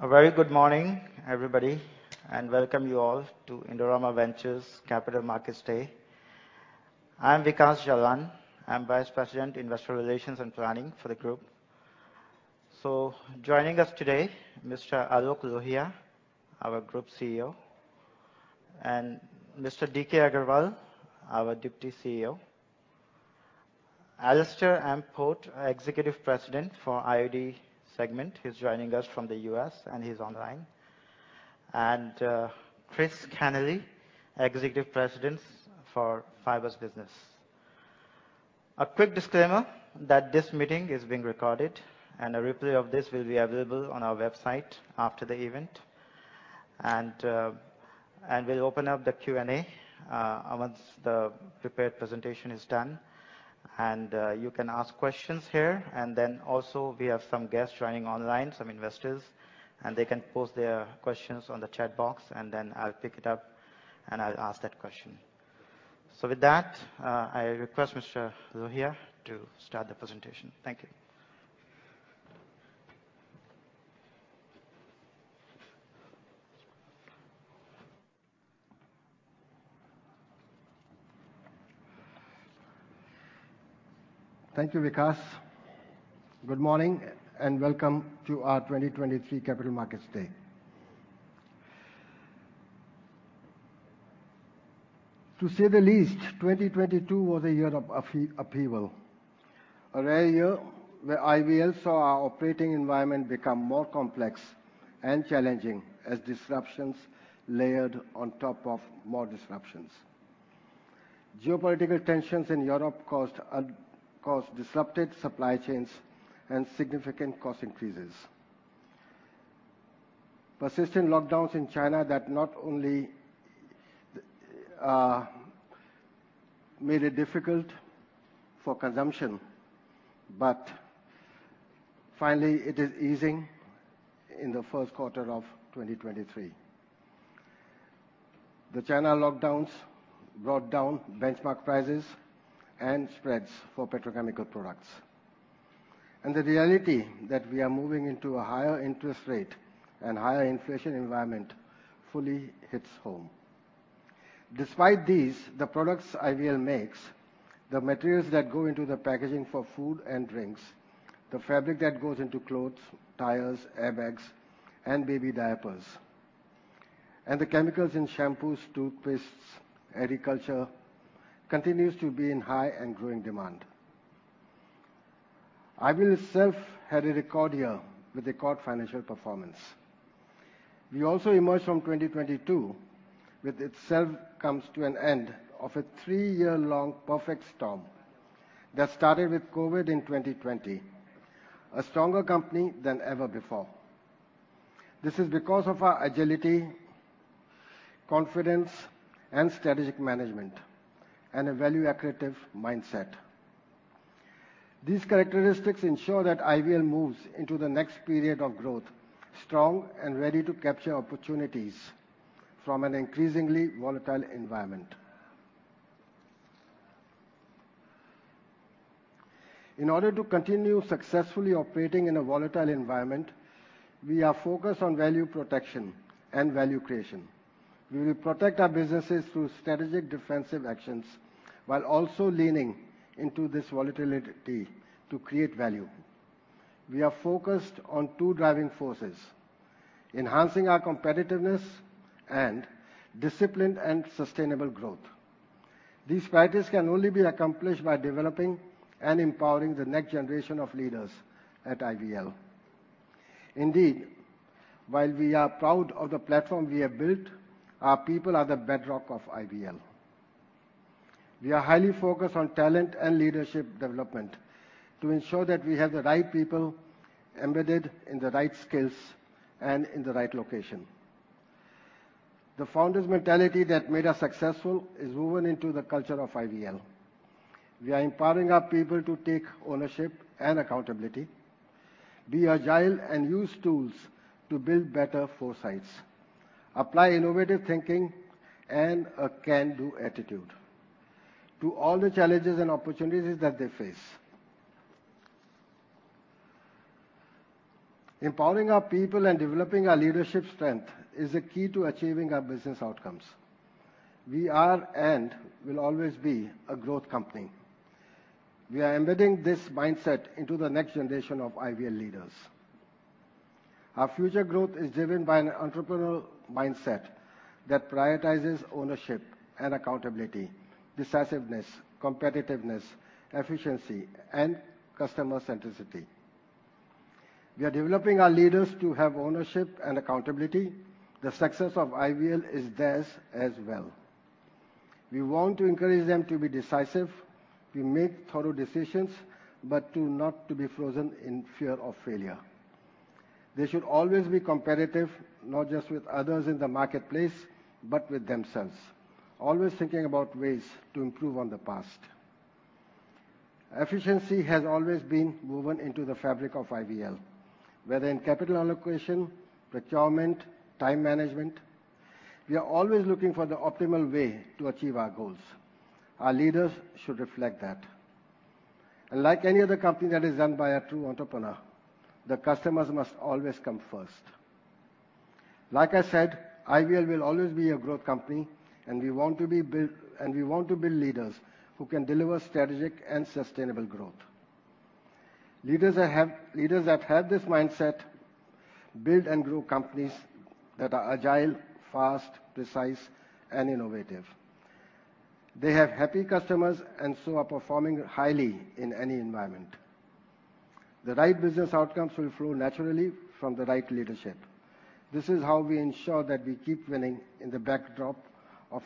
A very good morning, everybody. Welcome you all to Indorama Ventures Capital Markets Day. I'm Vikash Jalan. I'm Vice President, Investor Relations and Planning for the group. Joining us today, Mr. Aloke Lohia, our Group CEO, and Mr. D.K. Agarwal, our Deputy CEO. Alastair Port, Executive President for IOD segment. He's joining us from the U.S. and he's online. Chris Kenneally, Executive President for Fibers business. A quick disclaimer that this meeting is being recorded, and a replay of this will be available on our website after the event. We'll open up the Q&A once the prepared presentation is done. You can ask questions here. Also we have some guests joining online, some investors, and they can post their questions on the chat box, and then I'll pick it up, and I'll ask that question. With that, I request Mr. Lohia to start the presentation. Thank you. Thank you, Vikash. Good morning and welcome to our 2023 Capital Markets Day. To say the least, 2022 was a year of upheaval. A rare year where IVL saw our operating environment become more complex and challenging as disruptions layered on top of more disruptions. Geopolitical tensions in Europe caused disrupted supply chains and significant cost increases. Persistent lockdowns in China that not only made it difficult for consumption, but finally it is easing in the first quarter of 2023. The China lockdowns brought down benchmark prices and spreads for petrochemical products. The reality that we are moving into a higher interest rate and higher inflation environment fully hits home. Despite these, the products IVL makes, the materials that go into the packaging for food and drinks, the fabric that goes into clothes, tires, airbags and baby diapers, and the chemicals in shampoos, toothpastes, agriculture, continues to be in high and growing demand. IVL itself had a record year with record financial performance. We also emerged from 2022, with itself comes to an end of a three-year-long perfect storm that started with COVID in 2020, a stronger company than ever before. This is because of our agility, confidence and strategic management and a value-accretive mindset. These characteristics ensure that IVL moves into the next period of growth strong and ready to capture opportunities from an increasingly volatile environment. In order to continue successfully operating in a volatile environment, we are focused on value protection and value creation. We will protect our businesses through strategic defensive actions while also leaning into this volatility to create value. We are focused on two driving forces: enhancing our competitiveness and disciplined and sustainable growth. These priorities can only be accomplished by developing and empowering the next generation of leaders at IVL. Indeed, while we are proud of the platform we have built, our people are the bedrock of IVL. We are highly focused on talent and leadership development to ensure that we have the right people embedded in the right skills and in the right location. The founder's mentality that made us successful is woven into the culture of IVL. We are empowering our people to take ownership and accountability, be agile and use tools to build better foresights, apply innovative thinking and a can-do attitude to all the challenges and opportunities that they face. Empowering our people and developing our leadership strength is a key to achieving our business outcomes. We are and will always be a growth company. We are embedding this mindset into the next generation of IVL leaders. Our future growth is driven by an entrepreneurial mindset that prioritizes ownership and accountability, decisiveness, competitiveness, efficiency and customer centricity. We are developing our leaders to have ownership and accountability. The success of IVL is theirs as well. We want to encourage them to be decisive, to make thorough decisions, but to not to be frozen in fear of failure. They should always be competitive, not just with others in the marketplace, but with themselves. Always thinking about ways to improve on the past. Efficiency has always been woven into the fabric of IVL, whether in capital allocation, procurement, time management. We are always looking for the optimal way to achieve our goals. Our leaders should reflect that. Like any other company that is run by a true entrepreneur, the customers must always come first. Like I said, IVL will always be a growth company, and we want to build leaders who can deliver strategic and sustainable growth. Leaders that have this mindset build and grow companies that are agile, fast, precise and innovative. They have happy customers and are performing highly in any environment. The right business outcomes will flow naturally from the right leadership. This is how we ensure that we keep winning in the backdrop of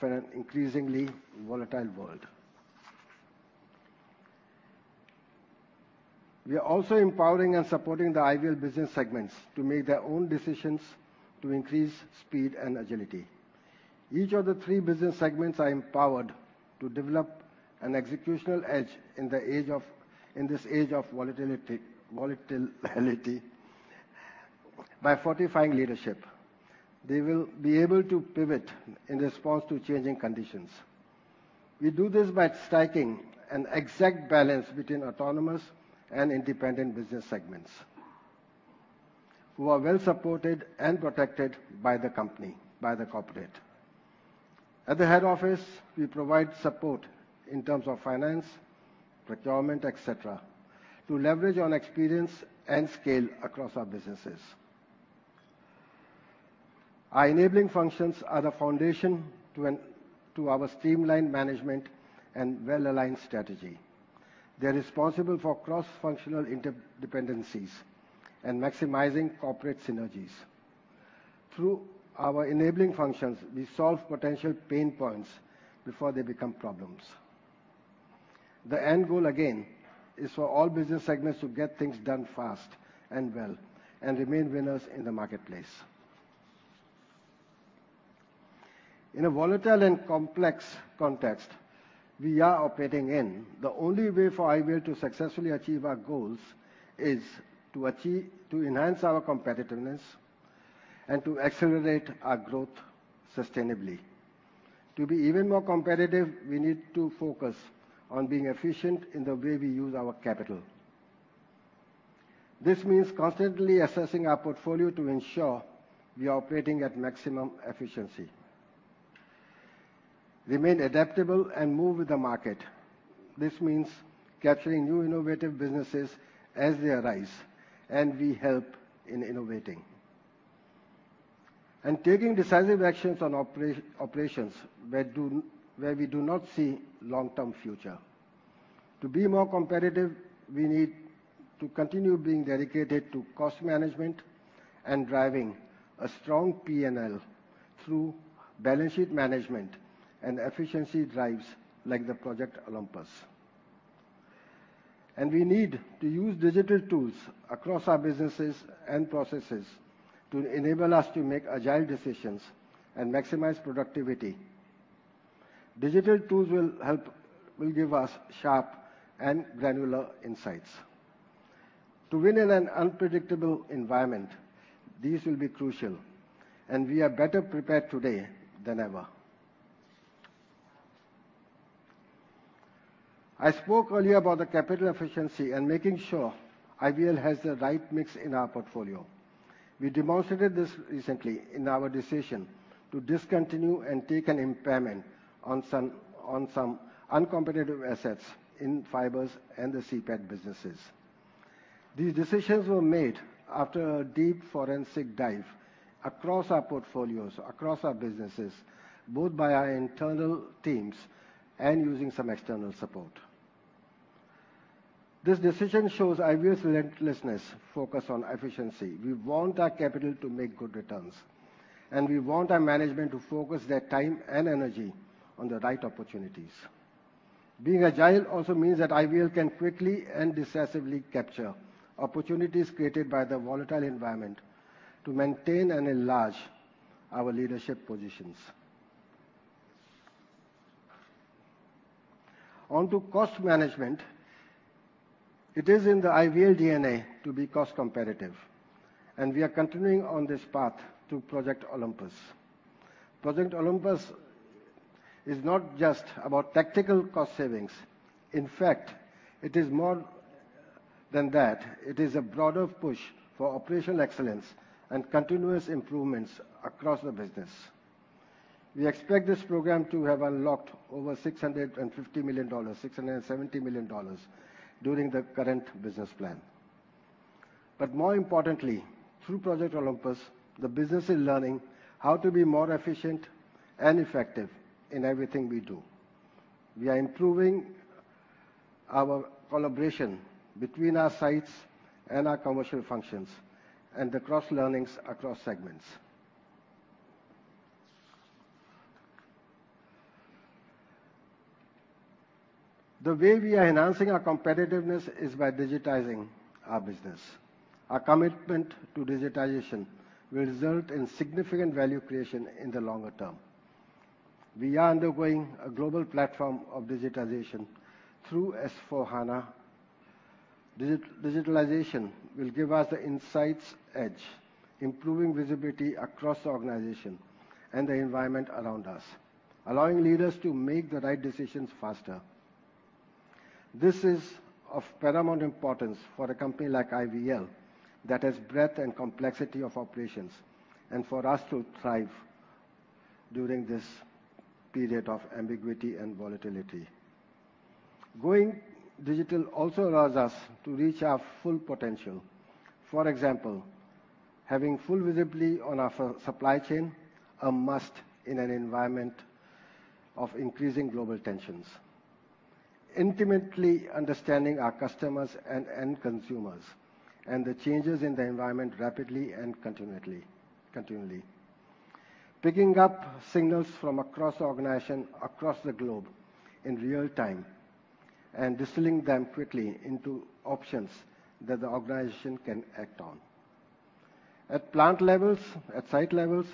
an increasingly volatile world. We are also empowering and supporting the IVL business segments to make their own decisions to increase speed and agility. Each of the three business segments are empowered to develop an executional edge in this age of volatility by fortifying leadership. They will be able to pivot in response to changing conditions. We do this by striking an exact balance between autonomous and independent business segments who are well-supported and protected by the company, by the corporate. At the head office, we provide support in terms of finance, procurement, etc., to leverage on experience and scale across our businesses. Our enabling functions are the foundation to our streamlined management and well-aligned strategy. They're responsible for cross-functional interdependencies and maximizing corporate synergies. Through our enabling functions, we solve potential pain points before they become problems. The end goal, again, is for all business segments to get things done fast and well, and remain winners in the marketplace. In a volatile and complex context we are operating in, the only way for IVL to successfully achieve our goals is to enhance our competitiveness and to accelerate our growth sustainably. To be even more competitive, we need to focus on being efficient in the way we use our capital. This means constantly assessing our portfolio to ensure we are operating at maximum efficiency. Remain adaptable and move with the market. This means capturing new innovative businesses as they arise, and we help in innovating. Taking decisive actions on operations where we do not see long-term future. To be more competitive, we need to continue being dedicated to cost management and driving a strong P&L through balance sheet management and efficiency drives like the Project Olympus. We need to use digital tools across our businesses and processes to enable us to make agile decisions and maximize productivity. Digital tools will give us sharp and granular insights. To win in an unpredictable environment, these will be crucial, and we are better prepared today than ever. I spoke earlier about the capital efficiency and making sure IVL has the right mix in our portfolio. We demonstrated this recently in our decision to discontinue and take an impairment on some uncompetitive assets in Fibers and the CPET businesses. These decisions were made after a deep forensic dive across our portfolios, across our businesses, both by our internal teams and using some external support. This decision shows IVL's relentlessness focus on efficiency. We want our capital to make good returns, and we want our management to focus their time and energy on the right opportunities. Being agile also means that IVL can quickly and decisively capture opportunities created by the volatile environment to maintain and enlarge our leadership positions. On to cost management. It is in the IVL DNA to be cost-competitive. We are continuing on this path to Project Olympus. Project Olympus is not just about tactical cost savings. In fact, it is more than that. It is a broader push for operational excellence and continuous improvements across the business. We expect this program to have unlocked over $650 million, $670 million during the current business plan. More importantly, through Project Olympus, the business is learning how to be more efficient and effective in everything we do. We are improving our collaboration between our sites and our commercial functions and the cross-learnings across segments. The way we are enhancing our competitiveness is by digitizing our business. Our commitment to digitization will result in significant value creation in the longer term. We are undergoing a global platform of digitization through SAP S/4HANA. Digitalization will give us the insights edge, improving visibility across the organization and the environment around us, allowing leaders to make the right decisions faster. This is of paramount importance for a company like IVL that has breadth and complexity of operations, and for us to thrive during this period of ambiguity and volatility. Going digital also allows us to reach our full potential. For example, having full visibility on our supply chain, a must in an environment of increasing global tensions. Intimately understanding our customers and end consumers and the changes in the environment rapidly and continually. Picking up signals from across the organization across the globe in real-time and distilling them quickly into options that the organization can act on. At plant levels, at site levels,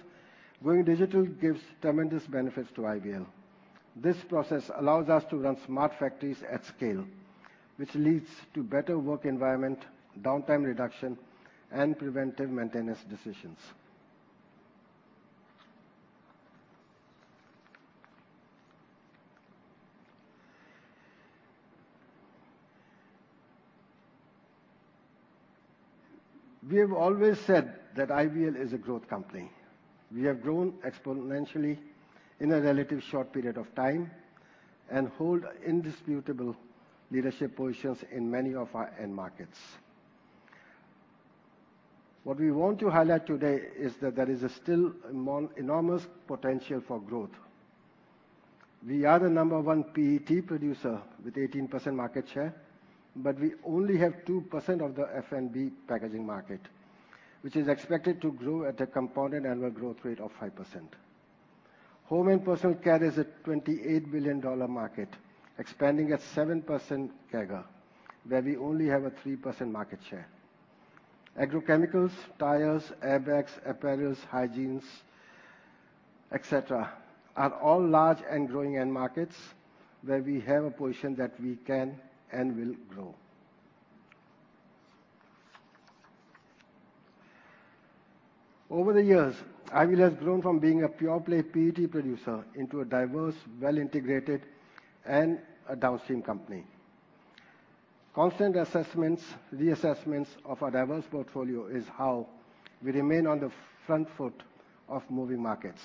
going digital gives tremendous benefits to IVL. This process allows us to run smart factories at scale, which leads to better work environment, downtime reduction, and preventive maintenance decisions. We have always said that IVL is a growth company. We have grown exponentially in a relative short period of time and hold indisputable leadership positions in many of our end markets. What we want to highlight today is that there is still enormous potential for growth. We are the number one PET producer with 18% market share, but we only have 2% of the F&B packaging market, which is expected to grow at a compounded annual growth rate of 5%. Home and personal care is a $28 billion market, expanding at 7% CAGR, where we only have a 3% market share. Agrochemicals, tires, airbags, apparels, hygienes, etc., are all large and growing end markets where we have a position that we can and will grow. Over the years, IVL has grown from being a pure play PET producer into a diverse, well-integrated, and a downstream company. Constant assessments, reassessments of our diverse portfolio is how we remain on the front foot of moving markets.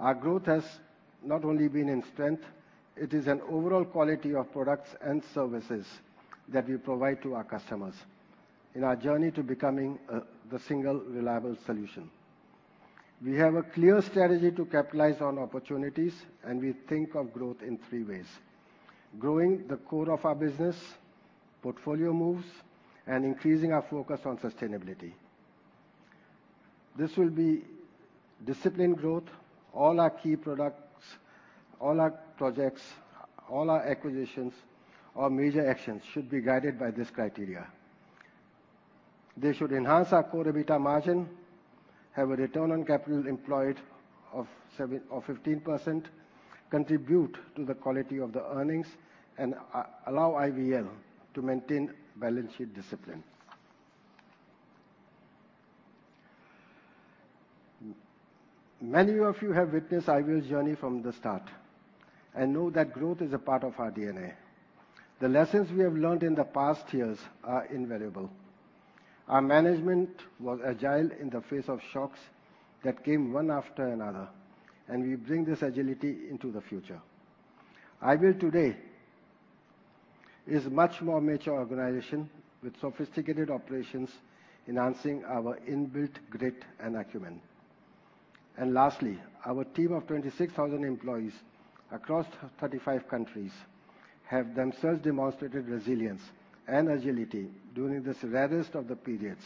Our growth has not only been in strength, it is an overall quality of products and services that we provide to our customers in our journey to becoming the single reliable solution. We have a clear strategy to capitalize on opportunities, and we think of growth in three ways: growing the core of our business, portfolio moves, and increasing our focus on sustainability. This will be disciplined growth. All our key products, all our projects, all our acquisitions or major actions should be guided by this criteria. They should enhance our core EBITDA margin, have a return on capital employed of 7% or 15%, contribute to the quality of the earnings, and allow IVL to maintain balance sheet discipline. Many of you have witnessed IVL's journey from the start and know that growth is a part of our DNA. The lessons we have learned in the past years are invariable. Our management was agile in the face of shocks that came one after another, and we bring this agility into the future. IVL today is much more mature organization with sophisticated operations enhancing our inbuilt grit and acumen. Lastly, our team of 26,000 employees across 35 countries have themselves demonstrated resilience and agility during the severest of the periods,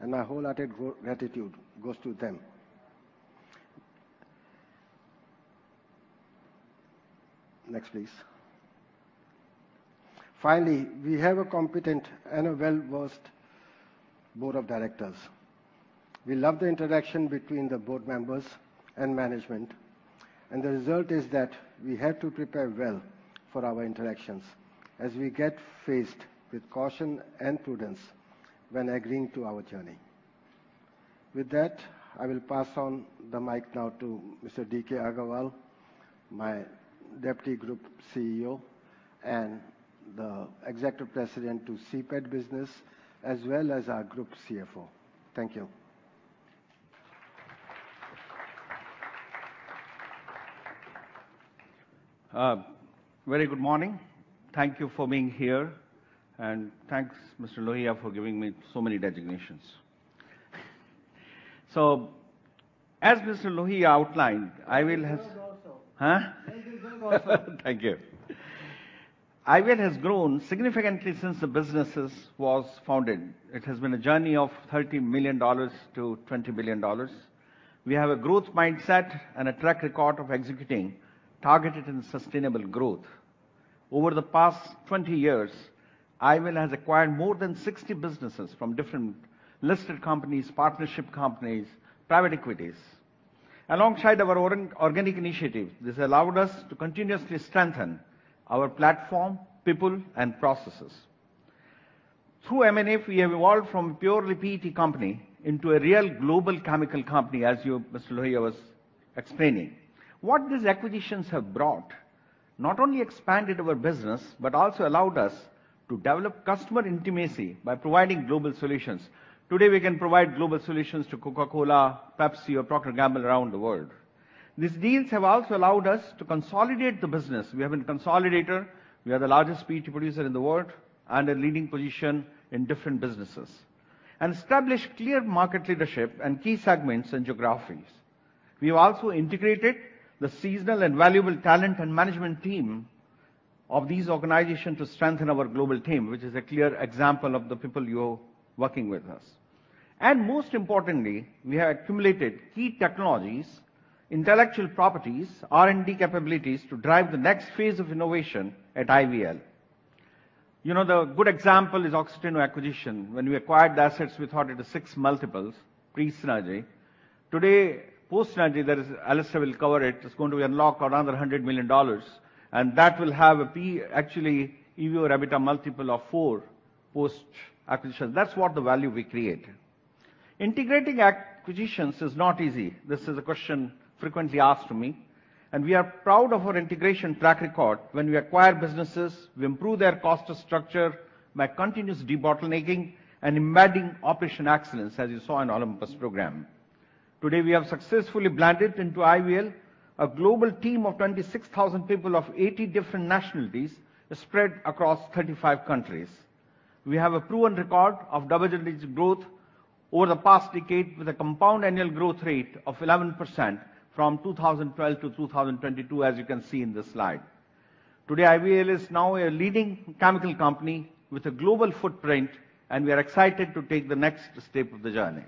and my wholehearted gratitude goes to them. Next, please. Finally, we have a competent and a well-versed board of directors. We love the interaction between the board members and management, and the result is that we have to prepare well for our interactions as we get faced with caution and prudence when agreeing to our journey. With that, I will pass on the mic now to Mr. D.K. Agarwal, my Deputy Group CEO and the Executive President to CPET business, as well as our Group CFO. Thank you. Very good morning. Thank you for being here, and thanks, Mr. Lohia, for giving me so many designations. As Mr. Lohia outlined, IVL has. Thank you sir. Huh? Thank you sir, also. Thank you. IVL has grown significantly since the businesses was founded. It has been a journey of $30 million-$20 billion. We have a growth mindset and a track record of executing targeted and sustainable growth. Over the past 20 years, IVL has acquired more than 60 businesses from different listed companies, partnership companies, private equities. Alongside our organic initiative, this allowed us to continuously strengthen our platform, people, and processes. Through M&A, we have evolved from purely PET company into a real global chemical company, as you, Mr. Lohia, was explaining. What these acquisitions have brought not only expanded our business, but also allowed us to develop customer intimacy by providing global solutions. Today, we can provide global solutions to Coca-Cola, Pepsi or Procter & Gamble around the world. These deals have also allowed us to consolidate the business. We have been a consolidator. We are the largest PET producer in the world and a leading position in different businesses, established clear market leadership and key segments and geographies. We have also integrated the seasoned and valuable talent and management team of these organizations to strengthen our global team, which is a clear example of the people you're working with us. Most importantly, we have accumulated key technologies, intellectual properties, R&D capabilities to drive the next phase of innovation at IVL. You know, the good example is Oxiteno acquisition. When we acquired the assets, we thought it was 6x pre-synergy. Today, post synergy, Alastair will cover it. It's going to unlock another $100 million and that will have actually EBITDA 4x post-acquisition. That's what the value we create. Integrating acquisitions is not easy. This is a question frequently asked to me, we are proud of our integration track record. When we acquire businesses, we improve their cost structure by continuous debottlenecking and embedding operational excellence, as you saw in Project Olympus. Today, we have successfully blended into IVL a global team of 26,000 people of 80 different nationalities spread across 35 countries. We have a proven record of double-digit growth over the past decade, with a compound annual growth rate of 11% from 2012-2022, as you can see in this slide. Today, IVL is now a leading chemical company with a global footprint, we are excited to take the next step of the journey.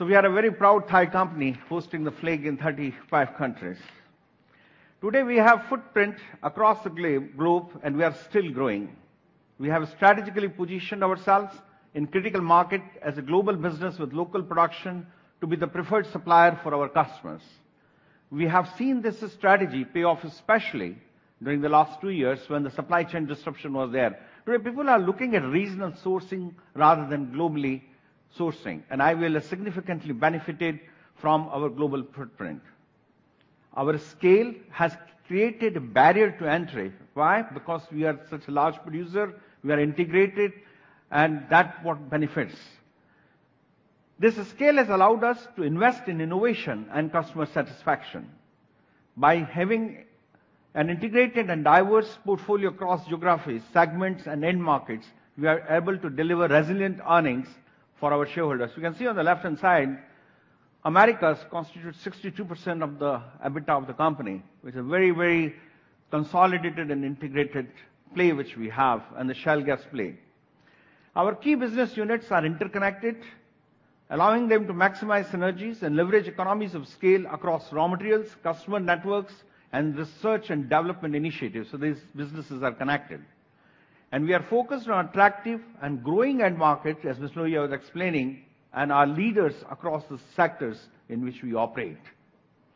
We are a very proud Thai company hosting the flag in 35 countries. Today we have footprint across the globe and we are still growing. We have strategically positioned ourselves in critical market as a global business with local production to be the preferred supplier for our customers. We have seen this strategy pay off, especially during the last two years when the supply chain disruption was there, where people are looking at regional sourcing rather than globally sourcing. IVL has significantly benefited from our global footprint. Our scale has created a barrier to entry. Why? Because we are such a large producer, we are integrated and that what benefits. This scale has allowed us to invest in innovation and customer satisfaction. By having an integrated and diverse portfolio across geographies, segments and end markets, we are able to deliver resilient earnings for our shareholders. You can see on the left-hand side, Americas constitutes 62% of the EBITDA of the company with a very, very consolidated and integrated play, which we have in the shale gas play. Our key business units are interconnected, allowing them to maximize synergies and leverage economies of scale across raw materials, customer networks, and research and development initiatives. These businesses are connected. We are focused on attractive and growing end markets, as Mr. Lohia was explaining, and are leaders across the sectors in which we operate.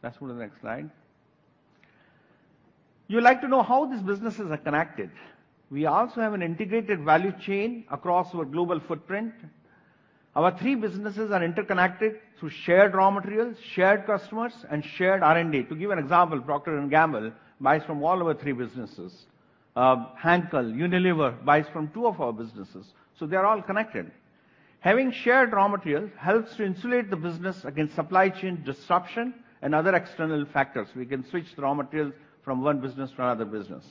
Let's go to the next slide. You like to know how these businesses are connected. We also have an integrated value chain across our global footprint. Our 3 businesses are interconnected through shared raw materials, shared customers and shared R&D. To give an example, Procter & Gamble buys from all our 3 businesses. Henkel, Unilever buys from two of our businesses, so they are all connected. Having shared raw material helps to insulate the business against supply chain disruption and other external factors. We can switch raw materials from one business to another business.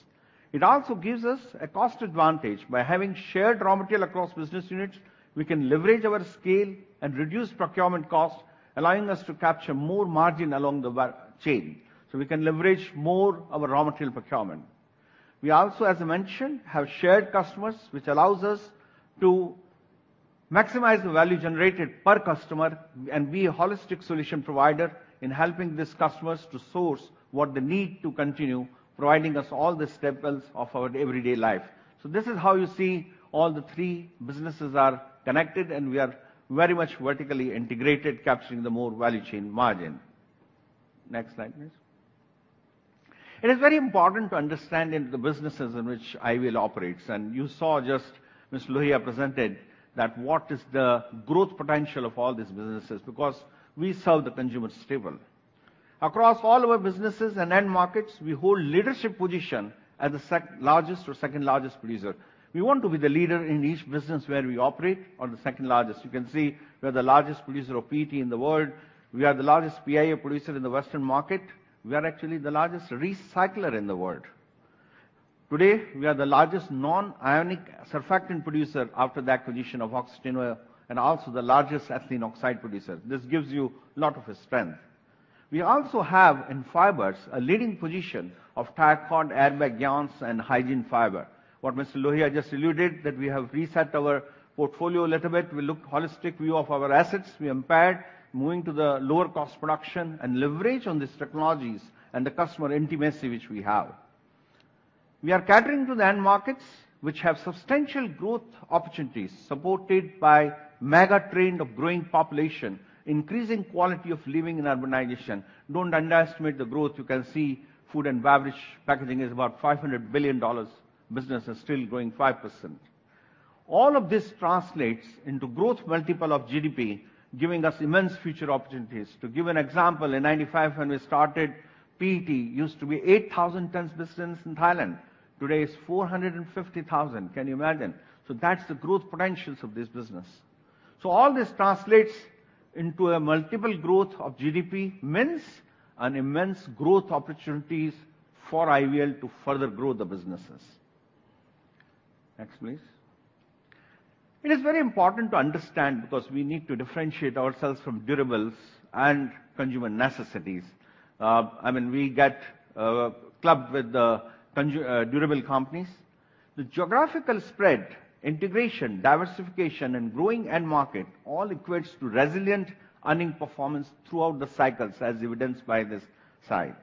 It also gives us a cost advantage. By having shared raw material across business units, we can leverage our scale and reduce procurement costs, allowing us to capture more margin along the chain, so we can leverage more our raw material procurement. We also, as I mentioned, have shared customers, which allows us to maximize the value generated per customer. And we a holistic solution provider in helping these customers to source what they need to continue providing us all the staples of our everyday life. This is how you see all the three businesses are connected and we are very much vertically integrated, capturing the more value chain margin. Next slide, please. It is very important to understand in the businesses in which IVL operates. You saw just Mr. Lohia presented that what is the growth potential of all these businesses because we sell the consumer staple. Across all our businesses and end markets, we hold leadership position as the largest or second largest producer. We want to be the leader in each business where we operate or the second largest. You can see we are the largest producer of PET in the world. We are the largest PAO producer in the Western market. We are actually the largest recycler in the world. Today, we are the largest non-ionic surfactant producer after the acquisition of Oxiteno and also the largest ethylene oxide producer. This gives you a lot of strength. We also have in fibers a leading position of Tyvek, Avora, CiCLO and hygiene fiber. What Mr. Lohia just alluded that we have reset our portfolio a little bit. We look holistic view of our assets we impaired. Moving to the lower cost production and leverage on these technologies and the customer intimacy which we have. We are catering to the end markets which have substantial growth opportunities supported by mega trend of growing population, increasing quality of living and urbanization. Don't underestimate the growth. You can see food and beverage packaging is about $500 billion business and still growing 5%. All of this translates into growth multiple of GDP, giving us immense future opportunities. To give an example, in 1995 when we started, PET used to be 8,000 tons business in Thailand. Today, it's 450,000. Can you imagine? That's the growth potentials of this business. All this translates into a multiple growth of GDP, means an immense growth opportunities for IVL to further grow the businesses. Next, please. It is very important to understand because we need to differentiate ourselves from durables and consumer necessities. I mean, we get clubbed with the durable companies. The geographical spread, integration, diversification, and growing end market all equates to resilient earning performance throughout the cycles, as evidenced by this slide.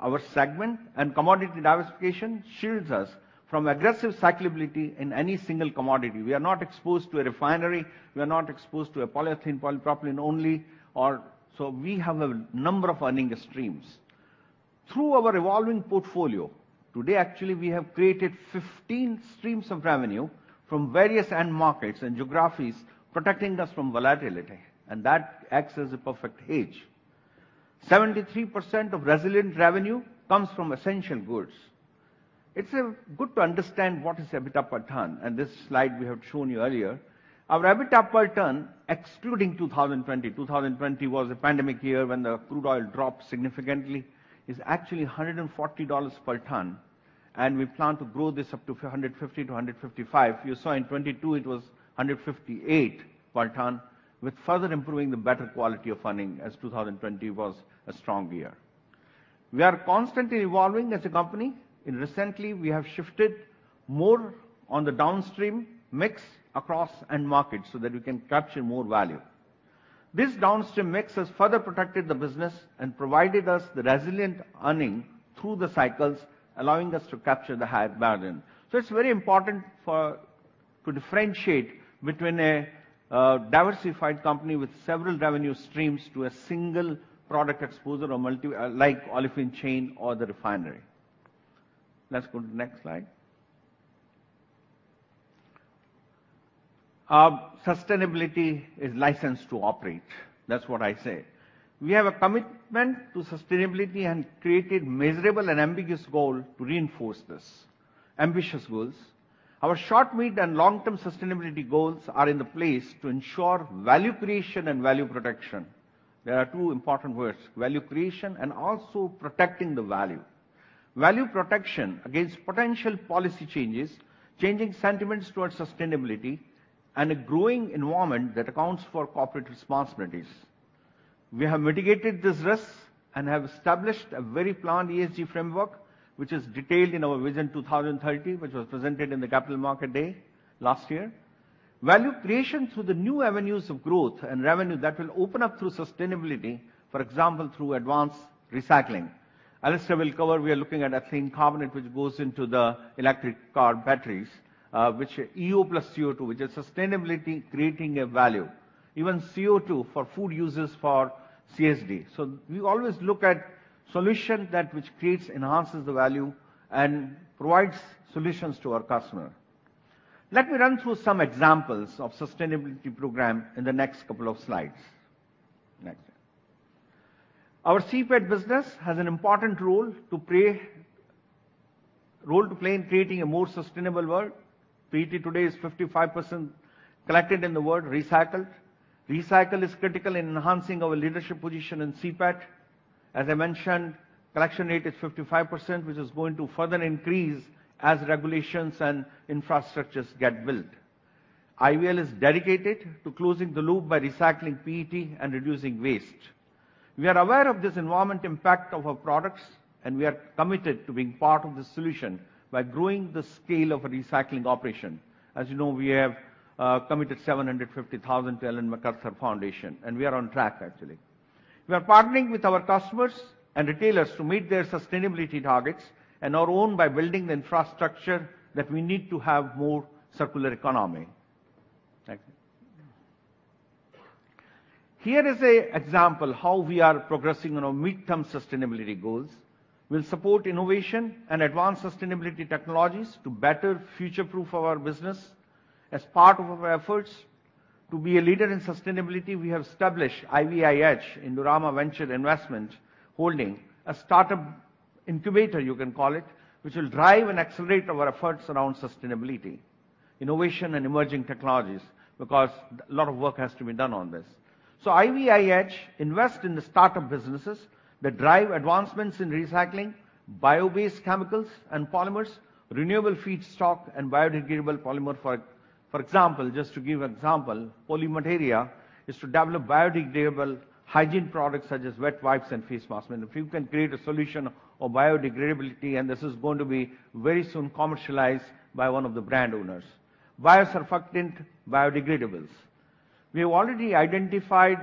Our segment and commodity diversification shields us from aggressive cyclability in any single commodity. We are not exposed to a refinery. We are not exposed to a polyethylene, polypropylene only. We have a number of earning streams. Through our evolving portfolio, today, actually, we have created 15 streams of revenue from various end markets and geographies, protecting us from volatility, and that acts as a perfect hedge. 73% of resilient revenue comes from essential goods. It's good to understand what is EBITDA per ton, and this slide we have shown you earlier. Our EBITDA per ton, excluding 2020 was a pandemic year when the crude oil dropped significantly, is actually $140 per ton, and we plan to grow this up to $150-$155. You saw in 2022, it was $158 per ton, with further improving the better quality of earning, as 2020 was a strong year. We are constantly evolving as a company, and recently, we have shifted more on the downstream mix across end markets so that we can capture more value. This downstream mix has further protected the business and provided us the resilient earning through the cycles, allowing us to capture the higher margin. It's very important to differentiate between a diversified company with several revenue streams to a single product exposure or multi like olefin chain or the refinery. Let's go to the next slide. Our sustainability is licensed to operate. That's what I say. We have a commitment to sustainability and created measurable and ambiguous goal to reinforce this. Ambitious goals. Our short, mid, and long-term sustainability goals are in the place to ensure value creation and value protection. There are two important words: value creation and also protecting the value. Value protection against potential policy changes, changing sentiments towards sustainability, and a growing environment that accounts for corporate responsibilities. We have mitigated these risks and have established a very planned ESG framework, which is detailed in our Vision 2030, which was presented in the Capital Market Day last year. Value creation through the new avenues of growth and revenue that will open up through sustainability, for example, through advanced recycling. Alastair will cover, we are looking at ethylene carbonate, which goes into the electric car batteries, which are EO plus CO2, which is sustainability creating a value. Even CO2 for food uses for CSD. We always look at solution that which creates, enhances the value, and provides solutions to our customer. Let me run through some examples of sustainability program in the next couple of slides. Next. Our CPET business has an important role to play in creating a more sustainable world. PET today is 55% collected in the world recycled. Recycle is critical in enhancing our leadership position in CPET. As I mentioned, collection rate is 55%, which is going to further increase as regulations and infrastructures get built. IVL is dedicated to closing the loop by recycling PET and reducing waste. We are aware of this environment impact of our products, we are committed to being part of the solution by growing the scale of recycling operation. As you know, we have committed 750,000 to Ellen MacArthur Foundation, we are on track, actually. We are partnering with our customers and retailers to meet their sustainability targets and our own by building the infrastructure that we need to have more circular economy. Thank you. Here is a example how we are progressing on our midterm sustainability goals. We'll support innovation and advanced sustainability technologies to better future-proof our business. As part of our efforts to be a leader in sustainability, we have established IVI Edge, Indorama Ventures Investment Holding, a startup incubator, you can call it, which will drive and accelerate our efforts around sustainability, innovation, and emerging technologies. A lot of work has to be done on this. IVI Edge invest in the startup businesses that drive advancements in recycling, bio-based chemicals and polymers, renewable feedstock, and biodegradable polymer. For example, just to give example, Polymateria is to develop biodegradable hygiene products such as wet wipes and face masks. I mean, if you can create a solution of biodegradability, this is going to be very soon commercialized by one of the brand owners. Biosurfactant biodegradables. We have already identified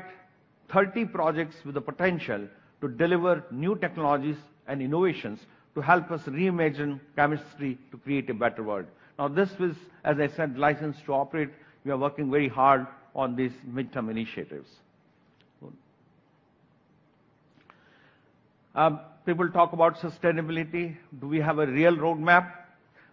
30 projects with the potential to deliver new technologies and innovations to help us reimagine chemistry to create a better world. This was, as I said, licensed to operate. We are working very hard on these midterm initiatives. People talk about sustainability. Do we have a real roadmap?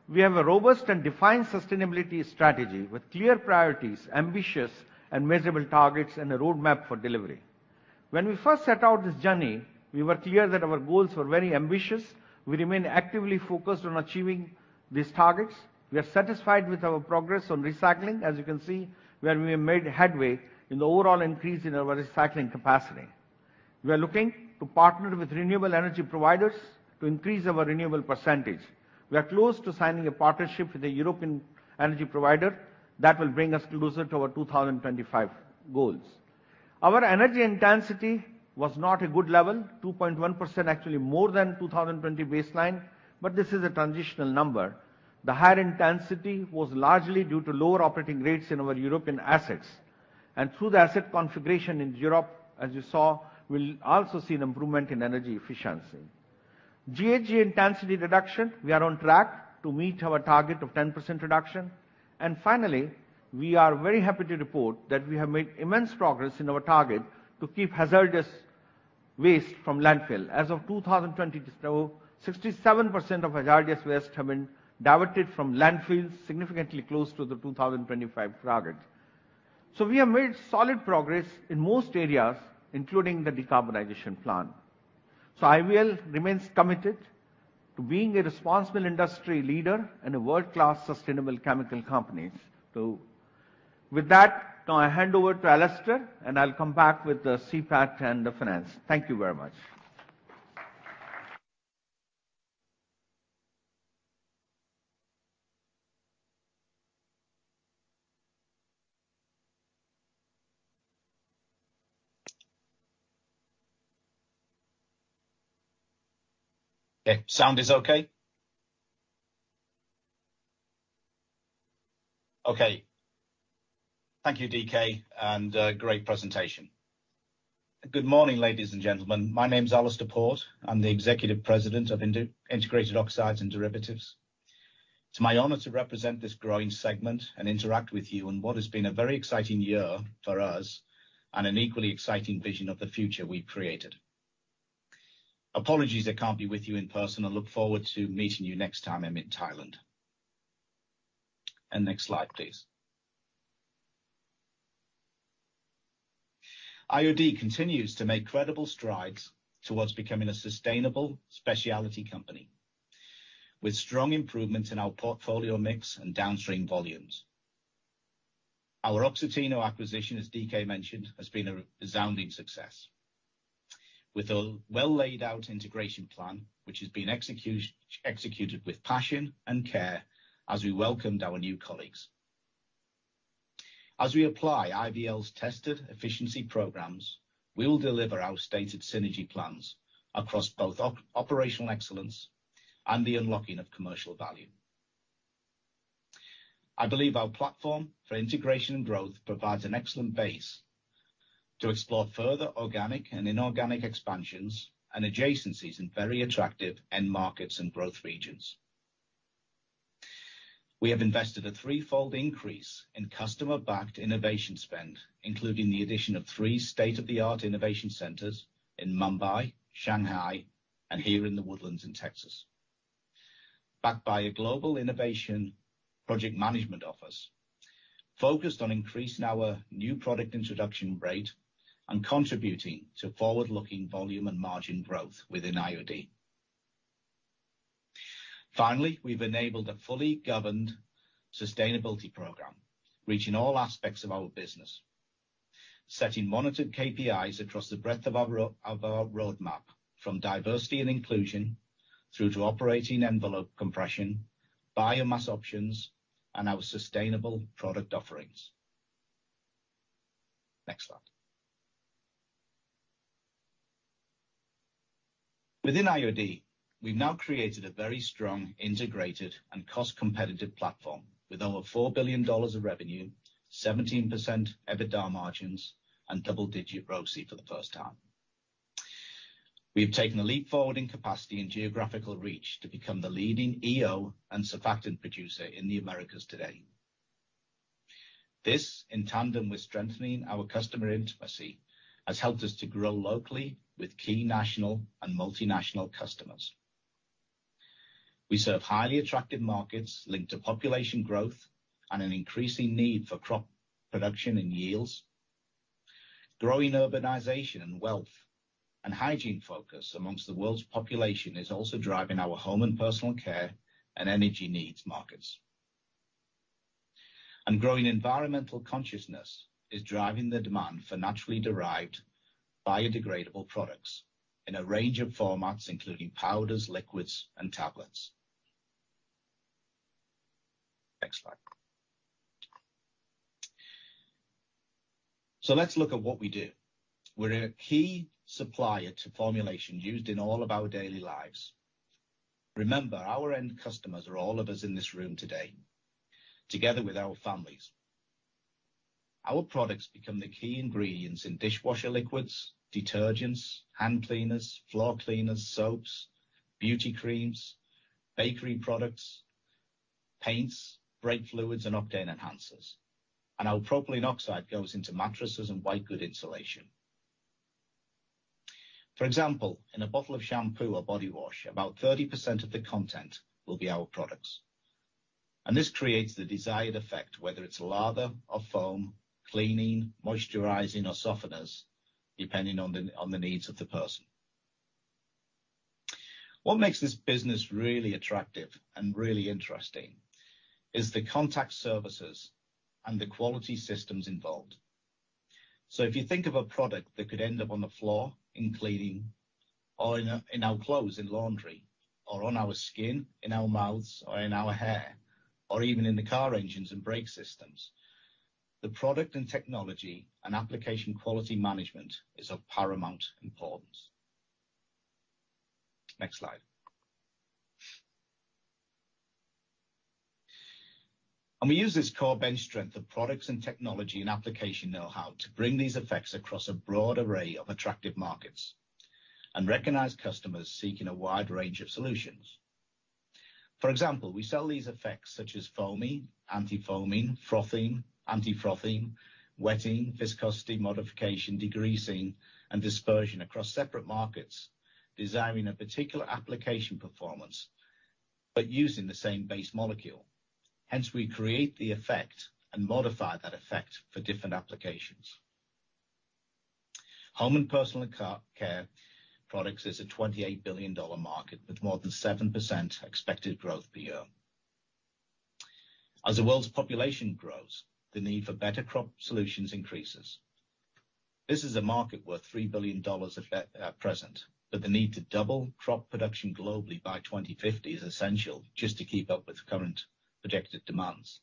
We have a robust and defined sustainability strategy with clear priorities, ambitious and measurable targets, and a roadmap for delivery. When we first set out this journey, we were clear that our goals were very ambitious. We remain actively focused on achieving these targets. We are satisfied with our progress on recycling, as you can see, where we have made headway in the overall increase in our recycling capacity. We are looking to partner with renewable energy providers to increase our renewable percentage. We are close to signing a partnership with a European energy provider that will bring us closer to our 2025 goals. Our energy intensity was not a good level, 2.1% actually more than 2020 baseline, this is a transitional number. The higher intensity was largely due to lower operating rates in our European assets. Through the asset configuration in Europe, as you saw, we'll also see an improvement in energy efficiency. GHG intensity reduction, we are on track to meet our target of 10% reduction. Finally, we are very happy to report that we have made immense progress in our target to keep hazardous waste from landfill. As of 2022, 67% of hazardous waste have been diverted from landfills, significantly close to the 2025 target. We have made solid progress in most areas, including the decarbonization plan. IVL remains committed to being a responsible industry leader and a world-class sustainable chemical company. With that, now I hand over to Alastair, and I'll come back with the CPET and the finance. Thank you very much. Okay. Sound is okay? Okay. Thank you, D.K., and great presentation. Good morning, ladies and gentlemen. My name's Alastair Port. I'm the Executive President of Integrated Oxides and Derivatives. It's my honor to represent this growing segment and interact with you on what has been a very exciting year for us and an equally exciting vision of the future we've created. Apologies I can't be with you in person. I look forward to meeting you next time I'm in Thailand. Next slide, please. IOD continues to make credible strides towards becoming a sustainable specialty company with strong improvements in our portfolio mix and downstream volumes. Our Oxiteno acquisition, as D.K. mentioned, has been a resounding success with a well-laid-out integration plan, which is being executed with passion and care as we welcomed our new colleagues. As we apply IVL's tested efficiency programs, we'll deliver our stated synergy plans across both operational excellence and the unlocking of commercial value. I believe our platform for integration and growth provides an excellent base to explore further organic and inorganic expansions and adjacencies in very attractive end markets and growth regions. We have invested a threefold increase in customer-backed innovation spend, including the addition of three state-of-the-art innovation centers in Mumbai, Shanghai, and here in The Woodlands in Texas. Backed by a global innovation project management office focused on increasing our new product introduction rate and contributing to forward-looking volume and margin growth within IOD. We've enabled a fully governed sustainability program, reaching all aspects of our business. Setting monitored KPIs across the breadth of our roadmap from diversity and inclusion through to operating envelope compression, biomass options, and our sustainable product offerings. Next slide. Within IOD, we've now created a very strong integrated and cost-competitive platform with over $4 billion of revenue, 17% EBITDA margins, and double-digit ROCE for the first time. We have taken a leap forward in capacity and geographical reach to become the leading EO and surfactant producer in the Americas today. This, in tandem with strengthening our customer intimacy, has helped us to grow locally with key national and multinational customers. We serve highly attractive markets linked to population growth and an increasing need for crop production and yields. Growing urbanization and wealth and hygiene focus amongst the world's population is also driving our home and personal care and energy needs markets. Growing environmental consciousness is driving the demand for naturally derived biodegradable products in a range of formats, including powders, liquids, and tablets. Next slide. Let's look at what we do. We're a key supplier to formulation used in all of our daily lives. Remember, our end customers are all of us in this room today, together with our families. Our products become the key ingredients in dishwasher liquids, detergents, hand cleaners, floor cleaners, soaps, beauty creams, bakery products, paints, brake fluids, and octane enhancers. Our propylene oxide goes into mattresses and white good insulation. For example, in a bottle of shampoo or body wash, about 30% of the content will be our products. This creates the desired effect, whether it's lather or foam, cleaning, moisturizing or softeners, depending on the needs of the person. What makes this business really attractive and really interesting is the contact services and the quality systems involved. If you think of a product that could end up on the floor in cleaning, or in our, in our clothes in laundry, or on our skin, in our mouths or in our hair, or even in the car engines and brake systems, the product and technology and application quality management is of paramount importance. Next slide. We use this core bench strength of products and technology and application know-how to bring these effects across a broad array of attractive markets and recognize customers seeking a wide range of solutions. For example, we sell these effects such as foaming, antifoaming, frothing, antifrothing, wetting, viscosity modification, degreasing, and dispersion across separate markets, desiring a particular application performance but using the same base molecule. Hence, we create the effect and modify that effect for different applications. Home and personal and car-care products is a $28 billion market, with more than 7% expected growth per year. As the world's population grows, the need for better crop solutions increases. This is a market worth $3 billion at that, at present, but the need to double crop production globally by 2050 is essential just to keep up with current projected demands.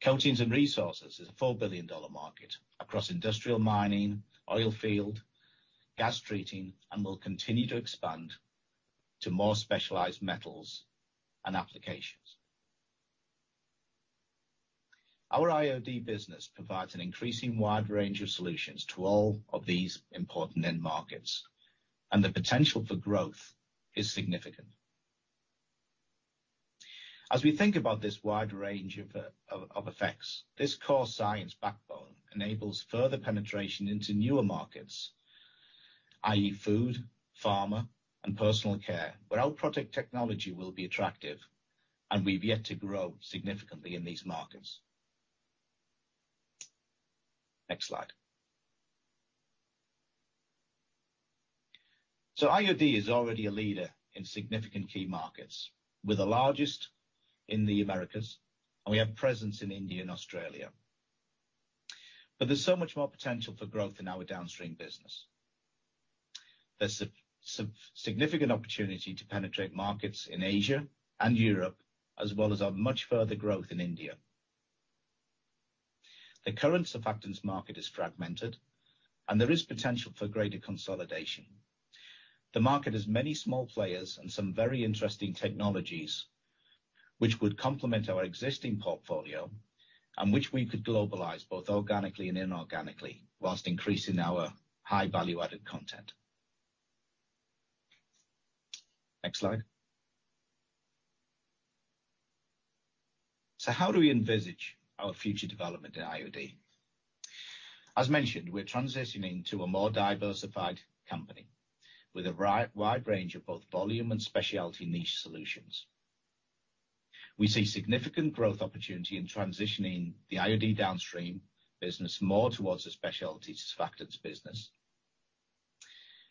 Coatings and resources is a $4 billion market across industrial mining, oil field, gas treating, and will continue to expand to more specialized metals and applications. Our IOD business provides an increasing wide range of solutions to all of these important end markets, and the potential for growth is significant. As we think about this wide range of effects, this core science backbone enables further penetration into newer markets, i.e., food, pharma, and personal care, where our product technology will be attractive, and we've yet to grow significantly in these markets. Next slide. IOD is already a leader in significant key markets. We're the largest in the Americas, and we have presence in India and Australia. There's so much more potential for growth in our downstream business. There's a significantly opportunity to penetrate markets in Asia and Europe, as well as our much further growth in India. The current surfactants market is fragmented and there is potential for greater consolidation. The market has many small players and some very interesting technologies which would complement our existing portfolio and which we could globalize both organically and inorganically whilst increasing our high-value-added content. Next slide. How do we envisage our future development in IOD? As mentioned, we're transitioning to a more diversified company with a wide range of both volume and specialty niche solutions. We see significant growth opportunity in transitioning the IOD downstream business more towards the specialty surfactants business.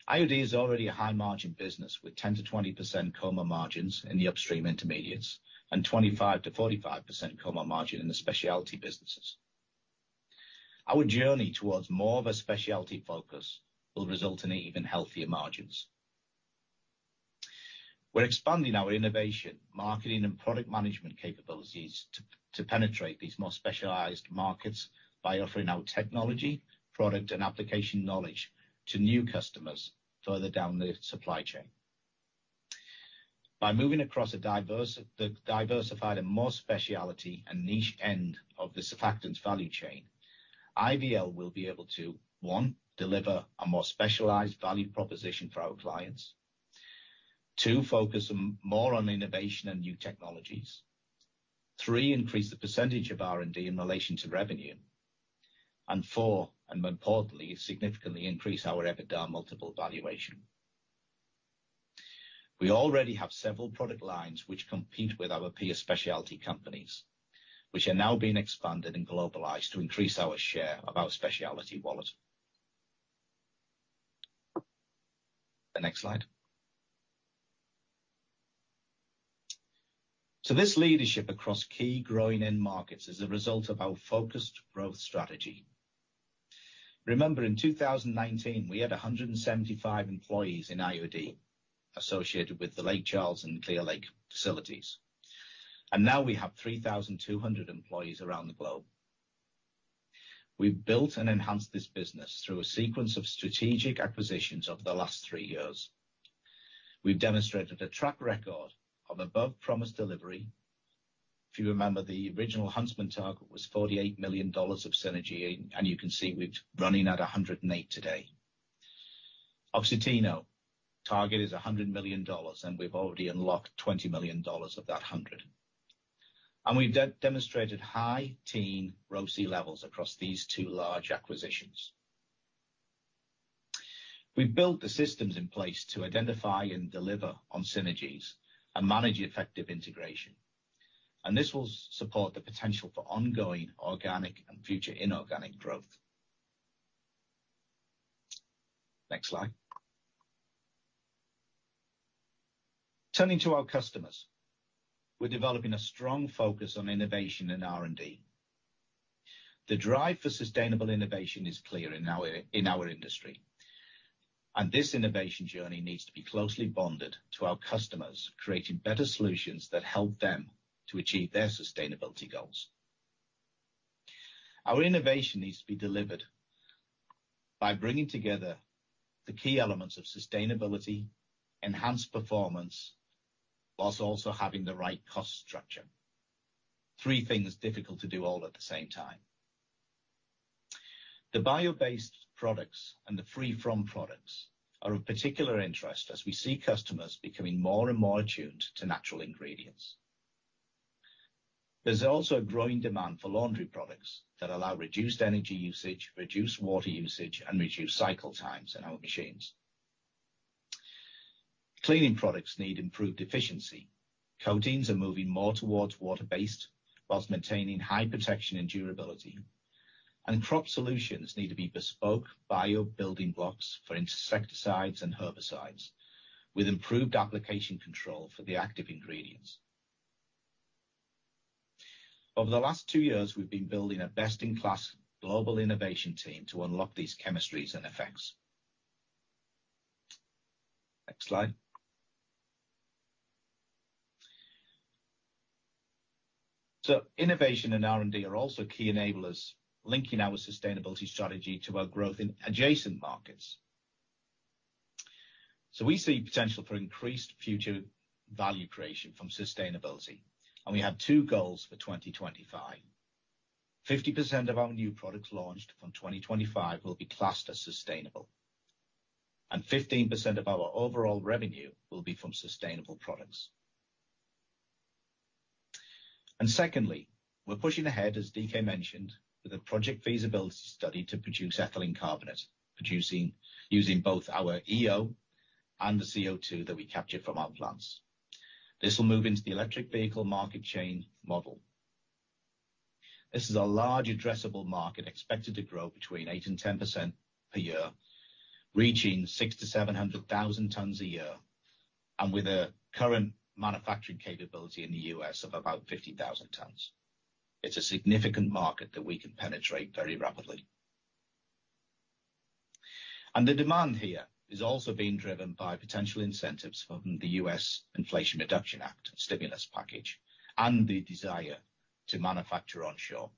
IOD is already a high-margin business with 10%-20% COMA margins in the upstream intermediates and 25%-45% COMA margin in the specialty businesses. Our journey towards more of a specialty focus will result in even healthier margins. We're expanding our innovation, marketing, and product management capabilities to penetrate these more specialized markets by offering our technology, product, and application knowledge to new customers further down the supply chain. By moving across the diversified and more specialty and niche end of the surfactants value chain, IVL will be able to, 1, deliver a more specialized value proposition for our clients. 2, focus on more on innovation and new technologies. 3, increase the percentage of R&D in relation to revenue. 4, and most importantly, significantly increase our EBITDA multiple valuation. We already have several product lines which compete with our peer specialty companies, which are now being expanded and globalized to increase our share of our specialty wallet. The next slide. This leadership across key growing end markets is a result of our focused growth strategy. Remember in 2019, we had 175 employees in IOD associated with the Lake Charles and Clear Lake facilities. Now we have 3,200 employees around the globe. We've built and enhanced this business through a sequence of strategic acquisitions over the last three years. We've demonstrated a track record of above-promise delivery. If you remember, the original Huntsman target was $48 million of synergy, and you can see we're running at $108 million today. Oxiteno target is $100 million, and we've already unlocked $20 million of that $100 million. We've de-demonstrated high teen ROCE levels across these two large acquisitions. We've built the systems in place to identify and deliver on synergies and manage effective integration, and this will support the potential for ongoing organic and future inorganic growth. Next slide. Turning to our customers. We're developing a strong focus on innovation and R&D. This innovation journey needs to be closely bonded to our customers, creating better solutions that help them to achieve their sustainability goals. Our innovation needs to be delivered by bringing together the key elements of sustainability, enhanced performance, whilst also having the right cost structure. Three things difficult to do all at the same time. The bio-based products and the free-from products are of particular interest as we see customers becoming more and more attuned to natural ingredients. There's also a growing demand for laundry products that allow reduced energy usage, reduced water usage, and reduced cycle times in our machines. Cleaning products need improved efficiency. Coatings are moving more towards water-based whilst maintaining high protection and durability. Crop solutions need to be bespoke bio building blocks for insecticides and herbicides, with improved application control for the active ingredients. Over the last two years, we've been building a best-in-class global innovation team to unlock these chemistries and effects. Next slide. Innovation and R&D are also key enablers, linking our sustainability strategy to our growth in adjacent markets. We see potential for increased future value creation from sustainability, and we have two goals for 2025. 50% of our new products launched from 2025 will be classed as sustainable, and 15% of our overall revenue will be from sustainable products. Secondly, we're pushing ahead, as D.K. mentioned, with a project feasibility study to produce ethylene carbonate, using both our EO and the CO2 that we capture from our plants. This will move into the electric vehicle market chain model. This is a large addressable market, expected to grow between 8% and 10% per year, reaching 600,000-700,000 tons a year, with a current manufacturing capability in the U.S. of about 50,000 tons. It's a significant market that we can penetrate very rapidly. The demand here is also being driven by potential incentives from the U.S. Inflation Reduction Act stimulus package and the desire to manufacture onshore.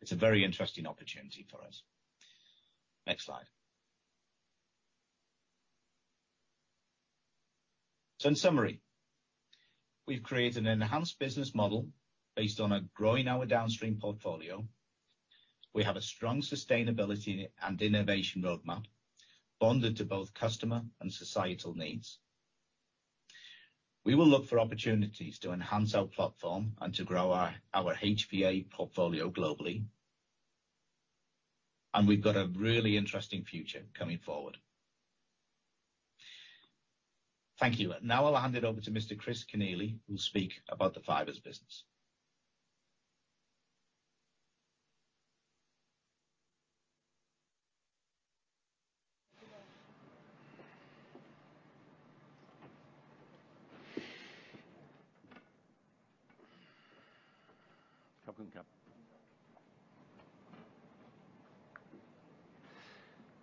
It's a very interesting opportunity for us. Next slide. In summary, we've created an enhanced business model based on a growing our downstream portfolio. We have a strong sustainability and innovation roadmap bonded to both customer and societal needs. We will look for opportunities to enhance our platform and to grow our HVA portfolio globally, and we've got a really interesting future coming forward. Thank you. Now I'll hand it over to Mr. Chris Kenneally, who'll speak about the Fibers business.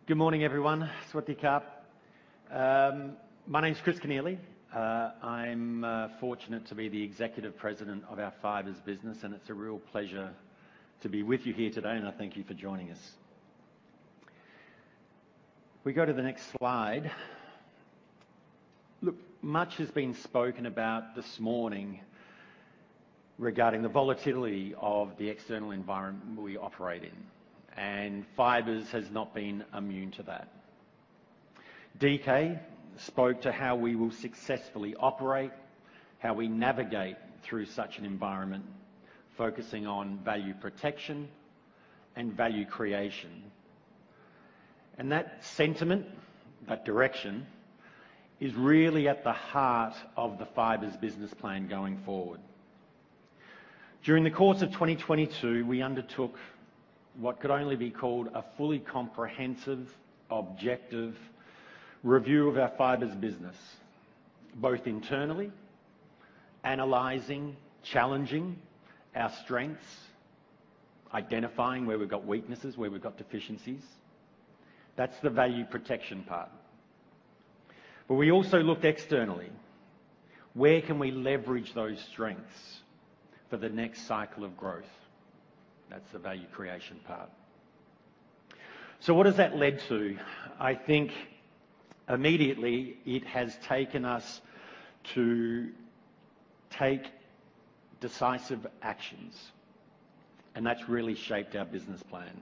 Good morning, everyone. My name is Christopher Kenneally. I'm fortunate to be the executive president of our Fibers business, and it's a real pleasure to be with you here today, and I thank you for joining us. If we go to the next slide. Look, much has been spoken about this morning regarding the volatility of the external environment we operate in, and Fibers has not been immune to that. D.K. spoke to how we will successfully operate, how we navigate through such an environment, focusing on value protection and value creation. That sentiment, that direction, is really at the heart of the Fibers business plan going forward. During the course of 2022, we undertook what could only be called a fully comprehensive, objective review of our Fibers business, both internally, analyzing, challenging our strengths, identifying where we've got weaknesses, where we've got deficiencies. That's the value protection part. We also looked externally. Where can we leverage those strengths for the next cycle of growth? That's the value creation part. What has that led to? I think immediately it has taken us to take decisive actions, and that's really shaped our business plan.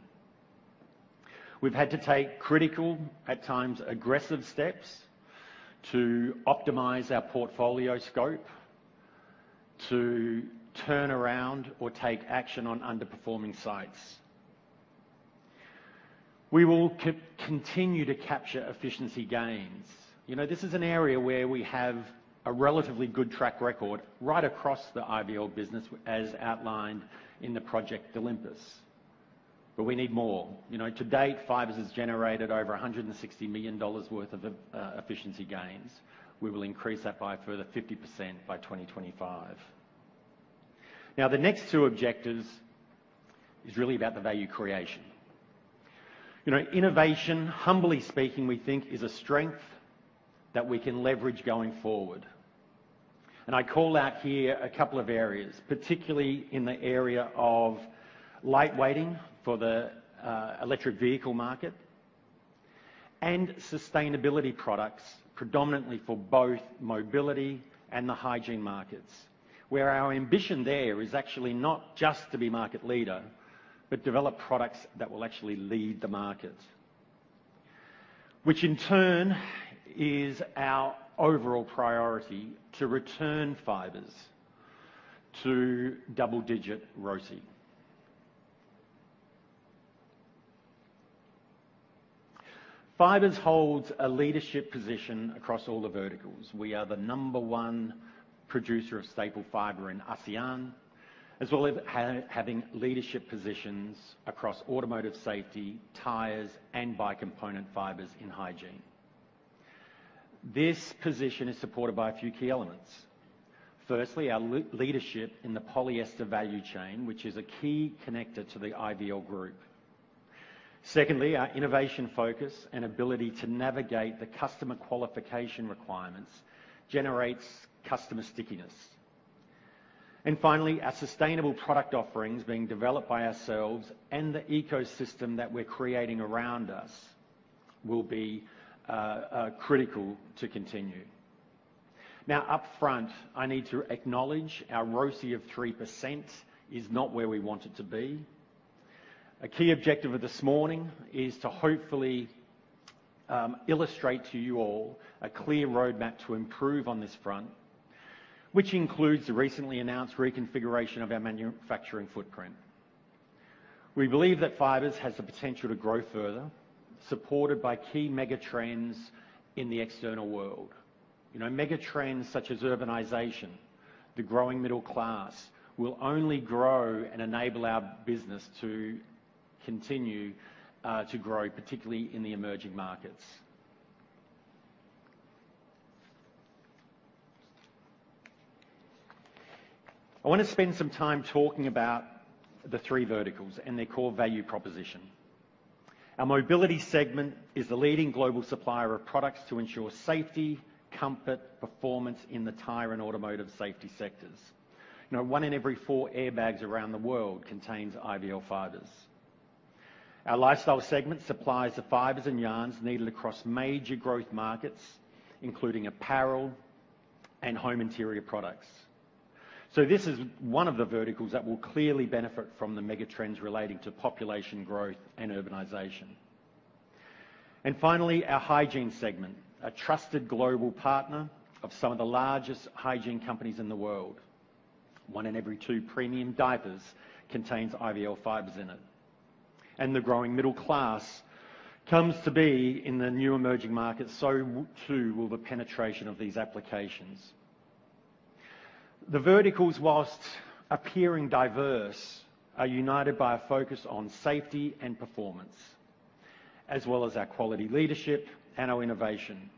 We've had to take critical, at times, aggressive steps to optimize our portfolio scope, to turn around or take action on underperforming sites. We will continue to capture efficiency gains. You know, this is an area where we have a relatively good track record right across the IVL business as outlined in the Project Olympus. We need more. You know, to date, Fibers has generated over $160 million worth of efficiency gains. We will increase that by a further 50% by 2025. The next two objectives is really about the value creation. You know, innovation, humbly speaking, we think is a strength that we can leverage going forward. I call out here a couple of areas, particularly in the area of light weighting for the electric vehicle market and sustainability products, predominantly for both mobility and the hygiene markets, where our ambition there is actually not just to be market leader, but develop products that will actually lead the market. Which in turn is our overall priority to return Fibers to double-digit ROCE. Fibers holds a leadership position across all the verticals. We are the number one producer of staple fiber in ASEAN, as well as having leadership positions across automotive safety, tires, and bicomponent fibers in hygiene. This position is supported by a few key elements. Firstly, our leadership in the polyester value chain, which is a key connector to the IVL Group. Secondly, our innovation focus and ability to navigate the customer qualification requirements generates customer stickiness. Finally, our sustainable product offerings being developed by ourselves and the ecosystem that we're creating around us will be critical to continue. Now, upfront, I need to acknowledge our ROCE of 3% is not where we want it to be. A key objective of this morning is to hopefully illustrate to you all a clear roadmap to improve on this front, which includes the recently announced reconfiguration of our manufacturing footprint. We believe that Fibers has the potential to grow further, supported by key mega trends in the external world. You know, mega trends such as urbanization, the growing middle class will only grow and enable our business to continue to grow, particularly in the emerging markets. I want to spend some time talking about the three verticals and their core value proposition. Our Mobility segment is the leading global supplier of products to ensure safety, comfort, performance in the tire and automotive safety sectors. You know, one in every four airbags around the world contains IVL fibers. Our Lifestyle segment supplies the fibers and yarns needed across major growth markets, including apparel and home interior products. This is one of the verticals that will clearly benefit from the mega trends relating to population growth and urbanization. Finally, our Hygiene segment, a trusted global partner of some of the largest hygiene companies in the world. One in every two premium diapers contains IVL fibers in it. The growing middle class comes to be in the new emerging markets, so too will the penetration of these applications. The verticals, whilst appearing diverse, are united by a focus on safety and performance, as well as our quality leadership and our innovation,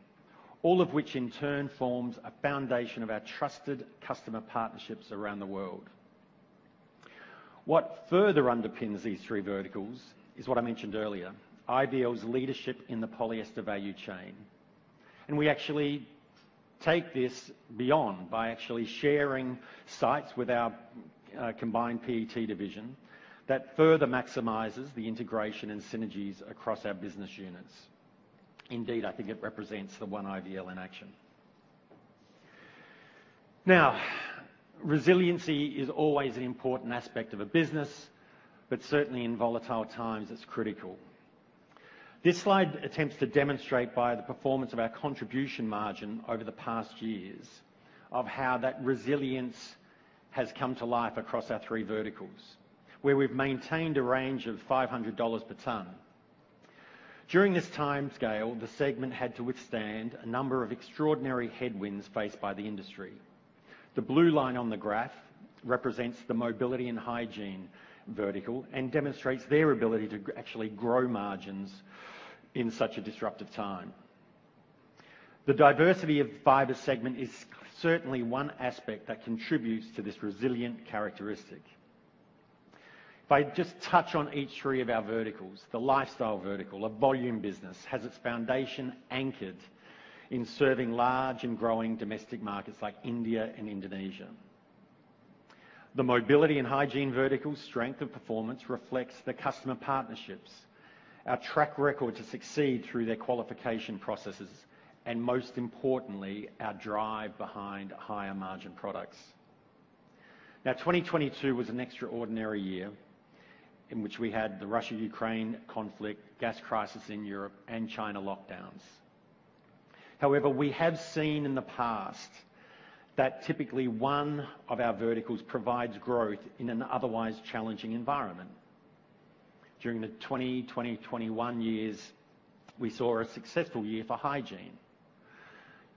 all of which in turn forms a foundation of our trusted customer partnerships around the world. What further underpins these three verticals is what I mentioned earlier, IVL's leadership in the polyester value chain. We actually take this beyond by actually sharing sites with our Combined PET division that further maximizes the integration and synergies across our business units. Indeed, I think it represents the One IVL in action. Resiliency is always an important aspect of a business, but certainly in volatile times, it's critical. This slide attempts to demonstrate by the performance of our contribution margin over the past years of how that resilience has come to life across our three verticals, where we've maintained a range of $500 per ton. During this timescale, the segment had to withstand a number of extraordinary headwinds faced by the industry. The blue line on the graph represents the Mobility and Hygiene vertical and demonstrates their ability to actually grow margins in such a disruptive time. The diversity of the Fiber segment is certainly one aspect that contributes to this resilient characteristic. If I just touch on each three of our verticals, the lifestyle vertical, a volume business, has its foundation anchored in serving large and growing domestic markets like India and Indonesia. The mobility and hygiene vertical strength of performance reflects the customer partnerships, our track record to succeed through their qualification processes, and most importantly, our drive behind higher margin products. 2022 was an extraordinary year in which we had the Russia-Ukraine conflict, gas crisis in Europe, and China lockdowns. We have seen in the past that typically one of our verticals provides growth in an otherwise challenging environment. During the 2020/2021 years, we saw a successful year for hygiene.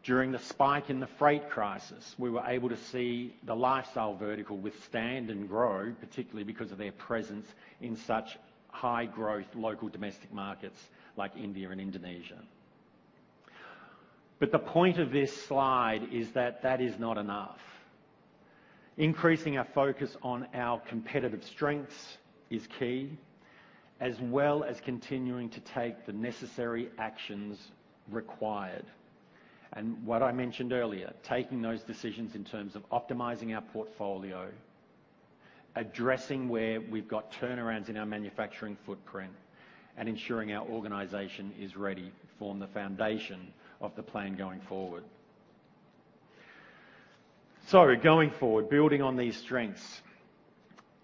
During the spike in the freight crisis, we were able to see the lifestyle vertical withstand and grow, particularly because of their presence in such high-growth local domestic markets like India and Indonesia. The point of this slide is that that is not enough. Increasing our focus on our competitive strengths is key, as well as continuing to take the necessary actions required. What I mentioned earlier, taking those decisions in terms of optimizing our portfolio, addressing where we've got turnarounds in our manufacturing footprint, and ensuring our organization is ready to form the foundation of the plan going forward. Going forward, building on these strengths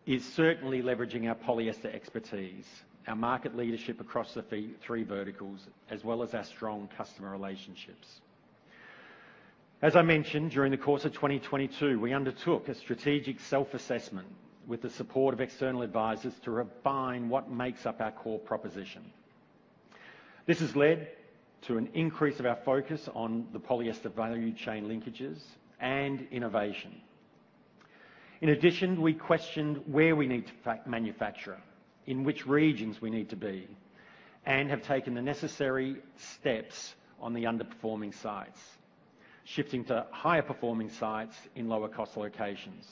is certainly leveraging our polyester expertise, our market leadership across the three verticals, as well as our strong customer relationships. As I mentioned, during the course of 2022, we undertook a strategic self-assessment with the support of external advisors to refine what makes up our core proposition. This has led to an increase of our focus on the polyester value chain linkages and innovation. In addition, we questioned where we need to manufacture, in which regions we need to be, and have taken the necessary steps on the underperforming sites, shifting to higher-performing sites in lower-cost locations.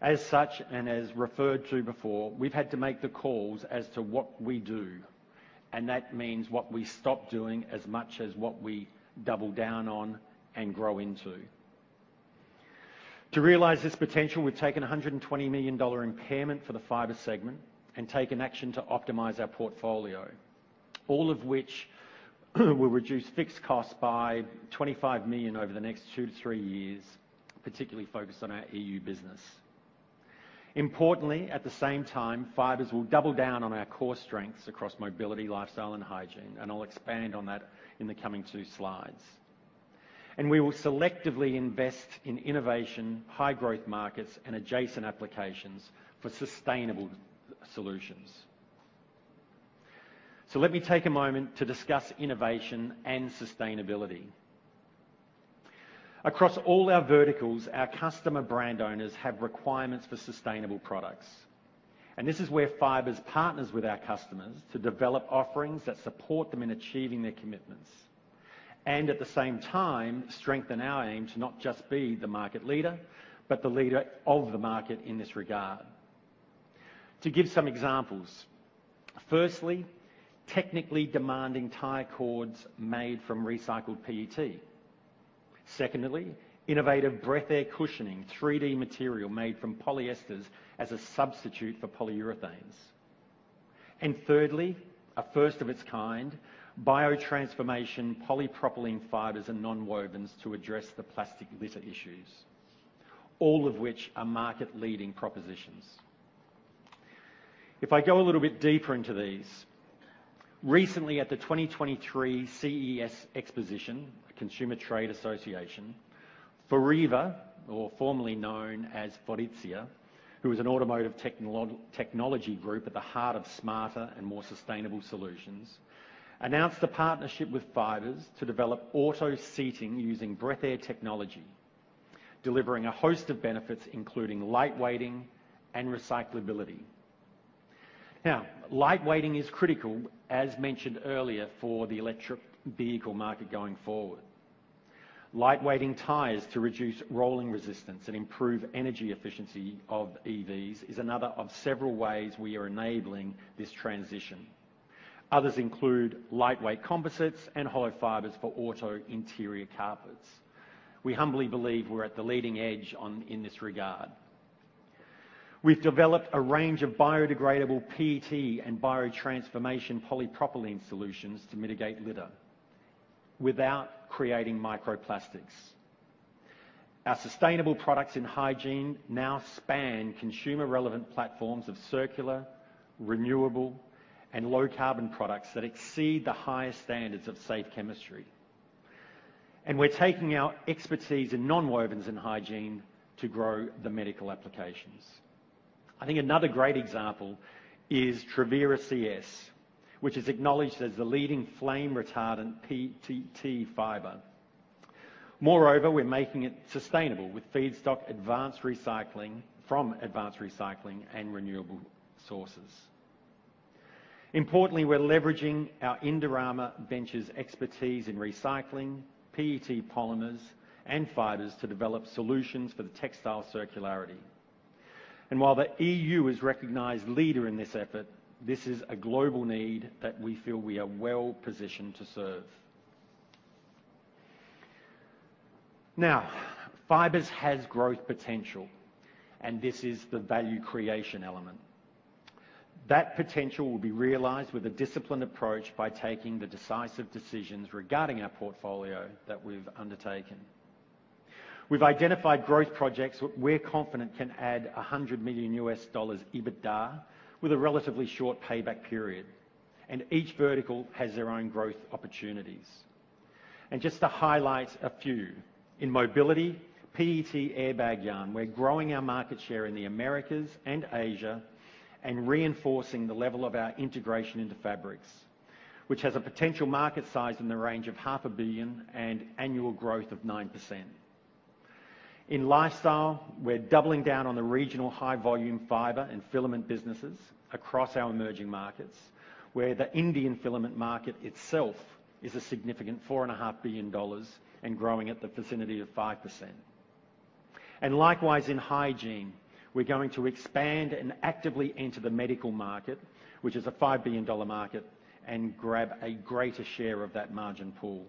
As such, as referred to before, we've had to make the calls as to what we do, and that means what we stop doing as much as what we double down on and grow into. To realize this potential, we've taken a $120 million impairment for the fiber segment and taken action to optimize our portfolio, all of which will reduce fixed costs by $25 million over the next 2 to 3 years, particularly focused on our EU business. Importantly, at the same time, fibers will double down on our core strengths across mobility, lifestyle, and hygiene. I'll expand on that in the coming 2 slides. We will selectively invest in innovation, high growth markets and adjacent applications for sustainable solutions. Let me take a moment to discuss innovation and sustainability. Across all our verticals, our customer brand owners have requirements for sustainable products, this is where fibers partners with our customers to develop offerings that support them in achieving their commitments, and at the same time strengthen our aim to not just be the market leader, but the leader of the market in this regard. To give some examples. Firstly, technically demanding tire cords made from recycled PET. Secondly, innovative Breathair cushioning, 3D material made from polyesters as a substitute for polyurethanes. Thirdly, a first of its kind, biotransformation polypropylene fibers and nonwovens to address the plastic litter issues, all of which are market-leading propositions. If I go a little bit deeper into these. Recently at the 2023 CES Exposition, Consumer Technology Association, FORVIA or formerly known as Faurecia, who is an automotive technology group at the heart of smarter and more sustainable solutions, announced a partnership with Fibers to develop auto seating using Breathair technology, delivering a host of benefits, including lightweighting and recyclability. Lightweighting is critical, as mentioned earlier, for the electric vehicle market going forward. Lightweighting tires to reduce rolling resistance and improve energy efficiency of EVs is another of several ways we are enabling this transition. Others include lightweight composites and hollow fibers for auto interior carpets. We humbly believe we're at the leading edge on in this regard. We've developed a range of biodegradable PET and biotransformation polypropylene solutions to mitigate litter without creating microplastics. Our sustainable products in hygiene now span consumer-relevant platforms of circular, renewable and low carbon products that exceed the highest standards of safe chemistry. We're taking our expertise in nonwovens and hygiene to grow the medical applications. I think another great example is Trevira CS, which is acknowledged as the leading flame-retardant PTT fiber. Moreover, we're making it sustainable with feedstock from advanced recycling and renewable sources. Importantly, we're leveraging our Indorama Ventures expertise in recycling PET polymers and fibers to develop solutions for the textile circularity. While the E.U. is recognized leader in this effort, this is a global need that we feel we are well-positioned to serve. Fibers has growth potential, and this is the value creation element. That potential will be realized with a disciplined approach by taking the decisive decisions regarding our portfolio that we've undertaken. We've identified growth projects we're confident can add $100 million EBITDA with a relatively short payback period. Each vertical has their own growth opportunities. Just to highlight a few. In mobility, PET airbag yarn, we're growing our market share in the Americas and Asia and reinforcing the level of our integration into fabrics, which has a potential market size in the range of half a billion dollars and annual growth of 9%. In lifestyle, we're doubling down on the regional high-volume fiber and filament businesses across our emerging markets, where the Indian filament market itself is a significant $4.5 billion and growing at the vicinity of 5%. Likewise in hygiene, we're going to expand and actively enter the medical market, which is a $5 billion market, and grab a greater share of that margin pool.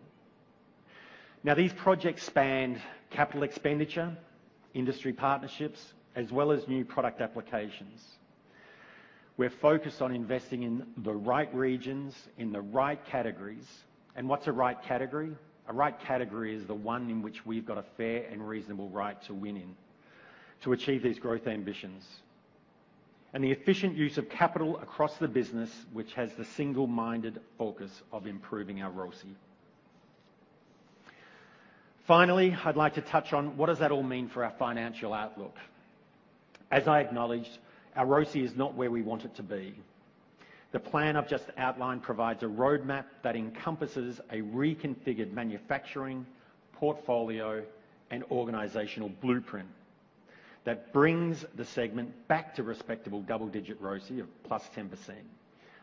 These projects span capital expenditure, industry partnerships, as well as new product applications. We're focused on investing in the right regions, in the right categories. What's a right category? A right category is the one in which we've got a fair and reasonable right to win in to achieve these growth ambitions. The efficient use of capital across the business, which has the single-minded focus of improving our ROCE. Finally, I'd like to touch on what does that all mean for our financial outlook? As I acknowledged, our ROCE is not where we want it to be. The plan I've just outlined provides a roadmap that encompasses a reconfigured manufacturing, portfolio, and organizational blueprint that brings the segment back to respectable double-digit ROCE of +10%,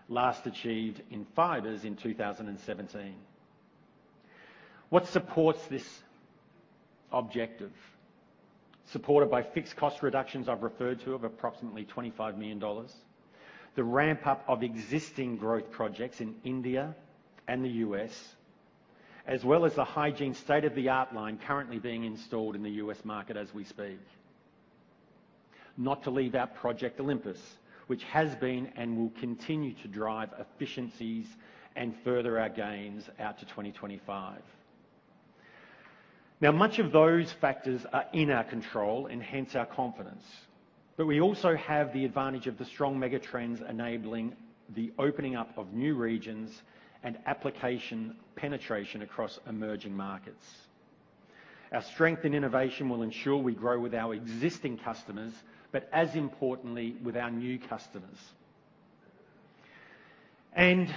last achieved in Fibers in 2017. What supports this objective? Supported by fixed cost reductions I've referred to of approximately $25 million, the ramp-up of existing growth projects in India and the U.S., as well as the hygiene state-of-the-art line currently being installed in the U.S. market as we speak. Not to leave out Project Olympus, which has been and will continue to drive efficiencies and further our gains out to 2025. Much of those factors are in our control and hence our confidence. We also have the advantage of the strong megatrends enabling the opening up of new regions and application penetration across emerging markets. Our strength and innovation will ensure we grow with our existing customers, but as importantly, with our new customers. In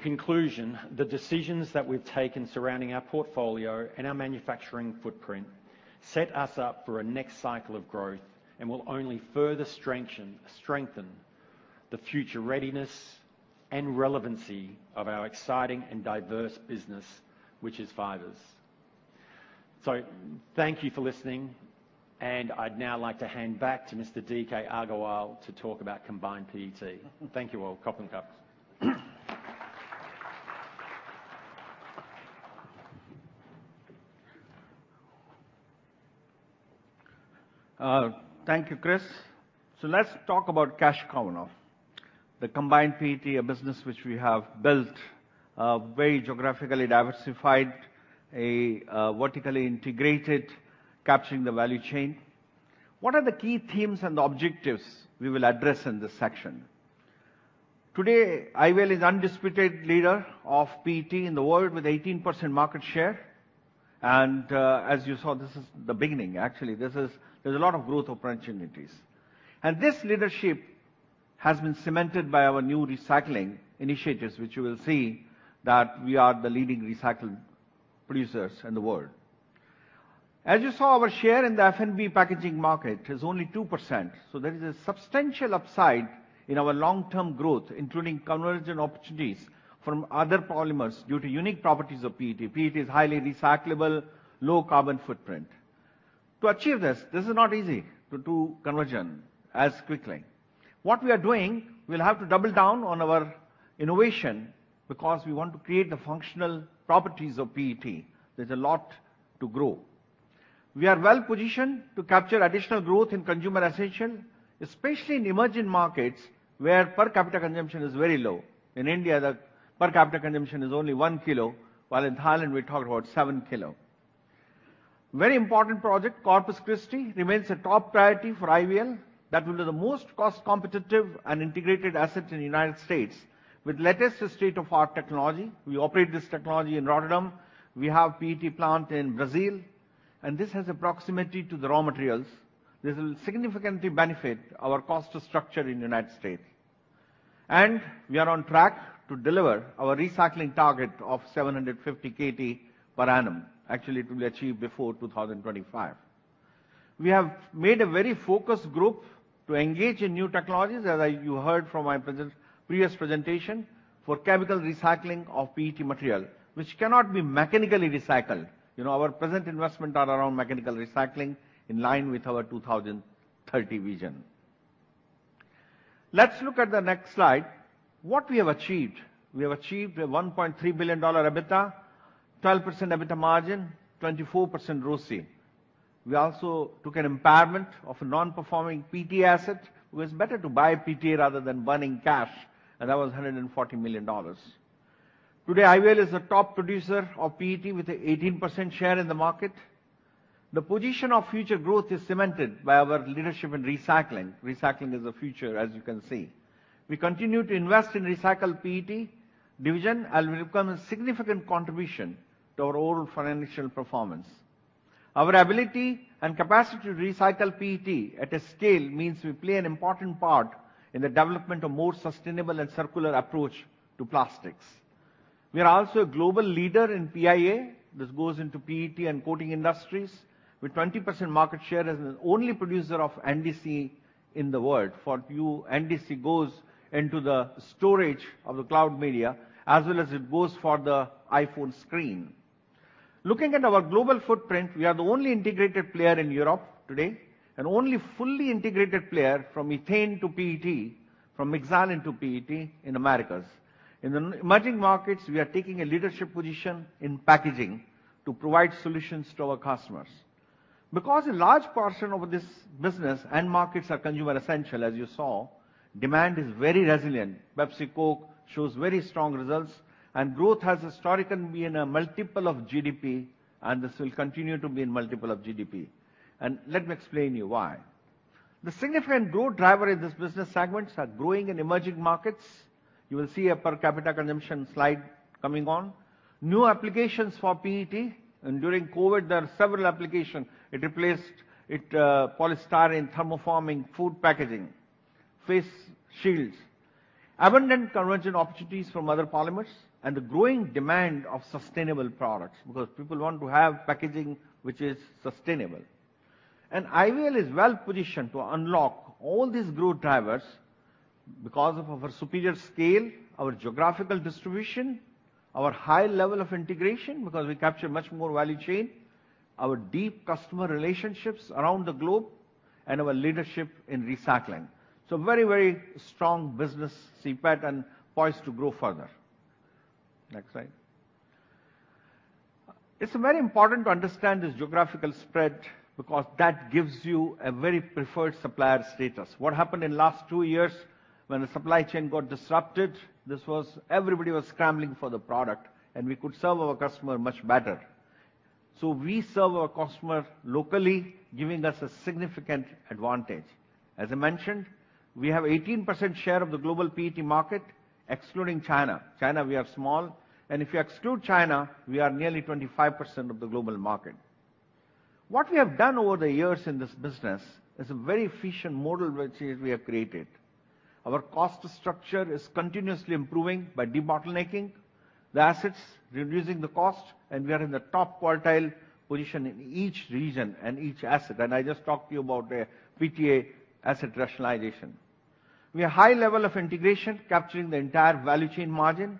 conclusion, the decisions that we've taken surrounding our portfolio and our manufacturing footprint set us up for a next cycle of growth and will only further strengthen the future readiness and relevancy of our exciting and diverse business, which is Fibers. Thank you for listening, and I'd now like to hand back to Mr. D.K. Agarwal to talk about Combined PET. Thank you all. Khop khun khrap. Thank you, Chris. Let's talk about cash cow now. The Combined PET, a business which we have built, very geographically diversified, a vertically integrated, capturing the value chain. What are the key themes and objectives we will address in this section? Today, IVL is undisputed leader of PET in the world with 18% market share. As you saw, this is the beginning. Actually, there's a lot of growth opportunities. This leadership has been cemented by our new recycling initiatives, which you will see that we are the leading recycled producers in the world. As you saw, our share in the F&B packaging market is only 2%, so there is a substantial upside in our long-term growth, including conversion opportunities from other polymers due to unique properties of PET. PET is highly recyclable, low carbon footprint. To achieve this is not easy to do conversion as quickly. What we are doing, we'll have to double down on our innovation because we want to create the functional properties of PET. There's a lot to grow. We are well-positioned to capture additional growth in consumer essential, especially in emerging markets where per capita consumption is very low. In India, the per capita consumption is only one kilo, while in Thailand, we talk about seven kilo. Very important project, Corpus Christi, remains a top priority for IVL. That will be the most cost-competitive and integrated asset in the United States. With latest state-of-the-art technology, we operate this technology in Rotterdam. We have PET plant in Brazil. This has a proximity to the raw materials. This will significantly benefit our cost structure in the United States. We are on track to deliver our recycling target of 750 kt per annum. Actually, it will be achieved before 2025. We have made a very focused group to engage in new technologies, as you heard from my previous presentation, for chemical recycling of PET material, which cannot be mechanically recycled. You know, our present investment are around mechanical recycling in line with our Vision 2030. Let's look at the next slide. What we have achieved. We have achieved a $1.3 billion EBITDA, 12% EBITDA margin, 24% ROCE. We also took an impairment of a non-performing PTA asset. It was better to buy PTA rather than burning cash, and that was $140 million. Today, IVL is a top producer of PET with 18% share in the market. The position of future growth is cemented by our leadership in recycling. Recycling is the future, as you can see. We continue to invest in recycled PET division and will become a significant contribution to our overall financial performance. Our ability and capacity to recycle PET at a scale means we play an important part in the development of more sustainable and circular approach to plastics. We are also a global leader in PIA. This goes into PET and coating industries with 20% market share as the only producer of NDC in the world. For you, NDC goes into the storage of the cloud media as well as it goes for the iPhone screen. Looking at our global footprint, we are the only integrated player in Europe today, and only fully integrated player from ethane to PET, from ethylene to PET in Americas. In the emerging markets, we are taking a leadership position in packaging to provide solutions to our customers. A large portion of this business and markets are consumer essential, as you saw, demand is very resilient. Pepsi, Coke shows very strong results. Growth has historically been a multiple of GDP, and this will continue to be in multiple of GDP. Let me explain to you why. The significant growth driver in this business segments are growing in emerging markets. You will see a per capita consumption slide coming on. New applications for PET. During COVID, there are several application. It replaced it, polystyrene thermoforming food packaging, face shields. Abundant conversion opportunities from other polymers and the growing demand of sustainable products. People want to have packaging which is sustainable. IVL is well-positioned to unlock all these growth drivers because of our superior scale, our geographical distribution, our high level of integration, because we capture much more value chain, our deep customer relationships around the globe, and our leadership in recycling. Very strong business, CPET, and poised to grow further. Next slide. It's very important to understand this geographical spread because that gives you a very preferred supplier status. What happened in last 2 years when the supply chain got disrupted, everybody was scrambling for the product, and we could serve our customer much better. We serve our customer locally, giving us a significant advantage. As I mentioned, we have 18% share of the global PET market, excluding China. China, we are small. If you exclude China, we are nearly 25% of the global market. What we have done over the years in this business is a very efficient model, which is we have created. Our cost structure is continuously improving by debottlenecking the assets, reducing the cost, we are in the top quartile position in each region and each asset. I just talked to you about the PTA asset rationalization. We have high level of integration capturing the entire value chain margin.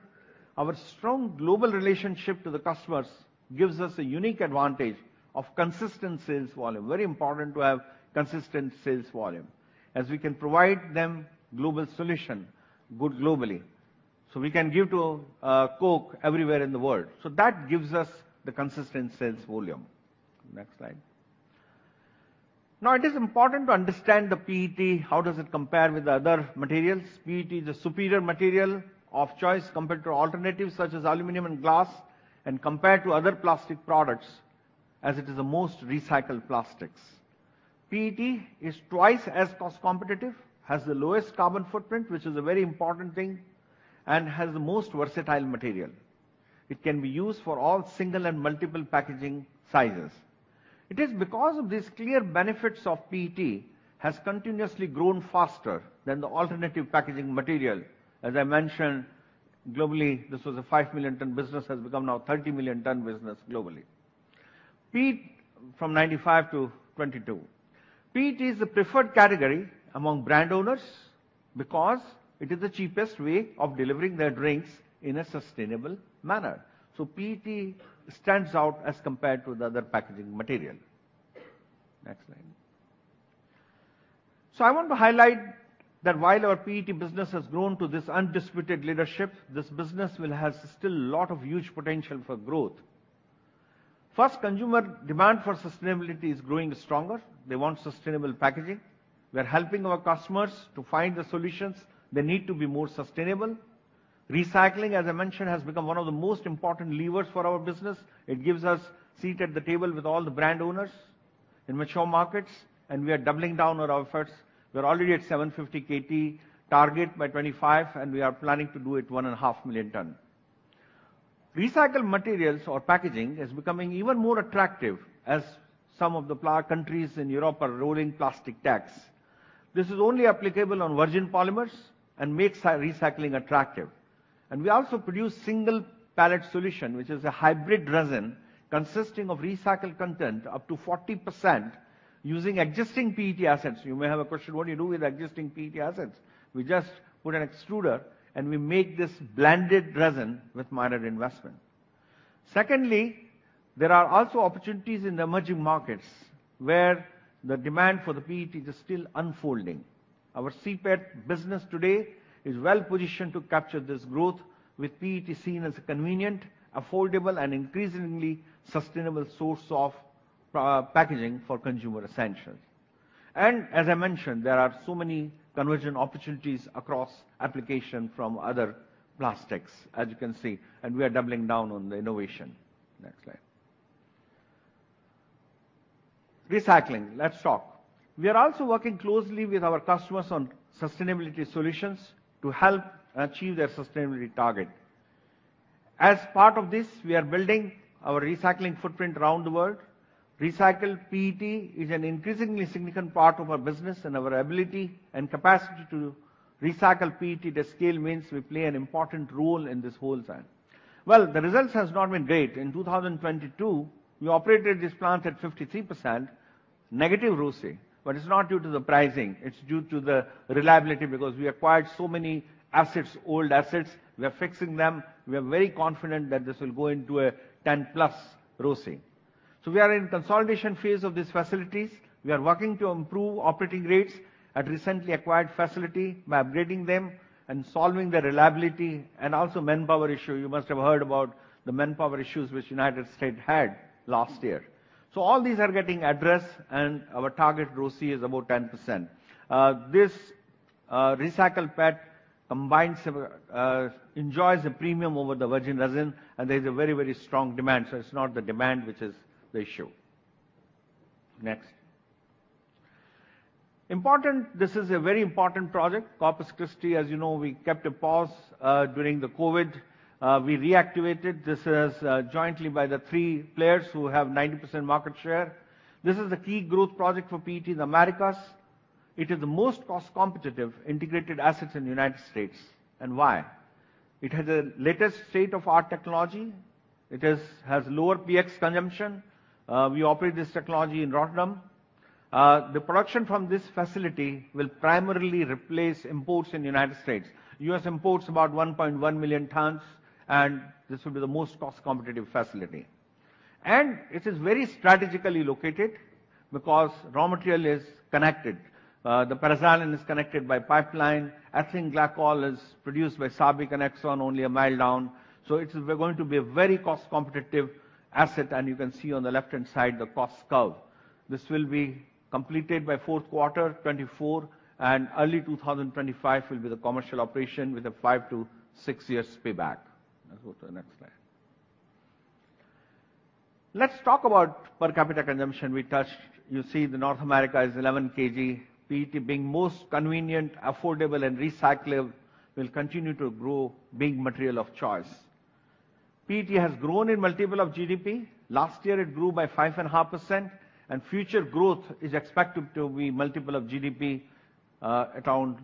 Our strong global relationship to the customers gives us a unique advantage of consistent sales volume. Very important to have consistent sales volume, as we can provide them global solution, good globally. We can give to Coke everywhere in the world. That gives us the consistent sales volume. Next slide. Now, it is important to understand the PET, how does it compare with the other materials. PET is a superior material of choice compared to alternatives such as aluminum and glass, and compared to other plastic products as it is the most recycled plastics. PET is twice as cost competitive, has the lowest carbon footprint, which is a very important thing, and has the most versatile material. It can be used for all single and multiple packaging sizes. It is because of these clear benefits of PET has continuously grown faster than the alternative packaging material. As I mentioned, globally, this was a 5 million ton business, has become now a 30 million ton business globally. PET from 1995-2022. PET is the preferred category among brand owners because it is the cheapest way of delivering their drinks in a sustainable manner. PET stands out as compared to the other packaging material. Next slide. I want to highlight that while our PET business has grown to this undisputed leadership, this business will have still lot of huge potential for growth. First, consumer demand for sustainability is growing stronger. They want sustainable packaging. We are helping our customers to find the solutions they need to be more sustainable. Recycling, as I mentioned, has become one of the most important levers for our business. It gives us seat at the table with all the brand owners in mature markets, and we are doubling down on our efforts. We're already at 750 kt target by 2025, and we are planning to do it 1.5 million ton. Recycled materials or packaging is becoming even more attractive as some of the countries in Europe are rolling plastic tax. This is only applicable on virgin polymers and makes recycling attractive. We also produce single pallet solution, which is a hybrid resin consisting of recycled content up to 40% using existing PET assets. You may have a question, what do you do with existing PET assets? We just put an extruder, and we make this blended resin with minor investment. Secondly, there are also opportunities in the emerging markets where the demand for the PET is still unfolding. Our CPET business today is well-positioned to capture this growth with PET seen as a convenient, affordable, and increasingly sustainable source of packaging for consumer essentials. As I mentioned, there are so many conversion opportunities across application from other plastics, as you can see, and we are doubling down on the innovation. Next slide. Recycling. Let's talk. We are also working closely with our customers on sustainability solutions to help achieve their sustainability target. As part of this, we are building our recycling footprint around the world. Recycled PET is an increasingly significant part of our business. Our ability and capacity to recycle PET at scale means we play an important role in this whole time. Well, the results has not been great. In 2022, we operated this plant at 53%, negative ROCE. It's not due to the pricing. It's due to the reliability because we acquired so many assets, old assets. We are fixing them. We are very confident that this will go into a 10%+ ROCE. We are in consolidation phase of these facilities. We are working to improve operating rates at recently acquired facility by upgrading them and solving the reliability and also manpower issue. You must have heard about the manpower issues which United States had last year. All these are getting addressed, and our target ROCE is about 10%. This recycled PET combines enjoys a premium over the virgin resin, and there is a very, very strong demand. It's not the demand which is the issue. Next. Important. This is a very important project. Corpus Christi, as you know, we kept a pause during the COVID. We reactivated. This is jointly by the three players who have 90% market share. This is a key growth project for PET in Americas. It is the most cost-competitive integrated assets in the United States and why? It has the latest state-of-the-art technology. It has lower PX consumption. We operate this technology in Rotterdam. The production from this facility will primarily replace imports in United States. U.S. imports about 1.1 million tons. This will be the most cost-competitive facility. It is very strategically located because raw material is connected. The paraxylene is connected by pipeline. Ethylene glycol is produced by SABIC and Exxon only 1 mile down. It's going to be a very cost-competitive asset, and you can see on the left-hand side the cost curve. This will be completed by fourth quarter 2024 and early 2025 will be the commercial operation with a 5-6 years payback. Let's go to the next slide. Let's talk about per capita consumption we touched. You see the North America is 11 kg. PET being most convenient, affordable, and recyclable will continue to grow being material of choice. PET has grown in multiple of GDP. Last year, it grew by 5.5%, and future growth is expected to be multiple of GDP, at around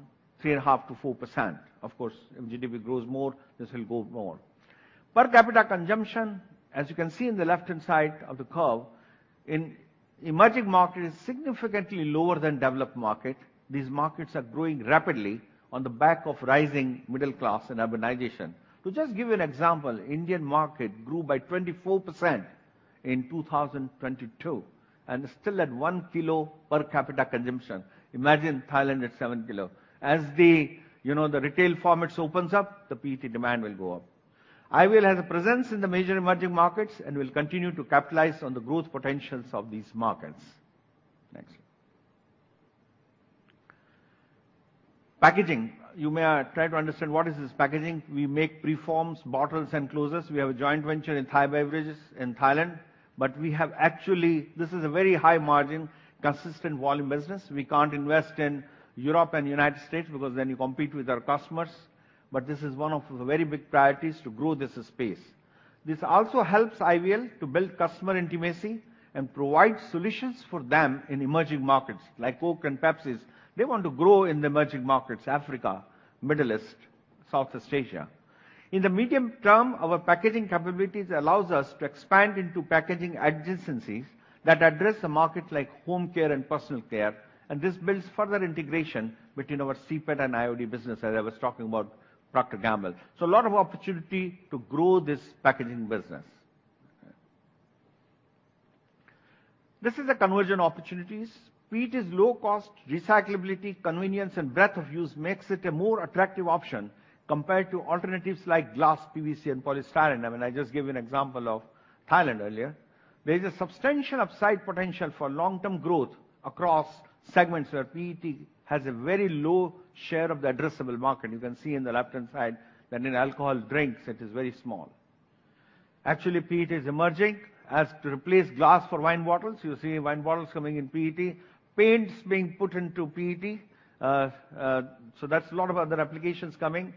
3.5%-4%. Of course, if GDP grows more, this will grow more. Per capita consumption, as you can see in the left-hand side of the curve, in emerging market is significantly lower than developed market. These markets are growing rapidly on the back of rising middle class and urbanization. To just give you an example, Indian market grew by 24% in 2022 and still at 1 kilo per capita consumption. Imagine Thailand at 7 kilo. As the, you know, the retail formats opens up, the PET demand will go up. IVL has a presence in the major emerging markets and will continue to capitalize on the growth potentials of these markets. Next. Packaging. You may try to understand what is this packaging. We make preforms, bottles, and closures. We have a joint venture in Thai Beverage in Thailand. This is a very high-margin, consistent-volume business. We can't invest in Europe and United States because then you compete with our customers. This is one of the very big priorities to grow this space. This also helps IVL to build customer intimacy and provide solutions for them in emerging markets like Coke and Pepsi. They want to grow in the emerging markets, Africa, Middle East, Southeast Asia. In the medium term, our packaging capabilities allows us to expand into packaging adjacencies that address a market like home care and personal care, and this builds further integration between our CPET and IOD business, as I was talking about Procter & Gamble. A lot of opportunity to grow this packaging business. This is a conversion opportunities. PET is low cost. Recyclability, convenience, and breadth of use makes it a more attractive option compared to alternatives like glass, PVC, and polystyrene. I mean, I just gave you an example of Thailand earlier. There is a substantial upside potential for long-term growth across segments where PET has a very low share of the addressable market. You can see in the left-hand side that in alcohol drinks, it is very small. Actually, PET is emerging as to replace glass for wine bottles. You see wine bottles coming in PET. Paints being put into PET. That's a lot of other applications coming.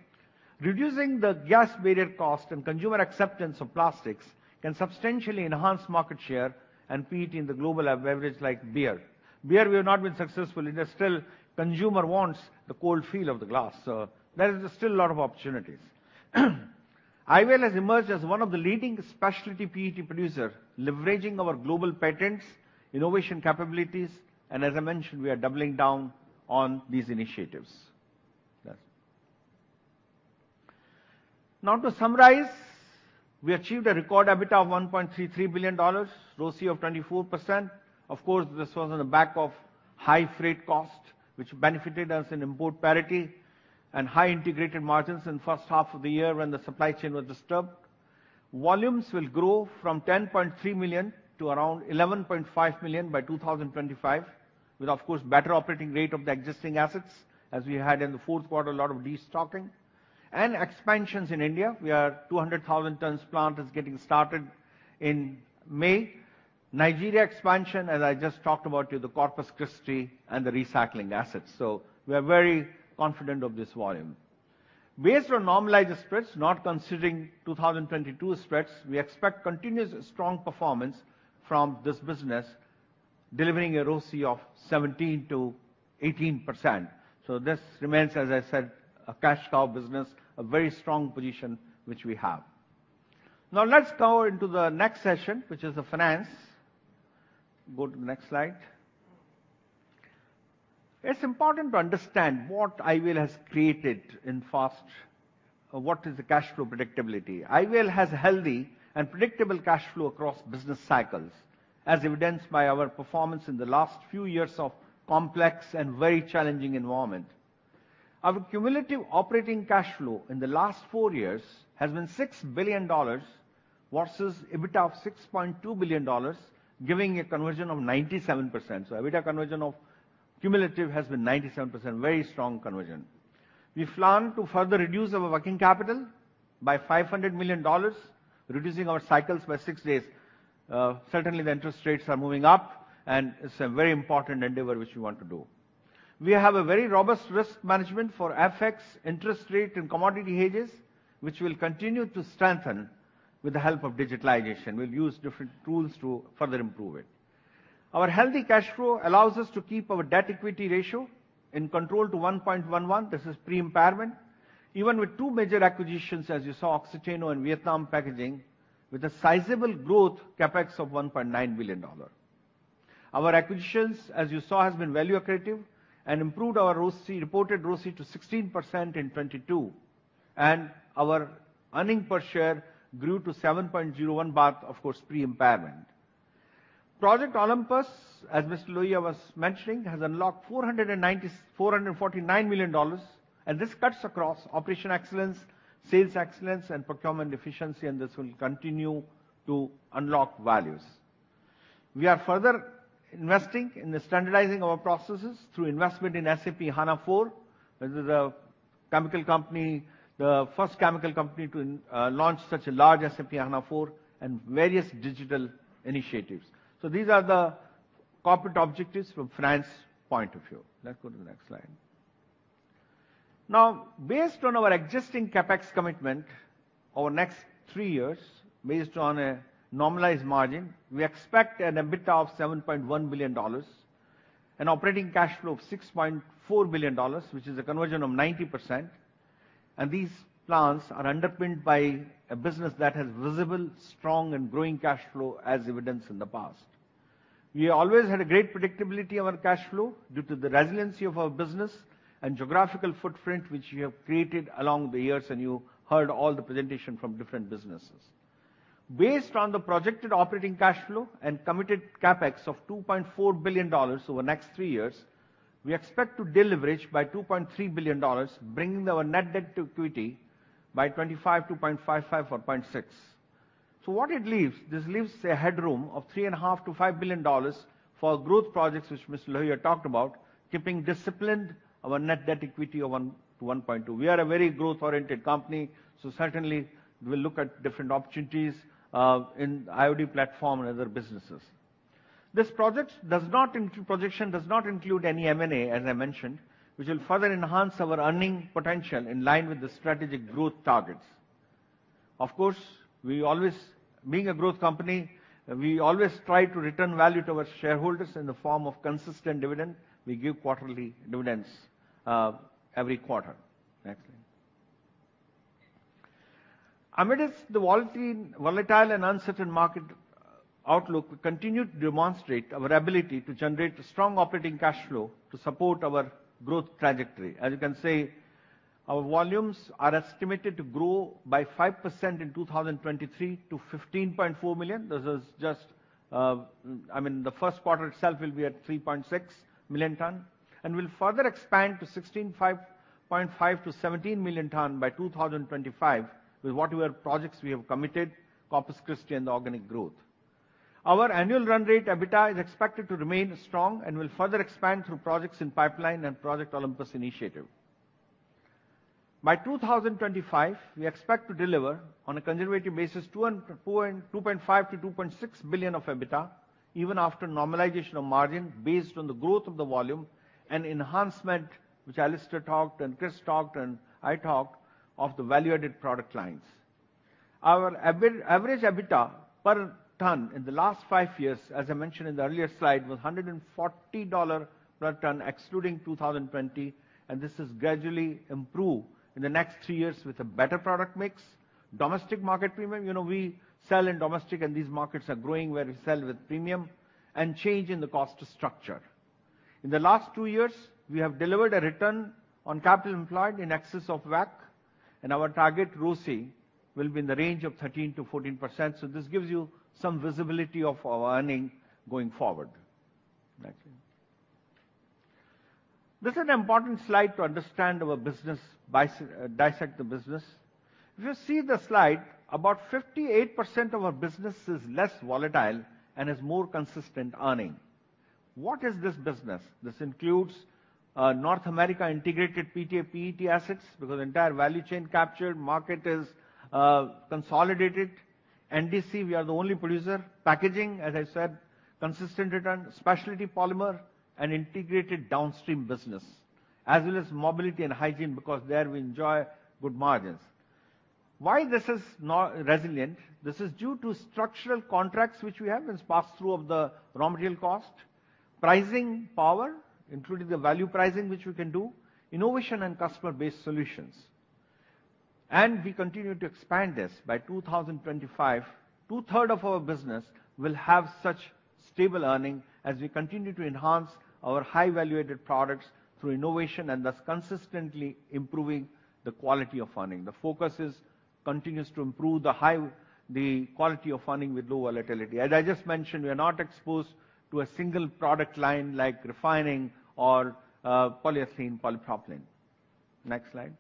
Reducing the gas barrier cost and consumer acceptance of plastics can substantially enhance market share and PET in the global beverage like beer. Beer we have not been successful, it is still consumer wants the cold feel of the glass. There is still a lot of opportunities. IVL has emerged as one of the leading specialty PET producer, leveraging our global patents, innovation capabilities, and as I mentioned, we are doubling down on these initiatives. To summarize, we achieved a record EBITDA of $1.33 billion, ROCE of 24%. This was on the back of high freight cost, which benefited us in import parity and high integrated margins in first half of the year when the supply chain was disturbed. Volumes will grow from 10.3 million to around 11.5 million by 2025, with of course better operating rate of the existing assets as we had in the fourth quarter, a lot of destocking. Expansions in India, we are 200,000 tons plant is getting started in May. Nigeria expansion, as I just talked about to the Corpus Christi and the recycling assets. We are very confident of this volume. Based on normalized spreads, not considering 2022 spreads, we expect continuous strong performance from this business, delivering a ROCE of 17%-18%. This remains, as I said, a cash cow business, a very strong position which we have. Let's go into the next session, which is the finance. Go to the next slide. It's important to understand what IVL has created. What is the cash flow predictability? IVL has healthy and predictable cash flow across business cycles, as evidenced by our performance in the last few years of complex and very challenging environment. Our cumulative operating cash flow in the last four years has been $6 billion versus EBITDA of $6.2 billion, giving a conversion of 97%. EBITDA conversion of cumulative has been 97%. Very strong conversion. We plan to further reduce our working capital by $500 million, reducing our cycles by six days. Certainly the interest rates are moving up and it's a very important endeavor which we want to do. We have a very robust risk management for FX, interest rate, and commodity hedges, which we'll continue to strengthen with the help of digitalization. We'll use different tools to further improve it. Our healthy cash flow allows us to keep our debt equity ratio in control to 1.11. This is pre-impairment. Even with two major acquisitions, as you saw, Oxiteno and Vietnam Packaging, with a sizable growth CapEx of $1.9 billion. Our acquisitions, as you saw, has been value accretive and improved our ROCE, reported ROCE to 16% in 2022, and our earning per share grew to 7.01 baht, of course, pre-impairment. Project Olympus, as Mr. Lohia was mentioning, has unlocked $449 million, and this cuts across operation excellence, sales excellence, and procurement efficiency, and this will continue to unlock values. We are further investing in the standardizing our processes through investment in SAP S/4HANA. This is a chemical company, the first chemical company to launch such a large SAP S/4HANA and various digital initiatives. These are the corporate objectives from finance point of view. Let's go to the next slide. Based on our existing CapEx commitment over next three years, based on a normalized margin, we expect an EBITDA of $7.1 billion, an operating cash flow of $6.4 billion, which is a conversion of 90%. These plans are underpinned by a business that has visible, strong and growing cash flow as evidenced in the past. We always had a great predictability of our cash flow due to the resiliency of our business and geographical footprint, which we have created along the years, and you heard all the presentation from different businesses. Based on the projected operating cash flow and committed CapEx of $2.4 billion over the next three years, we expect to deleverage by $2.3 billion, bringing our net debt to equity by 2025 to 0.55 or 0.6. What it leaves? This leaves a headroom of $3.5 billion-$5 billion for growth projects, which Mr. Lohia talked about, keeping disciplined our net debt equity of 1-1.2. We are a very growth-oriented company, certainly we'll look at different opportunities in IOD platform and other businesses. This projection does not include any M&A, as I mentioned, which will further enhance our earning potential in line with the strategic growth targets. Of course, we always, being a growth company, we always try to return value to our shareholders in the form of consistent dividend. We give quarterly dividends every quarter. Next slide. Amidst the volatile and uncertain market outlook, we continue to demonstrate our ability to generate strong operating cash flow to support our growth trajectory. As you can see, our volumes are estimated to grow by 5% in 2023 to 15.4 million tons. This is just, I mean, the first quarter itself will be at 3.6 million tons and will further expand to 16.5 million-17 million tons by 2025 with whatever projects we have committed, Corpus Christi and the organic growth. Our annual run rate EBITDA is expected to remain strong and will further expand through projects in pipeline and Project Olympus initiative. By 2025, we expect to deliver on a conservative basis $2.5 billion-$2.6 billion of EBITDA, even after normalization of margin based on the growth of the volume and enhancement, which Alastair talked and Chris talked and I talked of the value-added product lines. Our average EBITDA per ton in the last 5 years, as I mentioned in the earlier slide, was $140 per ton, excluding 2020. This is gradually improve in the next 3 years with a better product mix. Domestic market premium, you know, we sell in domestic, and these markets are growing where we sell with premium and change in the cost structure. In the last two years, we have delivered a return on capital employed in excess of WACC, and our target ROCE will be in the range of 13%-14%. This gives you some visibility of our earning going forward. Next slide. This is an important slide to understand our business by dissect the business. If you see the slide, about 58% of our business is less volatile and is more consistent earning. What is this business? This includes North America integrated PTA, PET assets because the entire value chain captured market is consolidated. NDC, we are the only producer. Packaging, as I said, consistent return. Specialty polymer and integrated downstream business, as well as mobility and hygiene because there we enjoy good margins. Why this is now resilient? This is due to structural contracts which we have as pass-through of the raw material cost. Pricing power, including the value pricing which we can do. Innovation and customer-based solutions. We continue to expand this. By 2025, two-third of our business will have such stable earning as we continue to enhance our high-value-added products through innovation, and thus consistently improving the quality of funding. The focus is continuous to improve the quality of funding with low volatility. As I just mentioned, we are not exposed to a single product line like refining or polyethylene polypropylene. Next slide.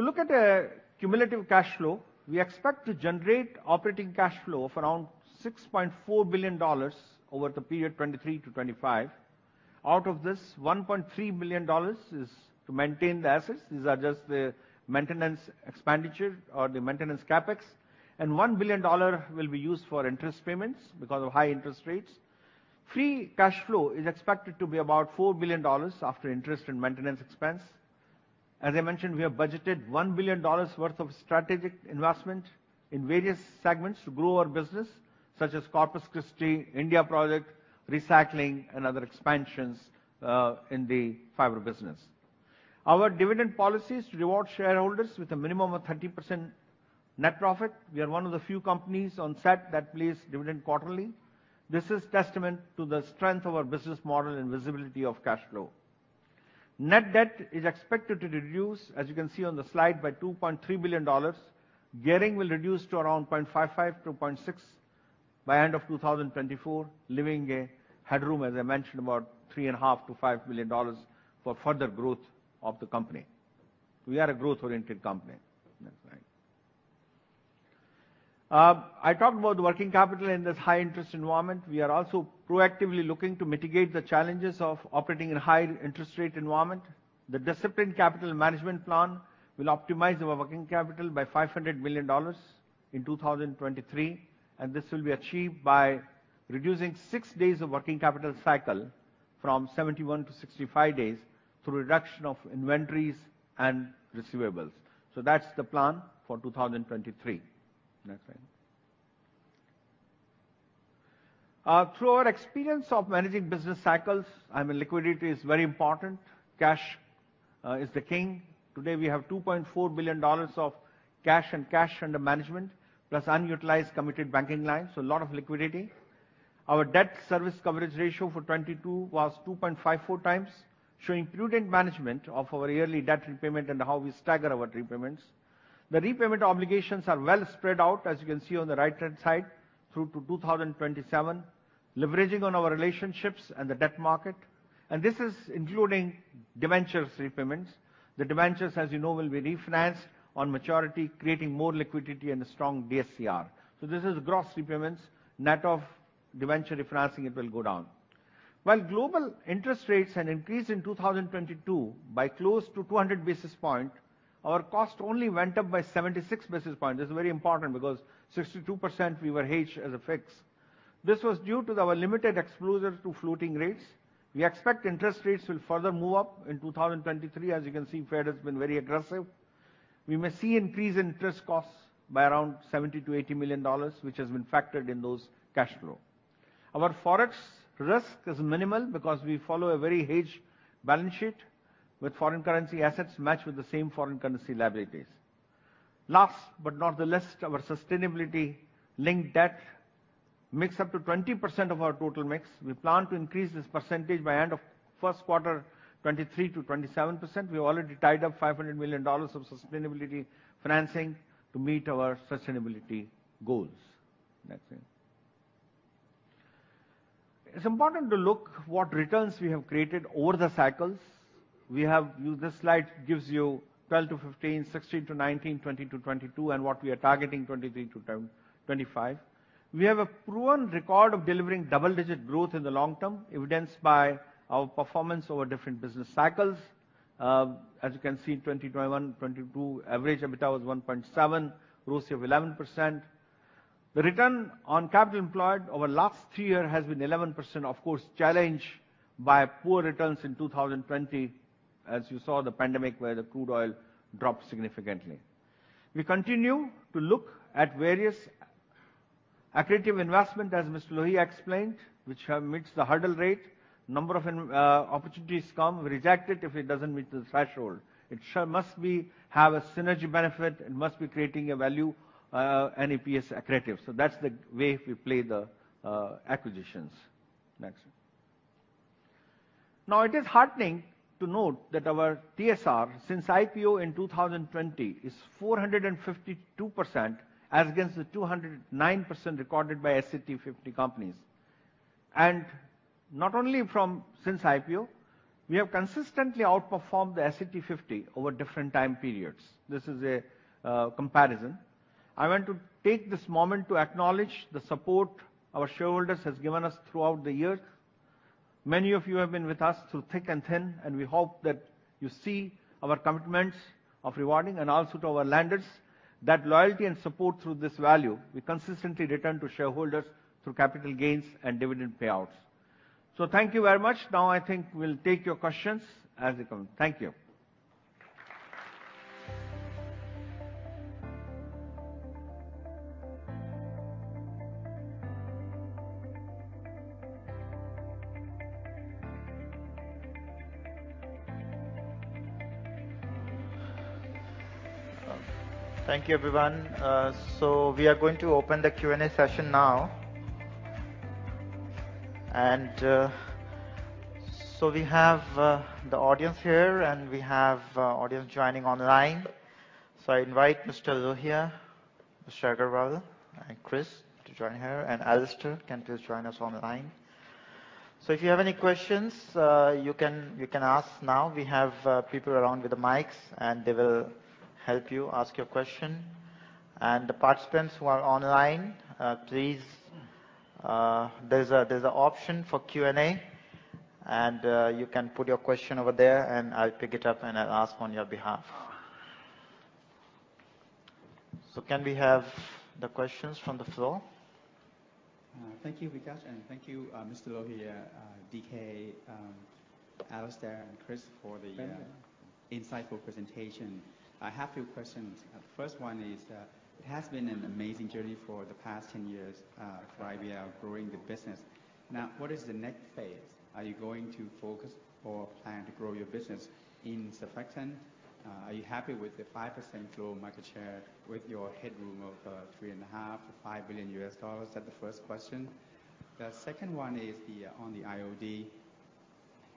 If you look at the cumulative cash flow, we expect to generate operating cash flow of around $6.4 billion over the period 2023-2025. Out of this, $1.3 million is to maintain the assets. These are just the maintenance expenditure or the maintenance CapEx. $1 billion will be used for interest payments because of high interest rates. Free cash flow is expected to be about $4 billion after interest and maintenance expense. As I mentioned, we have budgeted $1 billion worth of strategic investment in various segments to grow our business, such as Corpus Christi, India project, recycling and other expansions in the fiber business. Our dividend policy is to reward shareholders with a minimum of 30% net profit. We are one of the few companies on SET50 that pays dividend quarterly. This is testament to the strength of our business model and visibility of cash flow. Net debt is expected to reduce, as you can see on the slide, by $2.3 billion. Gearing will reduce to around 0.55-0.6 by end of 2024, leaving a headroom, as I mentioned, about $3.5 billion-$5 billion for further growth of the company. We are a growth-oriented company. Next slide. I talked about working capital in this high-interest environment. We are also proactively looking to mitigate the challenges of operating in a high-interest-rate environment. The disciplined capital management plan will optimize our working capital by $500 million in 2023, and this will be achieved by reducing 6 days of working capital cycle from 71-65 days through reduction of inventories and receivables. That's the plan for 2023. Next slide. Through our experience of managing business cycles, I mean, liquidity is very important. Cash is the king. Today, we have $2.4 billion of cash and cash under management, plus unutilized committed banking lines, so a lot of liquidity. Our debt service coverage ratio for 2022 was 2.54x, showing prudent management of our yearly debt repayment and how we stagger our repayments. The repayment obligations are well spread out, as you can see on the right-hand side, through to 2027, leveraging on our relationships and the debt market. This is including debentures repayments. The debentures, as you know, will be refinanced on maturity, creating more liquidity and a strong DSCR. This is gross repayments, net of debenture refinancing, it will go down. While global interest rates had increased in 2022 by close to 200 basis points, our cost only went up by 76 basis points. This is very important because 62% we were hedged as a fix. This was due to our limited exposure to floating rates. We expect interest rates will further move up in 2023. As you can see, Fed has been very aggressive. We may see increase in interest costs by around $70 million-$80 million, which has been factored in those cash flow. Our Forex risk is minimal because we follow a very hedged balance sheet, with foreign currency assets matched with the same foreign currency liabilities. Last but not the least, our sustainability-linked debt makes up to 20% of our total mix. We plan to increase this percentage by end of first quarter, 23%-27%. We've already tied up $500 million of sustainability financing to meet our sustainability goals. Next slide. It's important to look what returns we have created over the cycles. This slide gives you 2012-2015, 2016-2019, 2020-2022and what we are targeting, 2023-2025. We have a proven record of delivering double-digit growth in the long term, evidenced by our performance over different business cycles. As you can see, in 2021, 2022, average EBITDA was 1.7, ROCE of 11%. The return on capital employed over last 3 year has been 11%, of course, challenged by poor returns in 2020, as you saw the pandemic where the crude oil dropped significantly. We continue to look at various accretive investment, as Mr. Lohia explained, which meets the hurdle rate. Number of opportunities come, reject it if it doesn't meet the threshold. It must be have a synergy benefit and must be creating a value and EPS accretive. That's the way we play the acquisitions. Next. Now it is heartening to note that our TSR since IPO in 2020 is 452% as against the 209% recorded by SET50 companies. Not only from since IPO, we have consistently outperformed the SET50 over different time periods. This is a comparison. I want to take this moment to acknowledge the support our shareholders has given us throughout the year. Many of you have been with us through thick and thin, and we hope that you see our commitments of rewarding and also to our lenders, that loyalty and support through this value, we consistently return to shareholders through capital gains and dividend payouts. Thank you very much. I think we'll take your questions as they come. Thank you. Thank you, everyone. We are going to open the Q&A session now. We have audience here, and we have audience joining online. I invite Mr. Lohia, Mr. Agarwal, and Chris to join here. Alastair, can you please join us online. If you have any questions, you can ask now. We have people around with the mics, and they will help you ask your question. The participants who are online, please, there's a option for Q&A, and you can put your question over there, and I'll pick it up, and I'll ask on your behalf. Can we have the questions from the floor? Thank you, Vikash, and thank you, Mr. Lohia, D.K., Alastair, and Chris for the.nsightful presentation. I have two questions. First one is, it has been an amazing journey for the past 10 years for IVL growing the business. What is the next phase? Are you going to focus or plan to grow your business in surfactant? Are you happy with the 5% global market share with your headroom of $3.5 billion-$5 billion? That's the first question. The second one is on the IOD.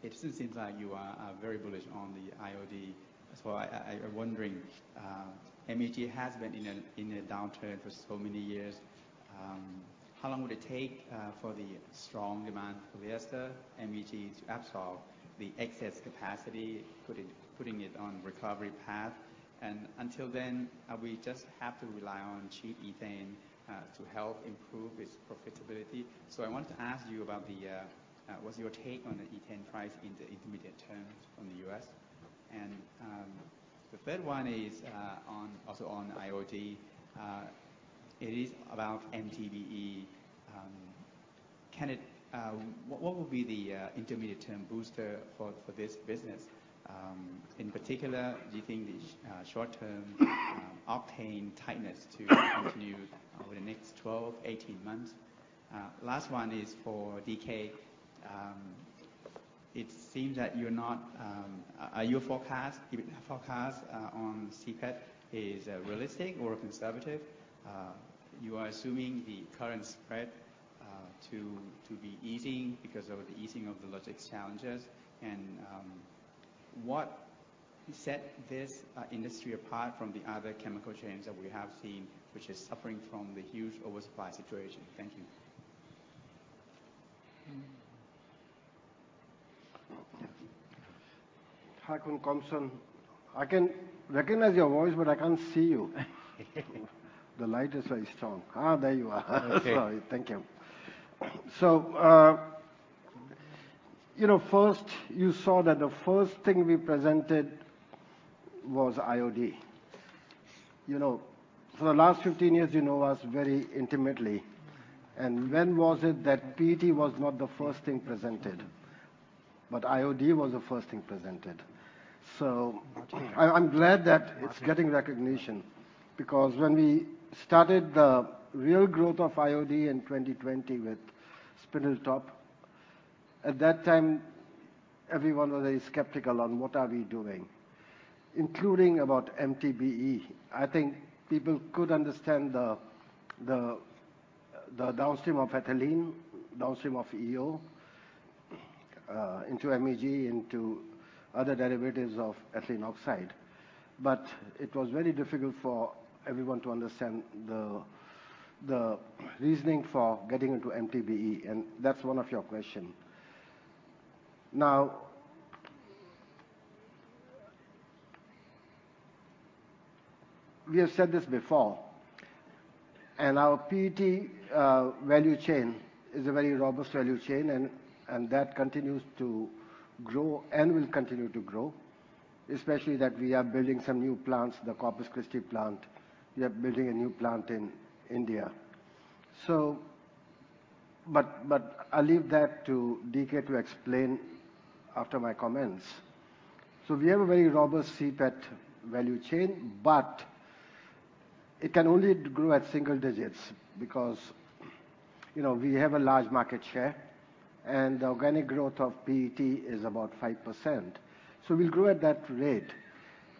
It still seems like you are very bullish on the IOD. I wondering, MEG has been in downturn for so many years. How long would it take for the strong demand polyester MEG to absorb the excess capacity, putting it on recovery path? Until then, we just have to rely on cheap ethane to help improve its profitability. I want to ask you about the, what's your take on the ethane price in the intermediate terms from the U.S. The third one is on, also on IOD. It is about MTBE. Can it what would be the intermediate term booster for this business? In particular, do you think the short-term octane tightness to continue over the next 12, 18 months? Last one is for D.K. It seems that you're not, are your forecast on CPET is realistic or conservative? You are assuming the current spread to be easing because of the easing of the logistics challenges. What set this industry apart from the other chemical chains that we have seen, which is suffering from the huge oversupply situation? Thank you. Hi, Khun Anson. I can recognize your voice, but I can't see you. The light is very strong. There you are. Okay. Sorry. Thank you. You know, first, you saw that the first thing we presented was IOD. You know, for the last 15 years, you know us very intimately. When was it that PET was not the first thing presented? IOD was the first thing presented. I'm glad that it's getting recognition, because when we started the real growth of IOD in 2020 with Spindletop, at that time, everyone was very skeptical on what are we doing, including about MTBE. I think people could understand the downstream of ethylene, downstream of EO, into MEG, into other derivatives of ethylene oxide. It was very difficult for everyone to understand the reasoning for getting into MTBE, and that's one of your question. Now, we have said this before, and our PET value chain is a very robust value chain and that continues to grow and will continue to grow. Especially that we are building some new plants, the Corpus Christi plant. We are building a new plant in India. But I'll leave that to D.K. to explain after my comments. We have a very robust CPET value chain, but it can only grow at single digits because, you know, we have a large market share, and the organic growth of PET is about 5%. We'll grow at that rate.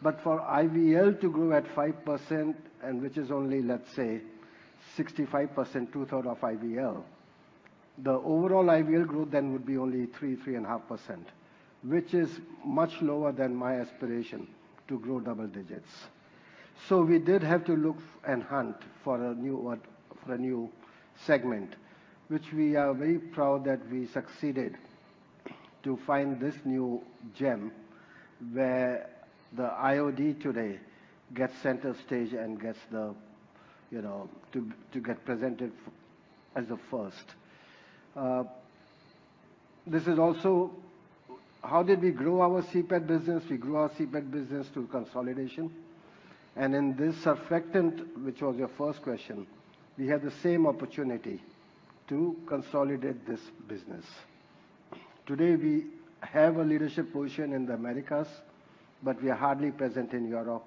For IVL to grow at 5%, and which is only, let's say, 65%, two-third of IVL, the overall IVL growth then would be only 3.5%, which is much lower than my aspiration to grow double digits. We did have to look and hunt for a new, for a new segment, which we are very proud that we succeeded to find this new gem, where the IOD today gets center stage and gets the, you know, to get presented as a first. This is also how did we grow our CPET business? We grew our CPET business through consolidation. In this surfactant, which was your first question, we had the same opportunity to consolidate this business. Today, we have a leadership position in the Americas, but we are hardly present in Europe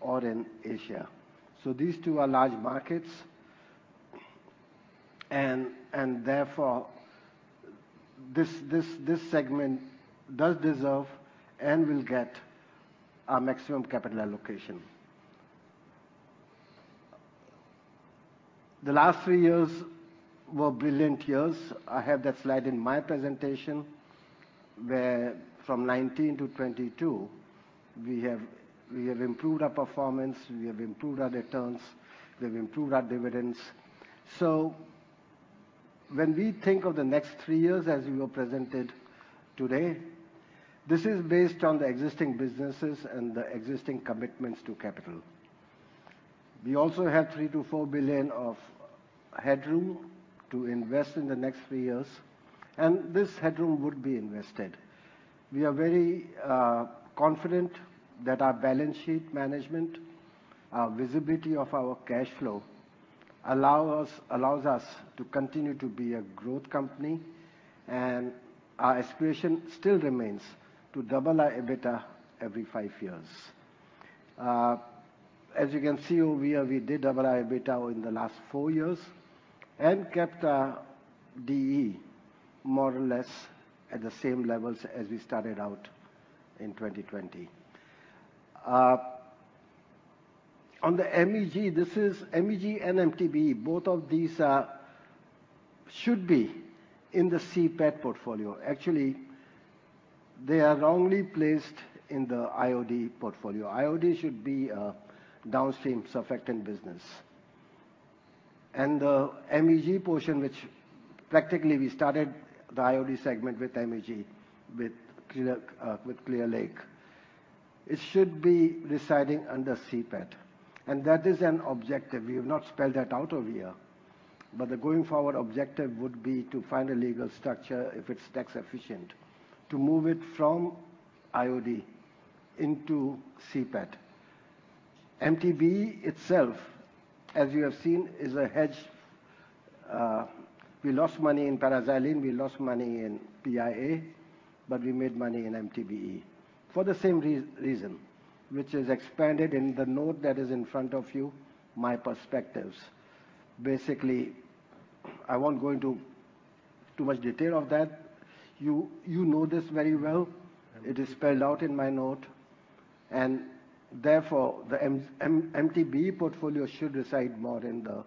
or in Asia. These two are large markets and therefore, this segment does deserve and will get our maximum capital allocation. The last three years were brilliant years. I have that slide in my presentation, where from 2019-2022, we have improved our performance, we have improved our returns, we have improved our dividends. When we think of the next 3 years, as we were presented today, this is based on the existing businesses and the existing commitments to capital. We also have $3 billion-$4 billion of headroom to invest in the next 3 years. This headroom would be invested. We are very confident that our balance sheet management, our visibility of our cash flow allows us to continue to be a growth company. Our aspiration still remains to double our EBITDA every 5 years. As you can see over here, we did double our EBITDA in the last 4 years and kept our DE more or less at the same levels as we started out in 2020. On the MEG and MTBE, both of these are, should be in the CPET portfolio. Actually, they are wrongly placed in the IOD portfolio. IOD should be a downstream surfactant business. The MEG portion, which practically we started the IOD segment with MEG, with Clear Lake, it should be residing under CPET. That is an objective. We have not spelled that out over here, but the going forward objective would be to find a legal structure, if it's tax efficient, to move it from IOD into CPET. MTBE itself, as you have seen, is a hedge. We lost money in paraxylene, we lost money in PIA, but we made money in MTBE for the same reason, which is expanded in the note that is in front of you, my perspectives. Basically, I won't go into too much detail of that. You, you know this very well. It is spelled out in my note. Therefore, the MTBE portfolio should reside more in the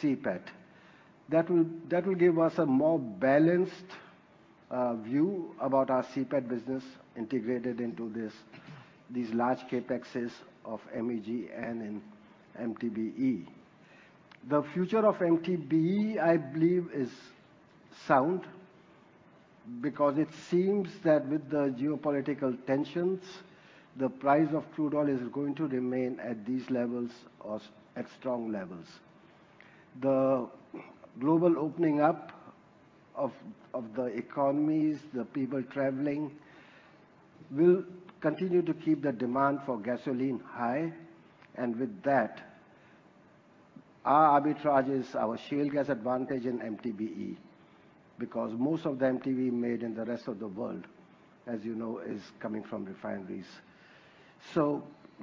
CPET. That will give us a more balanced view about our CPET business integrated into this, these large CapExes of MEG and in MTBE. The future of MTBE, I believe, is sound because it seems that with the geopolitical tensions, the price of crude oil is going to remain at these levels or at strong levels. The global opening up of the economies, the people traveling, will continue to keep the demand for gasoline high. With that, our arbitrage is our shale gas advantage in MTBE, because most of the MTBE made in the rest of the world, as you know, is coming from refineries.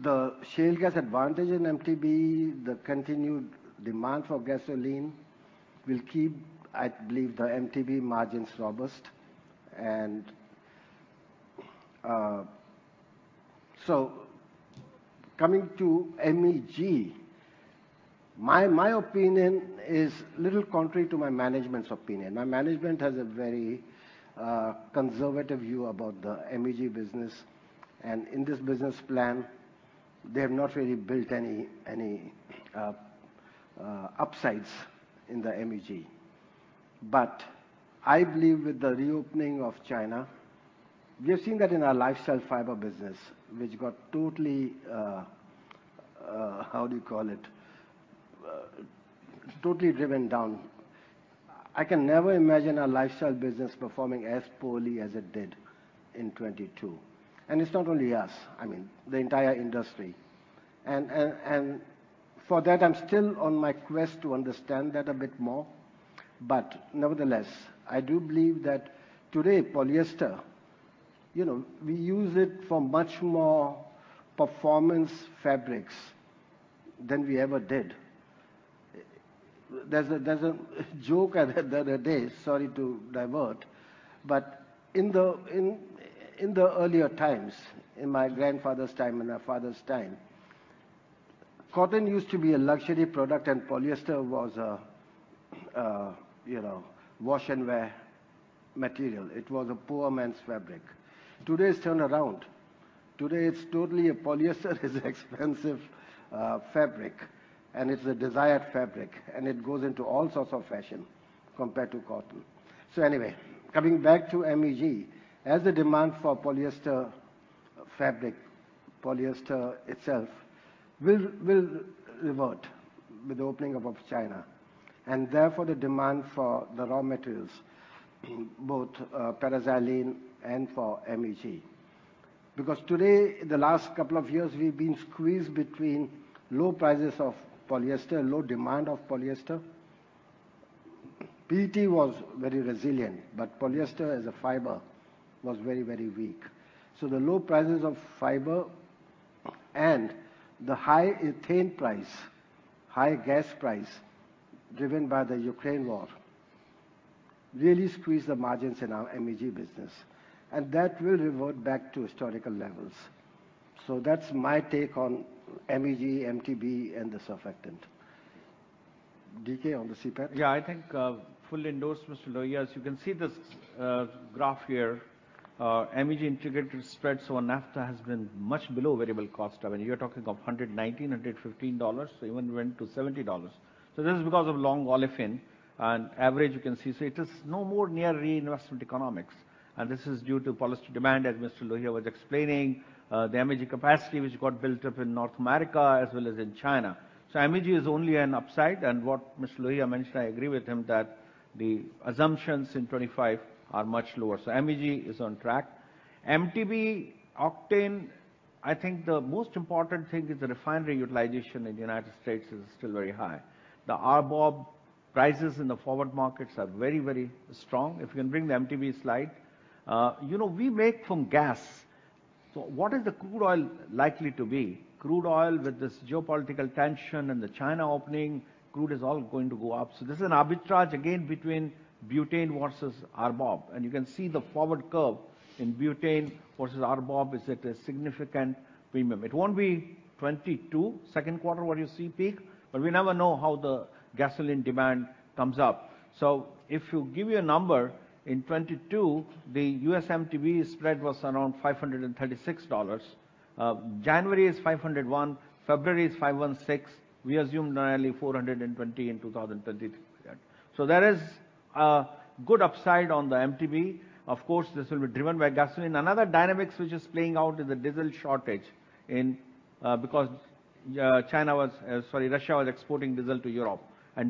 The shale gas advantage in MTBE, the continued demand for gasoline will keep, I believe, the MTBE margins robust. Coming to MEG, my opinion is a little contrary to my management's opinion. My management has a very conservative view about the MEG business, and in this business plan, they have not really built any upsides in the MEG. I believe with the reopening of China. We have seen that in our lifestyle fiber business, which got totally driven down. I can never imagine a lifestyle business performing as poorly as it did in 2022. It's not only us, I mean, the entire industry. For that, I'm still on my quest to understand that a bit more. Nevertheless, I do believe that today, polyester, you know, we use it for much more performance fabrics than we ever did. There's a joke I heard the other day, sorry to divert, but in the earlier times, in my grandfather's time and my father's time, cotton used to be a luxury product and polyester was a, you know, wash and wear material. It was a poor man's fabric. Today, it's turned around. Today, it's totally a polyester is expensive fabric, and it's a desired fabric, and it goes into all sorts of fashion compared to cotton. Anyway, coming back to MEG, as the demand for polyester fabric, polyester itself will revert with the opening up of China, and therefore, the demand for the raw materials, both paraxylene and for MEG. Today, the last couple of years, we've been squeezed between low prices of polyester, low demand of polyester. PET was very resilient, polyester as a fiber was very weak. The low prices of fiber and the high ethane price, high gas price driven by the Ukraine war, really squeeze the margins in our MEG business, and that will revert back to historical levels. That's my take on MEG, MTBE, and the surfactant. D.K., on the CPET? Yeah, I think, fully endorse, Mr. Lohia. As you can see this, graph here, MEG integrated spread. NAFTA has been much below variable cost. I mean, you're talking of $119, $115. Even went to $70. This is because of long olefin and average, you can see. It is no more near reinvestment economics. This is due to policy demand, as Mr. Lohia was explaining, the MEG capacity which got built up in North America as well as in China. MEG is only an upside. What Mr. Lohia mentioned, I agree with him that the assumptions in 25 are much lower. MEG is on track. MTBE octane, I think the most important thing is the refinery utilization in the United States is still very high. The RBOB prices in the forward markets are very, very strong. If you can bring the MTB slide. You know, we make from gas. What is the crude oil likely to be? Crude oil with this geopolitical tension and the China opening, crude is all going to go up. This is an arbitrage again between butane versus RBOB. You can see the forward curve in butane versus RBOB is at a significant premium. It won't be 2022, second quarter, what you see peak, but we never know how the gasoline demand comes up. If you give your number in 2022, the U.S. MTB spread was around $536. January is $501. February is $516. We assume nearly $420 in 2023. There is a good upside on the MTB. Of course, this will be driven by gasoline. Another dynamics which is playing out is the diesel shortage in because China was, sorry, Russia was exporting diesel to Europe.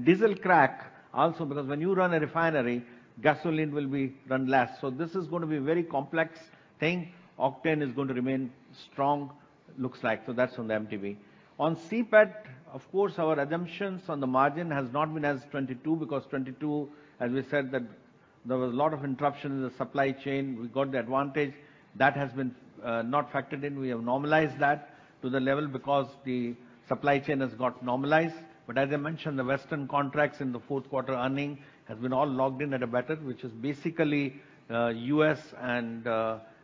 Diesel crack also because when you run a refinery, gasoline will be run less. This is gonna be very complex thing. Octane is going to remain strong, looks like. That's on the MTB. On CPET, of course, our assumptions on the margin has not been as 2022 because 2022, as we said, that there was a lot of interruption in the supply chain. We got the advantage. That has been not factored in. We have normalized that to the level because the supply chain has got normalized. As I mentioned, the Western contracts in the fourth quarter earning has been all logged in at a better, which is basically, U.S. and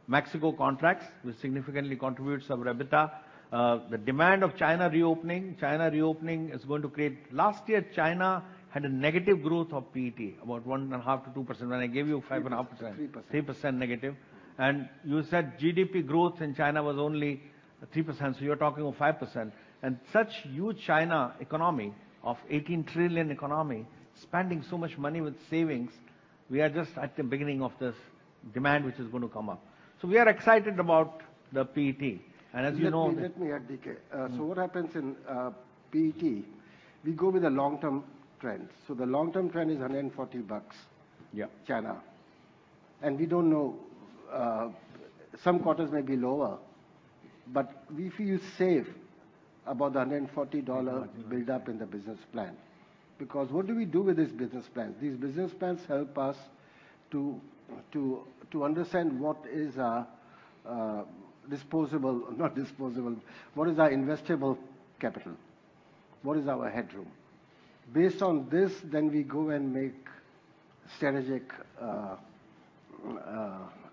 Mexico contracts, which significantly contributes our EBITDA. The demand of China reopening is going to Last year, China had a negative growth of PET, about 1.5%-2%. When I gave you 5.5%. 3%. 3% negative. You said GDP growth in China was only 3%, so you're talking of 5%. Such huge China economy of 18 trillion economy spending so much money with savings, we are just at the beginning of this demand which is gonna come up. We are excited about the PET. As you know. Let me add, D.K. What happens in PET, we go with the long-term trends. The long-term trend is $140, China. We don't know, some quarters may be lower, but we feel safe about the $140 build-up in the business plan. What do we do with these business plans? These business plans help us to understand what is our investable capital? What is our headroom? Based on this, we go and make strategic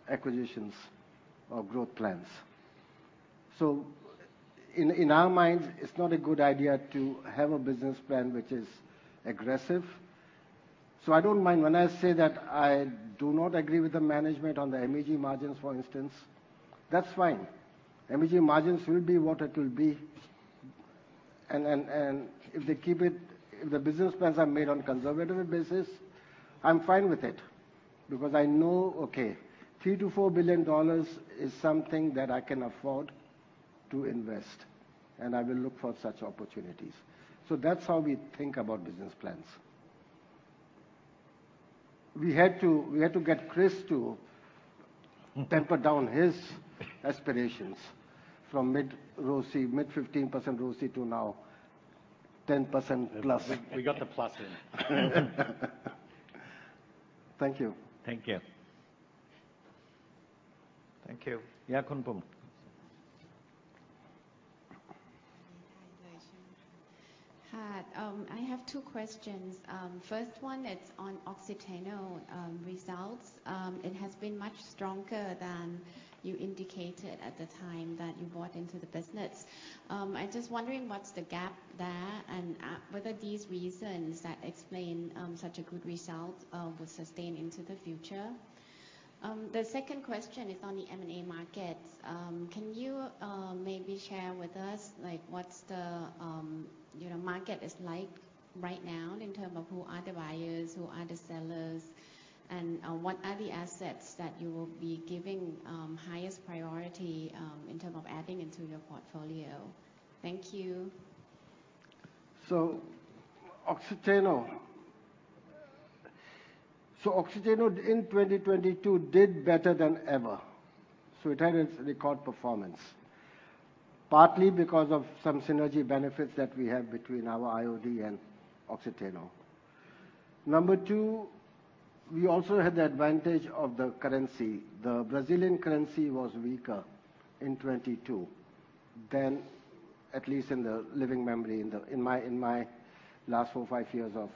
acquisitions or growth plans. In our minds, it's not a good idea to have a business plan which is aggressive. I don't mind when I say that I do not agree with the management on the MEG margins, for instance. That's fine. MEG margins will be what it will be. If they keep it, if the business plans are made on conservative basis, I'm fine with it because I know, okay, $3 billion-$4 billion is something that I can afford to invest, and I will look for such opportunities. That's how we think about business plans. We had to get Chris to temper down his aspirations from mid-15% ROIC to now 10%+. We got the plus in. Thank you. Thank you. Thank you. Yeah, Khun Anson. Hi. I have two questions. First one, it's on Oxiteno results. It has been much stronger than you indicated at the time that you bought into the business. I'm just wondering what's the gap there, and whether these reasons that explain such a good result will sustain into the future. The second question is on the M&A market. Can you maybe share with us, like, what's the, you know, market is like right now in terms of who are the buyers, who are the sellers, and what are the assets that you will be giving highest priority in terms of adding into your portfolio? Thank you. Oxiteno. Oxiteno in 2022 did better than ever. It had its record performance, partly because of some synergy benefits that we have between our IOD and Oxiteno. Number 2, we also had the advantage of the currency. The Brazilian currency was weaker in 2022 than at least in the living memory in my, in my last 4 or 5 years of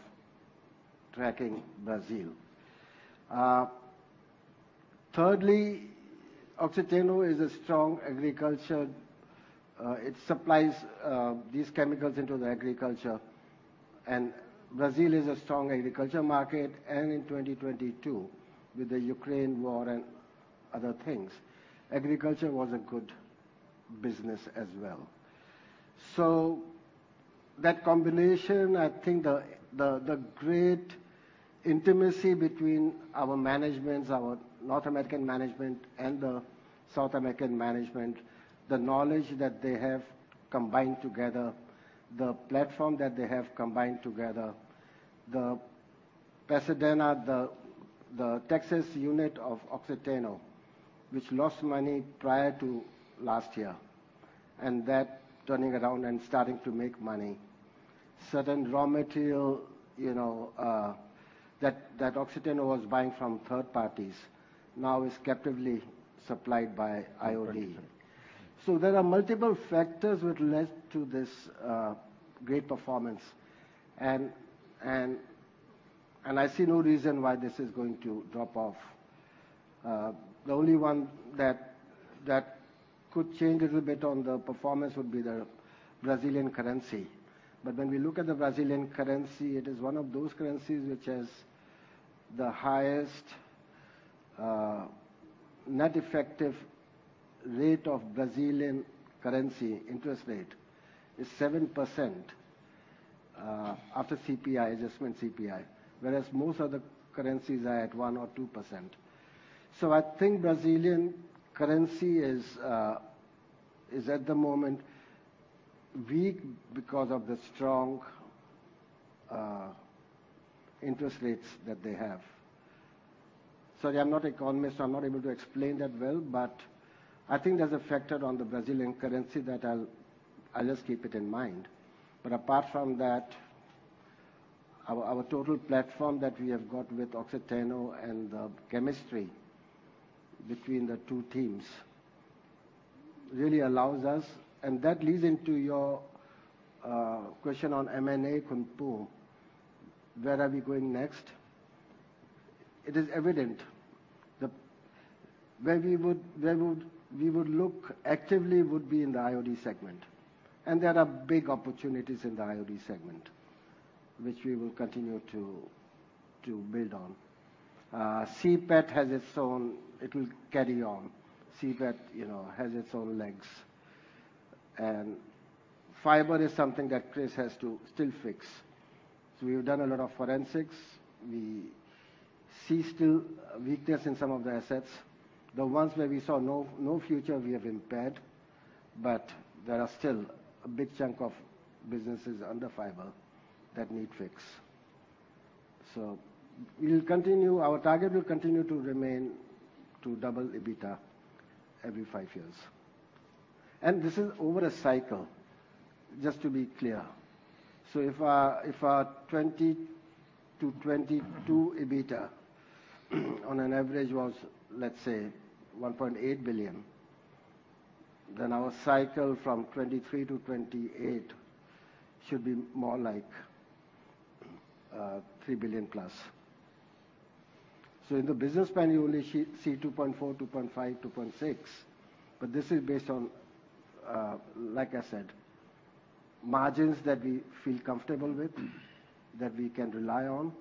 tracking Brazil. Thirdly, Oxiteno is a strong agriculture. It supplies these chemicals into the agriculture, and Brazil is a strong agriculture market. In 2022, with the Ukraine war and other things, agriculture was a good business as well. That combination, I think the, the great intimacy between our managements, our North American management and the South American management, the knowledge that they have combined together, the platform that they have combined together. The Pasadena, the Texas unit of Oxiteno, which lost money prior to last year, and that turning around and starting to make money. Certain raw material, you know, that Oxiteno was buying from third parties now is captively supplied by IOD. There are multiple factors which led to this great performance. I see no reason why this is going to drop off. The only one that could change a little bit on the performance would be the Brazilian currency. When we look at the Brazilian currency, it is one of those currencies which has the highest net effective rate of Brazilian currency interest rate, is 7% after adjustment CPI. Whereas most other currencies are at 1% or 2%. I think Brazilian currency is at the moment weak because of the strong interest rates that they have. Sorry, I'm not economist, I'm not able to explain that well. I think there's a factor on the Brazilian currency that I'll just keep it in mind. Apart from that, our total platform that we have got with Oxiteno and the chemistry between the two teams really allows us. That leads into your question on M&A, Khun Poom. Where are we going next? It is evident where we would look actively would be in the IOD segment. There are big opportunities in the IOD segment, which we will continue to build on. CPET has its own. It will carry on. CPET, you know, has its own legs. Fiber is something that Chris has to still fix. We've done a lot of forensics. We see still weakness in some of the assets. The ones where we saw no future, we have impaired, but there are still a big chunk of businesses under fiber that need fix. We'll continue. Our target will continue to remain to double EBITDA every five years. This is over a cycle, just to be clear. If our 2020-2022 EBITDA on an average was, let's say, $1.8 billion, then our cycle from 2023-2028 should be more like $3 billion+. In the business plan, you only see $2.4 billion, $2.5 billion, $2.6 billion. This is based on, like I said, margins that we feel comfortable with, that we can rely on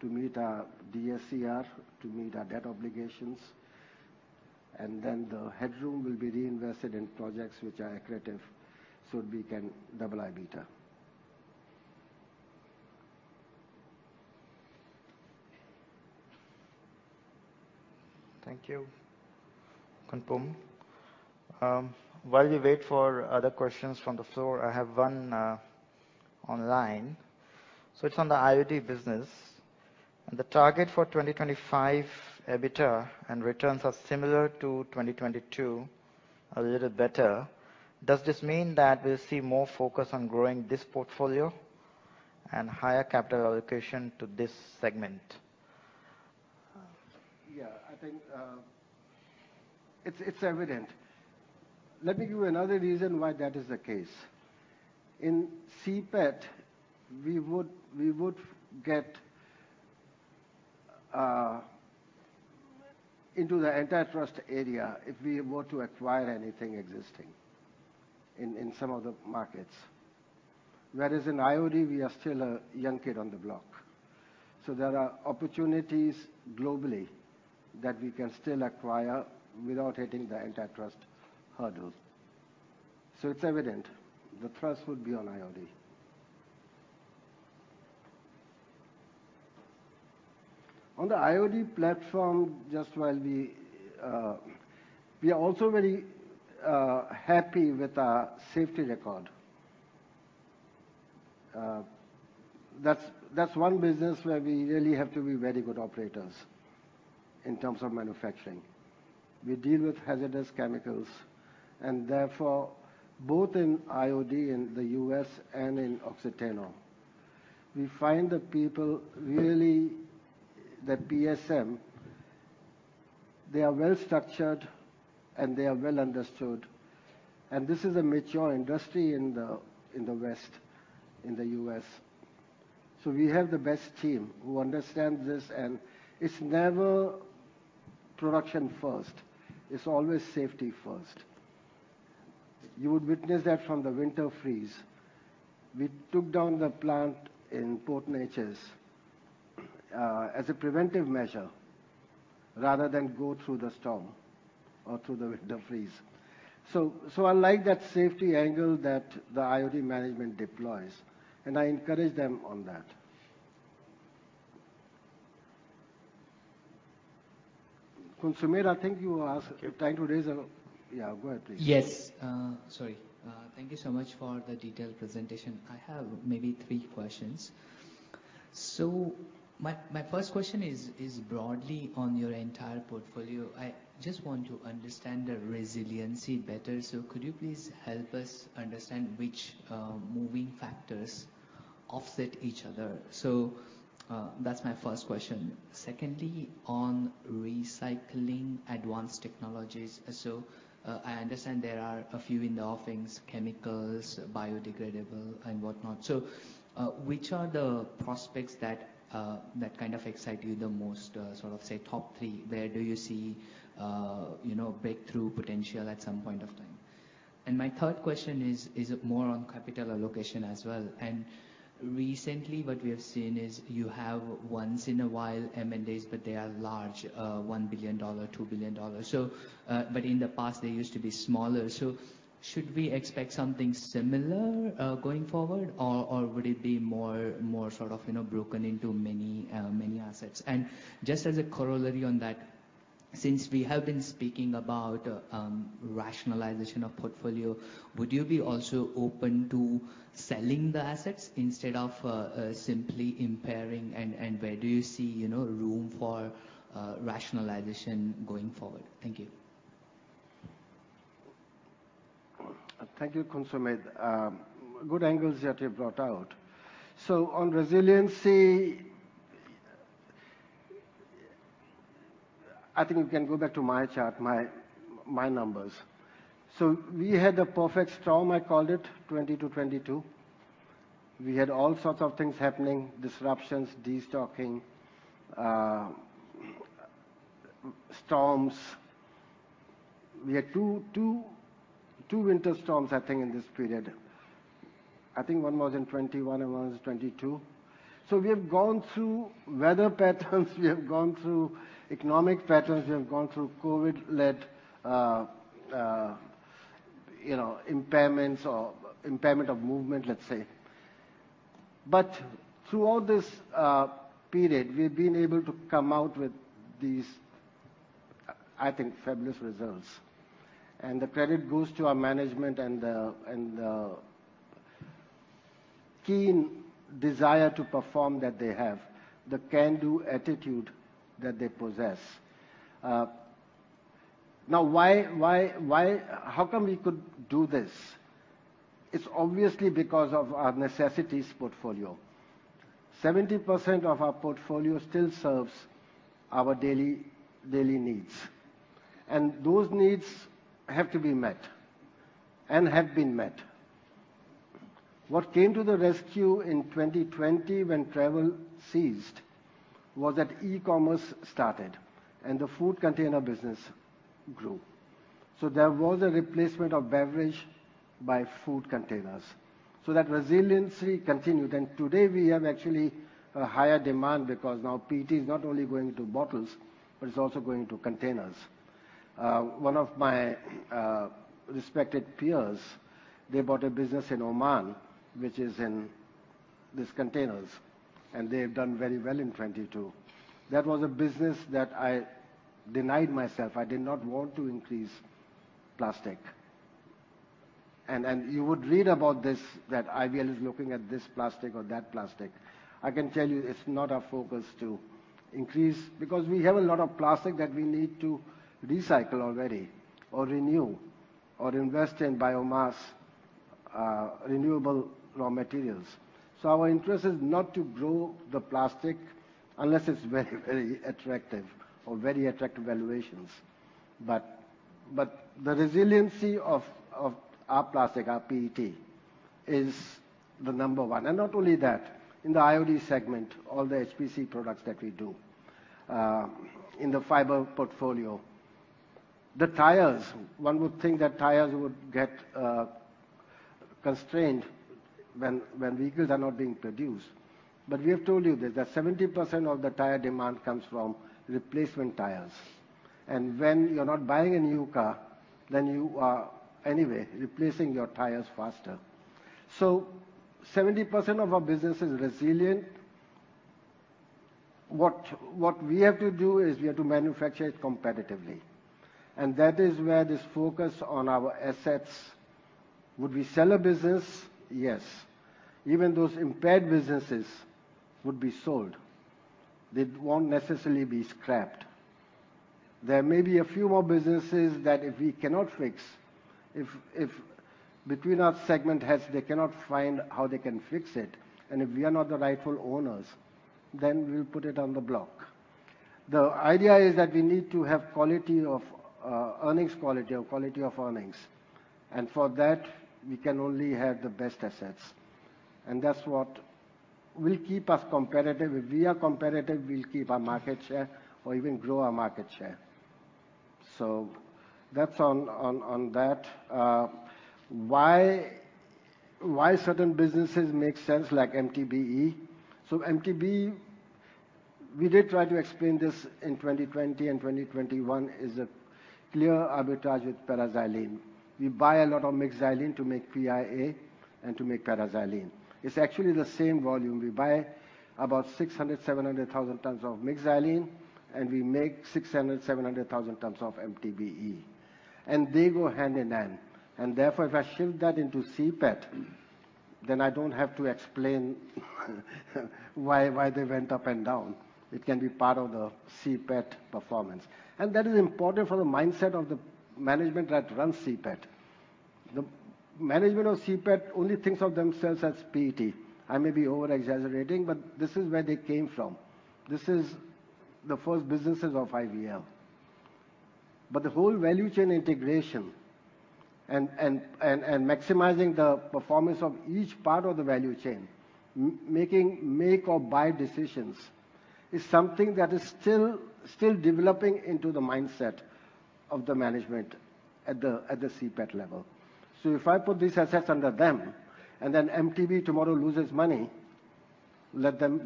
to meet our DSCR, to meet our debt obligations. Then the headroom will be reinvested in projects which are accretive, so we can double our EBITDA. Thank you, Khun Poom. While we wait for other questions from the floor, I have one online. It's on the IOD business. The target for 2025 EBITDA and returns are similar to 2022, a little better. Does this mean that we'll see more focus on growing this portfolio and higher capital allocation to this segment? I think it's evident. Let me give you another reason why that is the case. In CPET, we would get into the antitrust area if we were to acquire anything existing in some of the markets. Whereas in IOD, we are still a young kid on the block. There are opportunities globally that we can still acquire without hitting the antitrust hurdle. It's evident the thrust would be on IOD. On the IOD platform just while we are also very happy with our safety record. That's one business where we really have to be very good operators in terms of manufacturing. We deal with hazardous chemicals and therefore both in IOD in the U.S. and in Oxiteno, we find the people really, the PSM, they are well structured and they are well understood. This is a mature industry in the, in the West, in the U.S. We have the best team who understand this. It's never production first, it's always safety first. You would witness that from the winter freeze. We took down the plant in Port Neches as a preventive measure rather than go through the storm or through the winter freeze. So I like that safety angle that the IOD management deploys, and I encourage them on that. Khun Sumit, I think you are trying to raise a. Yeah, go ahead please. Yes. Sorry. Thank you so much for the detailed presentation. I have maybe three questions. My first question is broadly on your entire portfolio. I just want to understand the resiliency better. Could you please help us understand which moving factors offset each other? That's my first question. Secondly, on recycling advanced technologies. I understand there are a few in the offings, chemicals, biodegradable and whatnot. Which are the prospects that kind of excite you the most? Sort of say top three, where do you see, you know, breakthrough potential at some point of time? My third question is more on capital allocation as well. Recently what we have seen is you have once in a while M&As, but they are large, $1 billion, $2 billion. But in the past, they used to be smaller. Should we expect something similar going forward or would it be more sort of, you know, broken into many assets? Just as a corollary on that, since we have been speaking about rationalization of portfolio, would you be also open to selling the assets instead of simply impairing? Where do you see, you know, room for rationalization going forward? Thank you. Thank you, Khun Sumit. Good angles that you brought out. On resiliency, I think we can go back to my chart, my numbers. We had the perfect storm, I called it, 2020-2022. We had all sorts of things happening, disruptions, destocking, storms. We had two winter storms I think in this period. I think one was in 2021 and one was in 2022. We have gone through weather patterns, we have gone through economic patterns, we have gone through COVID-led, you know, impairments or impairment of movement, let's say. Throughout this period, we've been able to come out with these, I think, fabulous results. The credit goes to our management and the keen desire to perform that they have, the can-do attitude that they possess. Now how come we could do this? It's obviously because of our necessities portfolio. 70% of our portfolio still serves our daily needs. Those needs have to be met and have been met. What came to the rescue in 2020 when travel ceased was that e-commerce started and the food container business grew. There was a replacement of beverage by food containers. That resiliency continued. Today we have actually a higher demand because now PET is not only going to bottles, but it's also going to containers. One of my respected peers, they bought a business in Oman, which is in these containers, and they have done very well in 2022. That was a business that I denied myself. I did not want to increase plastic. You would read about this, that IVL is looking at this plastic or that plastic. I can tell you it's not our focus to increase because we have a lot of plastic that we need to recycle already or renew or invest in biomass, renewable raw materials. Our interest is not to grow the plastic unless it's very, very attractive or very attractive valuations. The resiliency of our plastic, our PET, is the number one. Not only that, in the IOD segment, all the HPC products that we do in the fiber portfolio. The tires, one would think that tires would get constrained when vehicles are not being produced. We have told you this, that 70% of the tire demand comes from replacement tires. When you're not buying a new car, then you are anyway replacing your tires faster. 70% of our business is resilient. What we have to do is we have to manufacture it competitively, and that is where this focus on our assets. Would we sell a business? Yes. Even those impaired businesses would be sold. They won't necessarily be scrapped. There may be a few more businesses that if we cannot fix, if between our segment heads they cannot find how they can fix it, and if we are not the rightful owners, then we'll put it on the block. The idea is that we need to have quality of earnings quality or quality of earnings, and for that we can only have the best assets. That's what will keep us competitive. If we are competitive, we'll keep our market share or even grow our market share. That's on that. Why certain businesses make sense like MTBE. MTBE, we did try to explain this in 2020 and 2021 is a clear arbitrage with paraxylene. We buy a lot of mixed xylene to make PIA and to make paraxylene. It's actually the same volume. We buy about 600,000-700,000 tons of mixed xylene, and we make 600,000-700,000 tons of MTBE. They go hand in hand. Therefore, if I shift that into CPET, then I don't have to explain why they went up and down. It can be part of the CPET performance. That is important for the mindset of the management that runs CPET. The management of CPET only thinks of themselves as PET. I may be over-exaggerating, but this is where they came from. This is the first businesses of IVL. The whole value chain integration and maximizing the performance of each part of the value chain, making make or buy decisions, is something that is still developing into the mindset of the management at the CPET level. If I put these assets under them, and then MTBE tomorrow loses money, let them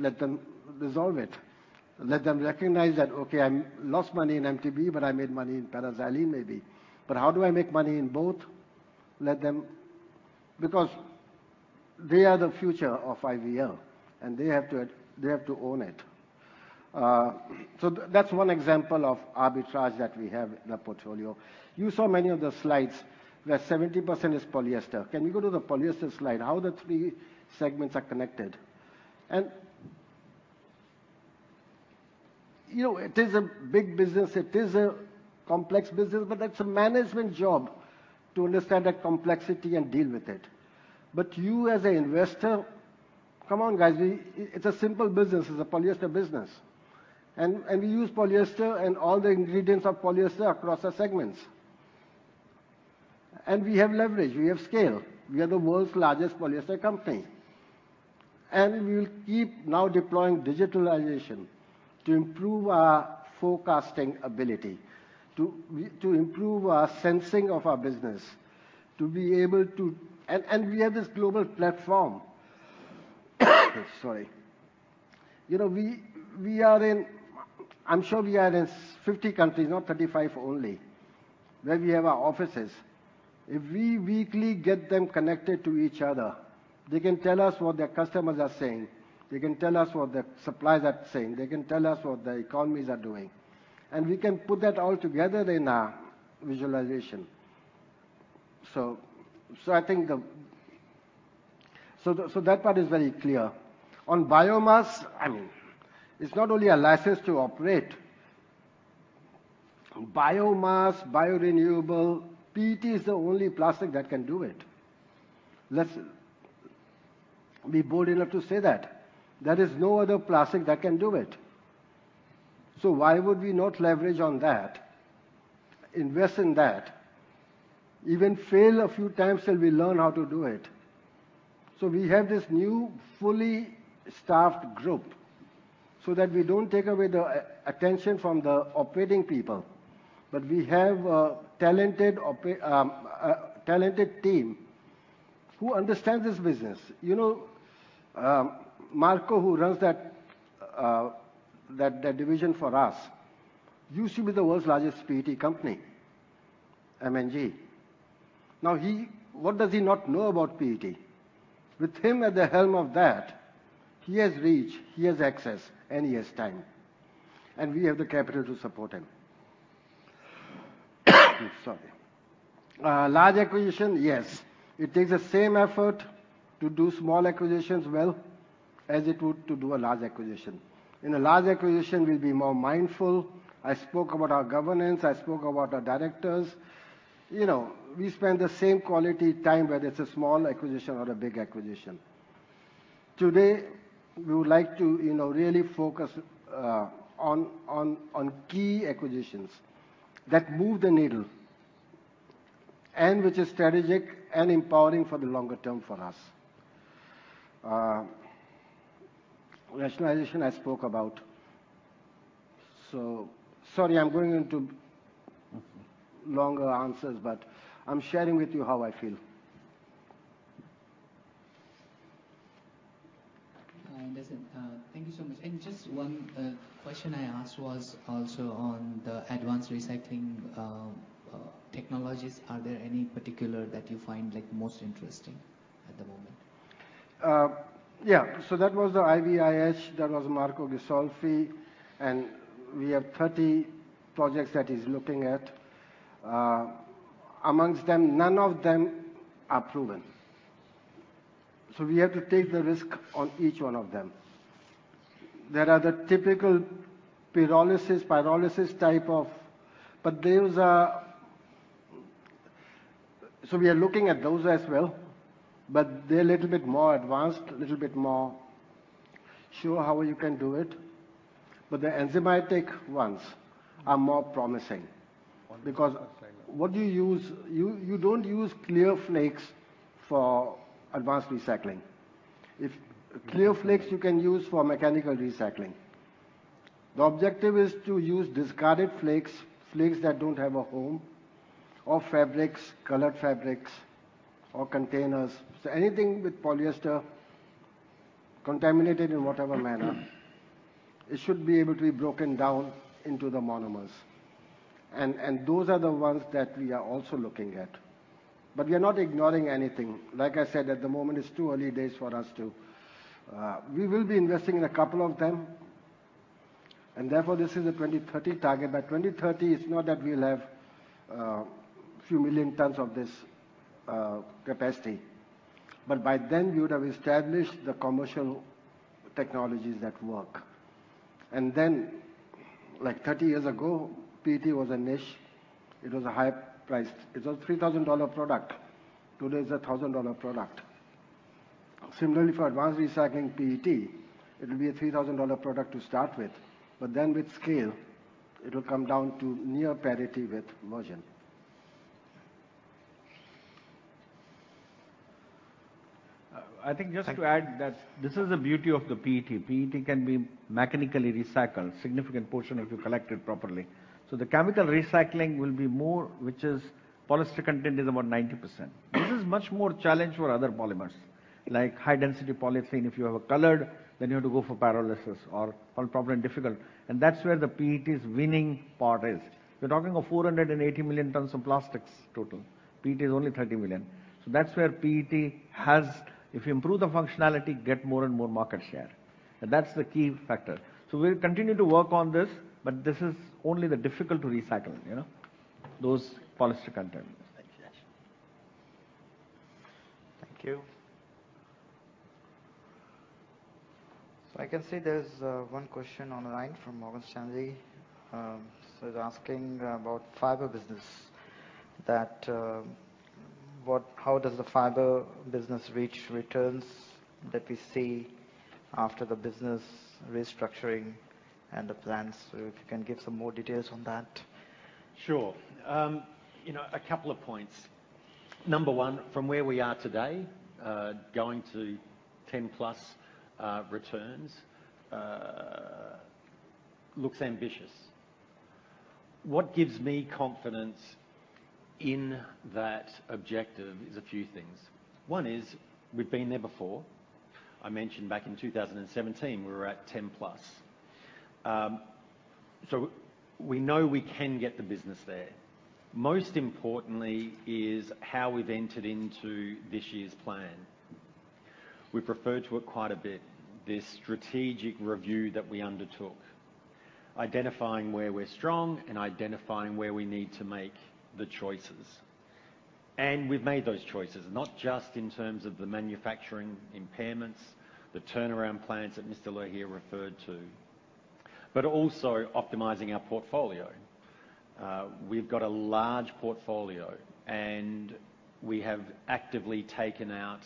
dissolve it. Let them recognize that, "Okay, I lost money in MTBE, but I made money in paraxylene," maybe. How do I make money in both? Let them, because they are the future of IVL, and they have to own it. That's one example of arbitrage that we have in our portfolio. You saw many of the slides where 70% is polyester. Can you go to the polyester slide? How the 3 segments are connected. You know, it is a big business. It is a complex business, but that's a management job to understand that complexity and deal with it. You as a investor, come on, guys, it's a simple business. It's a polyester business. We use polyester and all the ingredients of polyester across our segments. We have leverage. We have scale. We are the world's largest polyester company. We will keep now deploying digitalization to improve our forecasting ability, to improve our sensing of our business, to be able to, we have this global platform. Sorry. You know, we are in, I'm sure we are in 50 countries, not 35 only, where we have our offices. If we weekly get them connected to each other, they can tell us what their customers are saying. They can tell us what their suppliers are saying. They can tell us what the economies are doing. We can put that all together in our visualization. I think the, so that part is very clear. On biomass, I mean, it's not only a license to operate. Biomass, biorenewable PET is the only plastic that can do it. Let's be bold enough to say that. There is no other plastic that can do it. Why would we not leverage on that? Invest in that. Even fail a few times till we learn how to do it. We have this new fully staffed group so that we don't take away the attention from the operating people. We have a talented team who understand this business. You know, Marco Ghisolfi, who runs that division for us, used to be the world's largest PET company. M&G. What does he not know about PET? With him at the helm of that, he has reach, he has access, and he has time, and we have the capital to support him. Sorry. Large acquisition, yes. It takes the same effort to do small acquisitions well as it would to do a large acquisition. In a large acquisition, we'll be more mindful. I spoke about our governance, I spoke about our directors. You know, we spend the same quality time, whether it's a small acquisition or a big acquisition. Today, we would like to, you know, really focus on key acquisitions that move the needle and which is strategic and empowering for the longer term for us. Rationalization I spoke about. Sorry, I'm going into longer answers, but I'm sharing with you how I feel. Hi, thank you so much. Just one question I asked was also on the advanced recycling technologies. Are there any particular that you find like most interesting at the moment? Yeah. That was the IBIS, that was Marco Ghisolfi. We have 30 projects that he's looking at. Amongst them, none of them are proven. We have to take the risk on each one of them. There are the typical pyrolysis type of. We are looking at those as well, but they're a little bit more advanced, a little bit more sure how you can do it. The enzymatic ones are more promising because what you use. You don't use clear flakes for advanced recycling. Clear flakes you can use for mechanical recycling. The objective is to use discarded flakes that don't have a home or fabrics, colored fabrics or containers. Anything with polyester contaminated in whatever manner, it should be able to be broken down into the monomers. Those are the ones that we are also looking at. We are not ignoring anything. Like I said, at the moment it's too early days for us to. We will be investing in a couple of them, and therefore, this is a 2030 target. By 2030, it's not that we'll have few million tons of this capacity, but by then we would have established the commercial technologies that work. Like 30 years ago, PET was a niche. It was a high price. It was a $3,000 product. Today it's a $1,000 product. Similarly, for advanced recycling PET, it will be a $3,000 product to start with. With scale, it will come down to near parity with virgin. I think just to add that this is the beauty of the PET. PET can be mechanically recycled, significant portion if you collect it properly. The chemical recycling will be more, which is polyester content is about 90%. This is much more challenge for other polymers, like high-density polyethylene. If you have a colored, then you have to go for pyrolysis or probably difficult. That's where the PET's winning part is. We're talking of 480 million tons of plastics total. PET is only 30 million. That's where PET has, if you improve the functionality, get more and more market share. That's the key factor. We'll continue to work on this, but this is only the difficult to recycle, you know, those polyester content. Thank you. I can see there's one question online from Morgan Stanley. He's asking about fiber business, that, how does the fiber business reach returns that we see after the business restructuring and the plans? If you can give some more details on that. Sure. you know, a couple of points. Number one, from where we are today, going to 10%+ returns looks ambitious. What gives me confidence in that objective is a few things. One is we've been there before. I mentioned back in 2017, we were at 10%+. We know we can get the business there. Most importantly is how we've entered into this year's plan. We've referred to it quite a bit, this strategic review that we undertook. Identifying where we're strong and identifying where we need to make the choices. We've made those choices, not just in terms of the manufacturing impairments, the turnaround plans that Mr. Lohia referred to, but also optimizing our portfolio. We've got a large portfolio, and we have actively taken out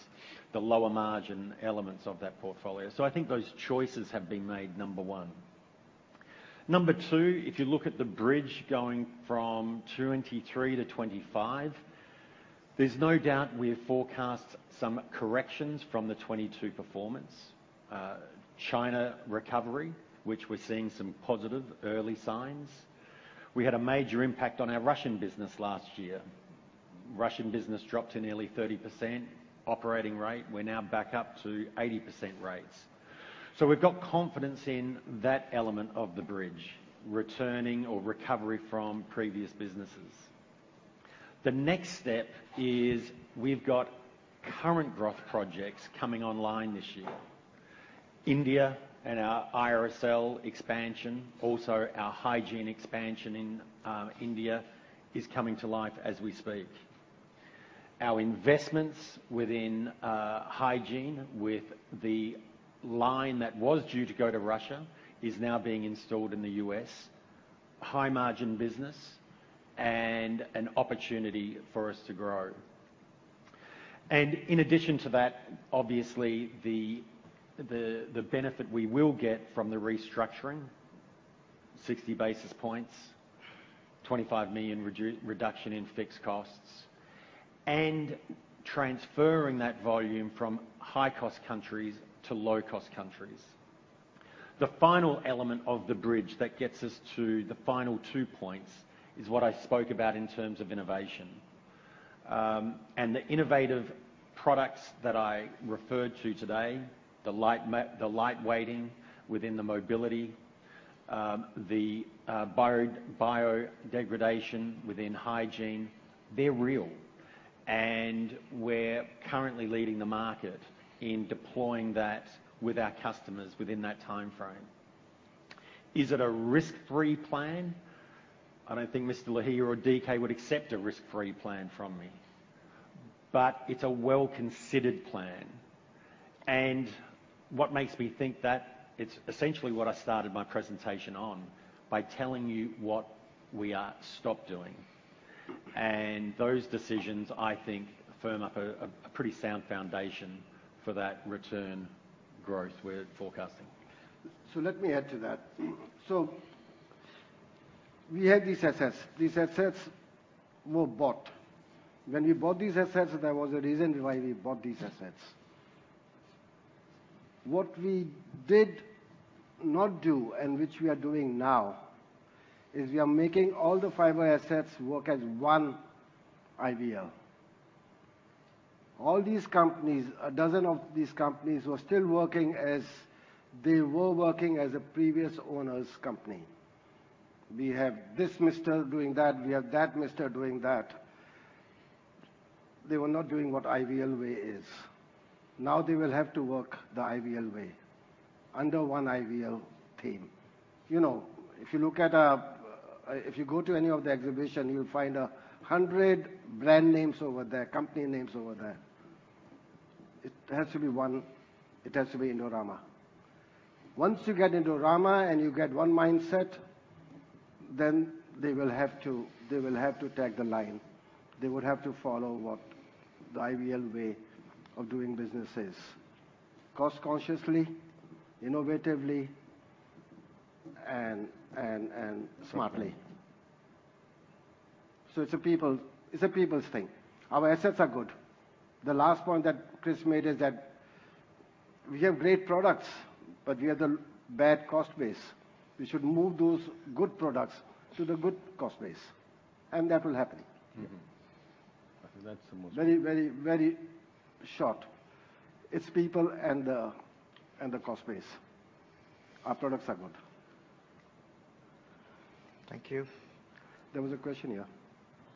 the lower margin elements of that portfolio. I think those choices have been made, number one. Number two, if you look at the bridge going from 2023-2025, there's no doubt we have forecast some corrections from the 2022 performance. China recovery, which we're seeing some positive early signs. We had a major impact on our Russian business last year. Russian business dropped to nearly 30% operating rate. We're now back up to 80% rates. We've got confidence in that element of the bridge, returning or recovery from previous businesses. The next step is we've got current growth projects coming online this year. India and our IRSL expansion, also our hygiene expansion in India is coming to life as we speak. Our investments within hygiene with the line that was due to go to Russia is now being installed in the U.S. High-margin business an opportunity for us to grow. In addition to that, obviously the benefit we will get from the restructuring, 60 basis points, $25 million reduction in fixed costs, and transferring that volume from high-cost countries to low-cost countries. The final element of the bridge that gets us to the final 2 points is what I spoke about in terms of innovation. The innovative products that I referred to today, the light weighting within the mobility, the biodegradation within hygiene, they're real, and we're currently leading the market in deploying that with our customers within that timeframe. Is it a risk-free plan? I don't think Mr. Lohia or D.K. would accept a risk-free plan from me, but it's a well-considered plan. What makes me think that? It's essentially what I started my presentation on, by telling you what we are stopped doing. Those decisions, I think, firm up a pretty sound foundation for that return growth we're forecasting. Let me add to that. We had these assets. These assets were bought. When we bought these assets, there was a reason why we bought these assets. What we did not do, and which we are doing now, is we are making all the fiber assets work as one IVL. All these companies, 12 of these companies, were still working as they were working as a previous owner's company. We have this mister doing that, we have that mister doing that. They were not doing what IVL way is. Now they will have to work the IVL way, under one IVL team. You know, if you go to any of the exhibition, you'll find 100 brand names over there, company names over there. It has to be one. It has to be Indorama. Once you get Indorama and you get one mindset, they will have to tag the line. They would have to follow what the IVL way of doing business is. Cost-consciously, innovatively, and smartl It's a people, it's a people's thing. Our assets are good. The last point that Chris made is that we have great products, but we have the bad cost base. We should move those good products to the good cost base, and that will happen. Very short. It's people and the cost base. Our products are good. Thank you. There was a question here.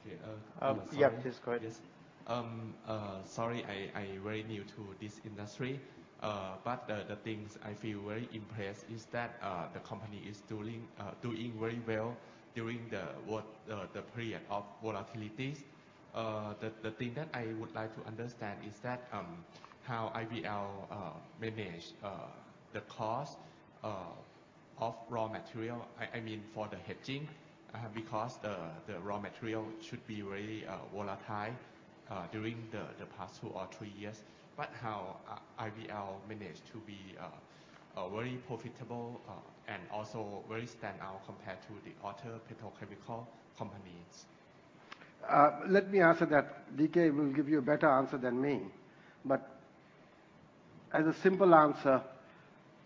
Okay. Yeah, please go ahead. Yes. Sorry, I very new to this industry. The things I feel very impressed is that the company is doing very well during the world, the period of volatilities. The thing that I would like to understand is that how IVL manage the cost of raw material. I mean, for the hedging, because the raw material should be very volatile during the past 2 or 3 years. How IVL manage to be very profitable and also very stand out compared to the other petrochemical companies? Let me answer that. D.K. will give you a better answer than me. As a simple answer,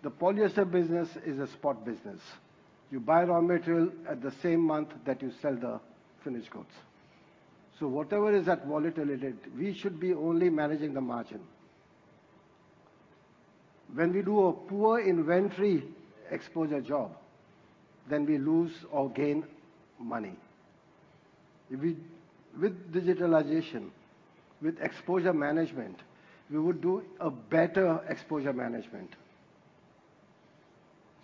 the polyester business is a spot business. You buy raw material at the same month that you sell the finished goods. Whatever is that volatility, we should be only managing the margin. When we do a poor inventory exposure job, then we lose or gain money. With digitalization, with exposure management, we would do a better exposure management.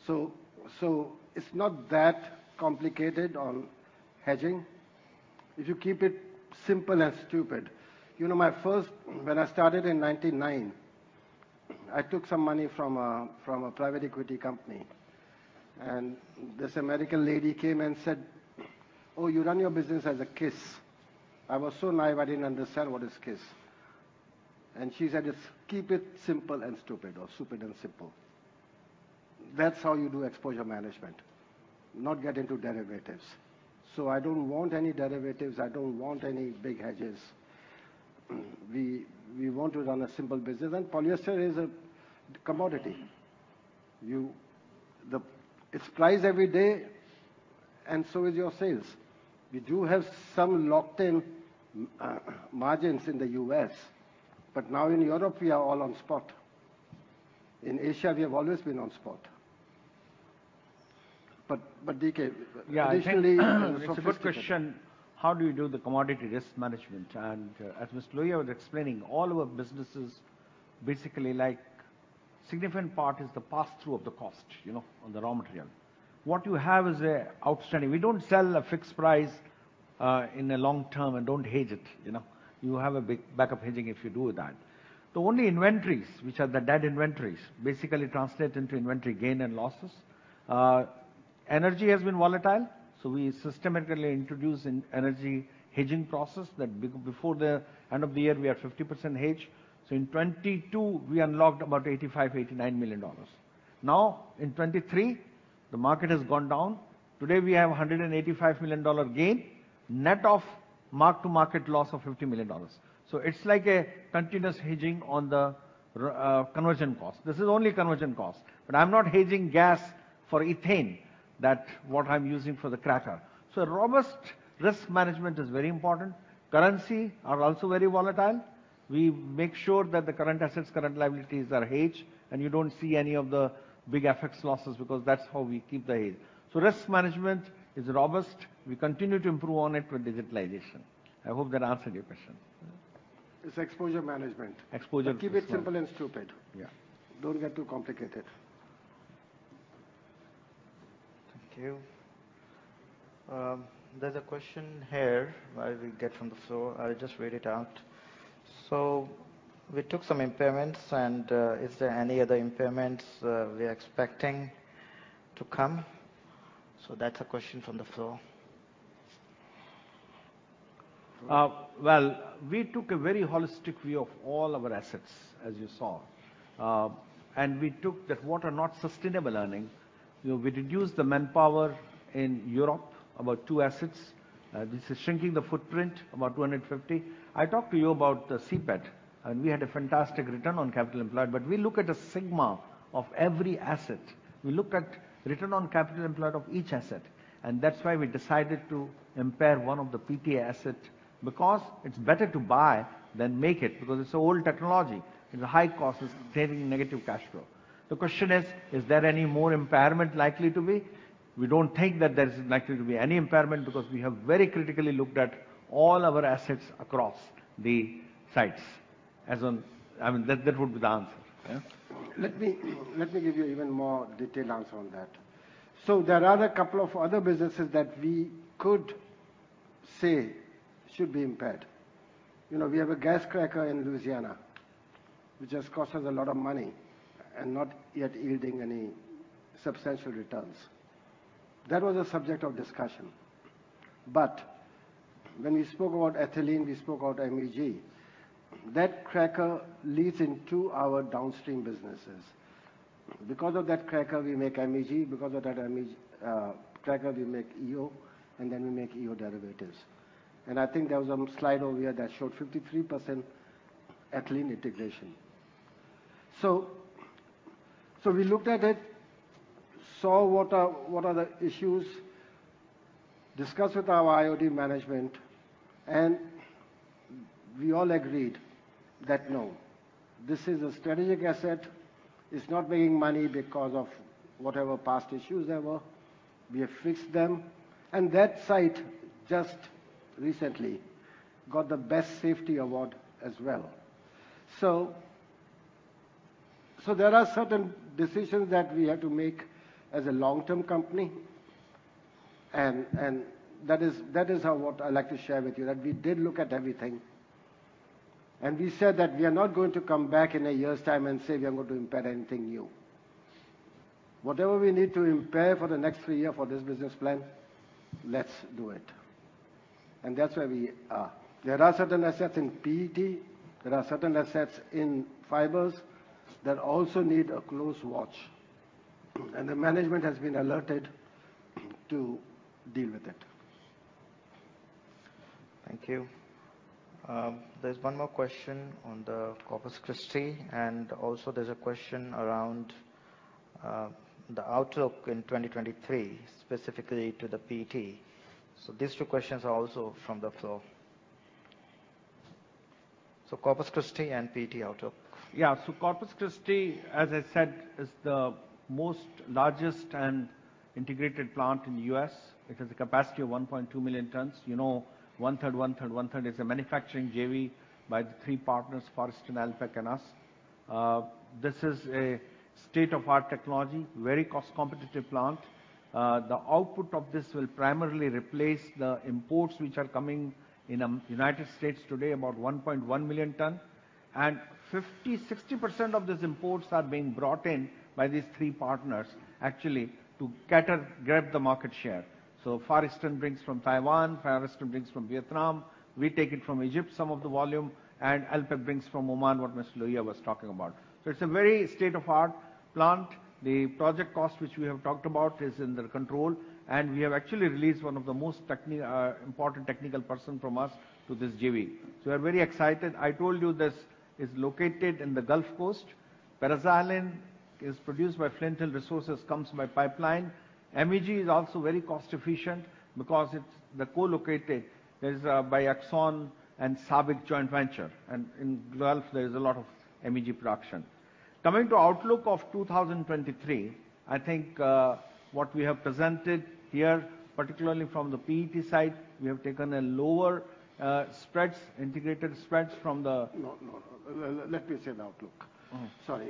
So it's not that complicated on hedging, if you keep it simple and stupid. You know, when I started in 1999, I took some money from a private equity company. This American lady came and said, "Oh, you run your business as a KISS." I was so naive, I didn't understand what is KISS. She said, "It's keep it simple and stupid or stupid and simple." That's how you do exposure management, not get into derivatives. I don't want any derivatives. I don't want any big hedges. We want to run a simple business, and polyester is a commodity. It supplies every day, and so is your sales. We do have some locked-in margins in the U.S., but now in Europe we are all on spot. In Asia, we have always been on spot. D.K. Additionally It's a good question, how do you do the commodity risk management? as Mr. Lohia was explaining, all of our businesses basically like significant part is the pass-through of the cost, you know, on the raw material. We don't sell a fixed price in the long term and don't hedge it, you know? You have a big backup hedging if you do that. The only inventories, which are the dead inventories, basically translate into inventory gain and losses. Energy has been volatile, we systematically introduce an energy hedging process that before the end of the year we are 50% hedged. In 2022 we unlocked about $85 million-$89 million. In 2023, the market has gone down. Today we have a $185 million gain, net of mark-to-market loss of $50 million. It's like a continuous hedging on the conversion cost. This is only conversion cost. I'm not hedging gas for ethane, that what I'm using for the cracker. Robust risk management is very important. Currency are also very volatile. We make sure that the current assets, current liabilities are hedged, and you don't see any of the big FX losses because that's how we keep the hedge. Risk management is robust. We continue to improve on it with digitalization. I hope that answered your question. It's exposure management. Exposure management. Keep it simple and stupid. Don't get too complicated. Thank you. There's a question here while we get from the floor. I'll just read it out. We took some impairments and is there any other impairments we are expecting to come? That's a question from the floor. Well, we took a very holistic view of all our assets, as you saw. We took that what are not sustainable earning. You know, we reduced the manpower in Europe, about two assets. This is shrinking the footprint, about 250. I talked to you about the CPET, and we had a fantastic return on capital employed, but we look at a sigma of every asset. We look at return on capital employed of each asset, and that's why we decided to impair one of the PTA asset because it's better to buy than make it, because it's old technology, and the high cost is creating negative cash flow. The question is there any more impairment likely to be? We don't think that there is likely to be any impairment because we have very critically looked at all our assets across the sites. I mean, that would be the answer. Yeah. Let me give you even more detailed answer on that. There are a couple of other businesses that we could say should be impaired. You know, we have a gas cracker in Louisiana, which has cost us a lot of money and not yet yielding any substantial returns. That was a subject of discussion. When we spoke about ethylene, we spoke about MEG. That cracker leads into our downstream businesses. Because of that cracker, we make MEG. Because of that MEG cracker, we make EO, and then we make EO derivatives. I think there was a slide over here that showed 53% ethylene integration. We looked at it, saw what are the issues, discussed with our IOD management, and we all agreed that, no, this is a strategic asset. It's not making money because of whatever past issues there were. We have fixed them. That site just recently got the best safety award as well. There are certain decisions that we have to make as a long-term company, and that is what I'd like to share with you. That we did look at everything. We said that we are not going to come back in a year's time and say we are going to impair anything new. Whatever we need to impair for the next three year for this business plan, let's do it. That's where we are. There are certain assets in PET, there are certain assets in fibers that also need a close watch, and the management has been alerted to deal with it. Thank you. There's one more question on the Corpus Christi, and also there's a question around, the outlook in 2023, specifically to the PET. These two questions are also from the floor. Corpus Christi and PET outlook. Corpus Christi, as I said, is the most largest and integrated plant in the U.S. It has a capacity of 1.2 million tons. You know, one-third, one-third, one-third is a manufacturing JV by the three partners, Far Eastern, Alpek and us. This is a state-of-art technology, very cost competitive plant. The output of this will primarily replace the imports which are coming in, United States today, about 1.1 million ton. 50%, 60% of these imports are being brought in by these three partners actually to gather, grab the market share. Far Eastern brings from Taiwan, Far Eastern brings from Vietnam, we take it from Egypt, some of the volume, and Alpek brings from Oman, what Mr. Lohia was talking about. It's a very state-of-art plant. The project cost, which we have talked about, is under control. We have actually released one of the most important technical person from us to this JV. We are very excited. I told you this is located in the Gulf Coast. Paraxylene is produced by Flint Hills Resources, comes by pipeline. MEG is also very cost efficient because it's the co-located by ExxonMobil and SABIC joint venture. In Gulf there is a lot of MEG production. Coming to outlook of 2023, I think, what we have presented here, particularly from the PET side, we have taken a lower spreads, integrated spreads from the. No, no. Let me say the outlook. Sorry.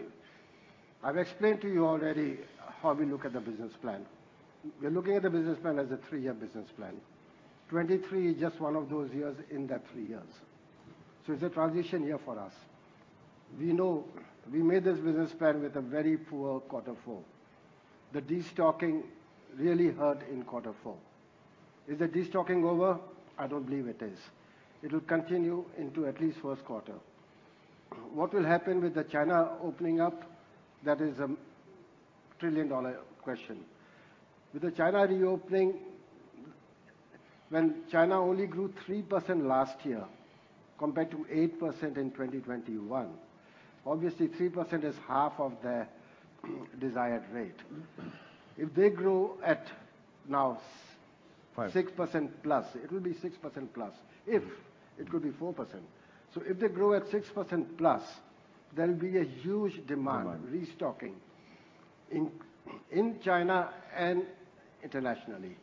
I've explained to you already how we look at the business plan. We're looking at the business plan as a three-year business plan. 223 is just one of those years in that three years. It's a transition year for us. We know we made this business plan with a very poor quarter four. The destocking really hurt in quarter four. Is the destocking over? I don't believe it is. It'll continue into at least first quarter. What will happen with the China opening up? That is a trillion-dollar question. With the China reopening, when China only grew 3% last year compared to 8% in 2021, obviously 3% is half of their desired rate. If they grow at now. 6%+, it will be 6%+, if. It could be 4%. If they grow at 6%+, there'll be a huge demand restocking in China and internationally.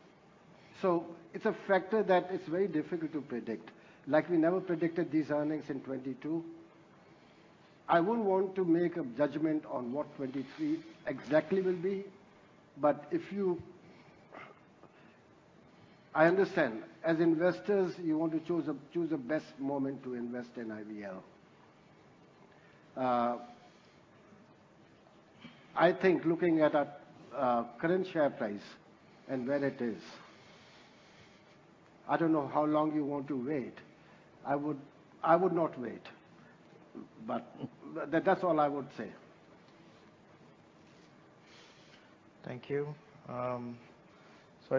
It's a factor that is very difficult to predict. Like we never predicted these earnings in 2022. I wouldn't want to make a judgment on what 2023 exactly will be. I understand. As investors, you want to choose a best moment to invest in IVL. I think looking at our current share price and where it is, I don't know how long you want to wait. I would not wait. That's all I would say. Thank you. I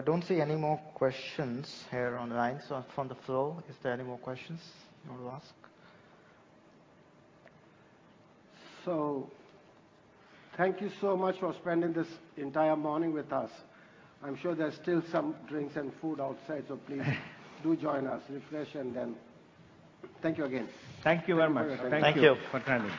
don't see any more questions here online. From the floor, is there any more questions you want to ask? Thank you so much for spending this entire morning with us. I'm sure there's still some drinks and food outside, so please do join us. Refresh. Thank you again. Thank you very much. Thank you. Thank you for attending.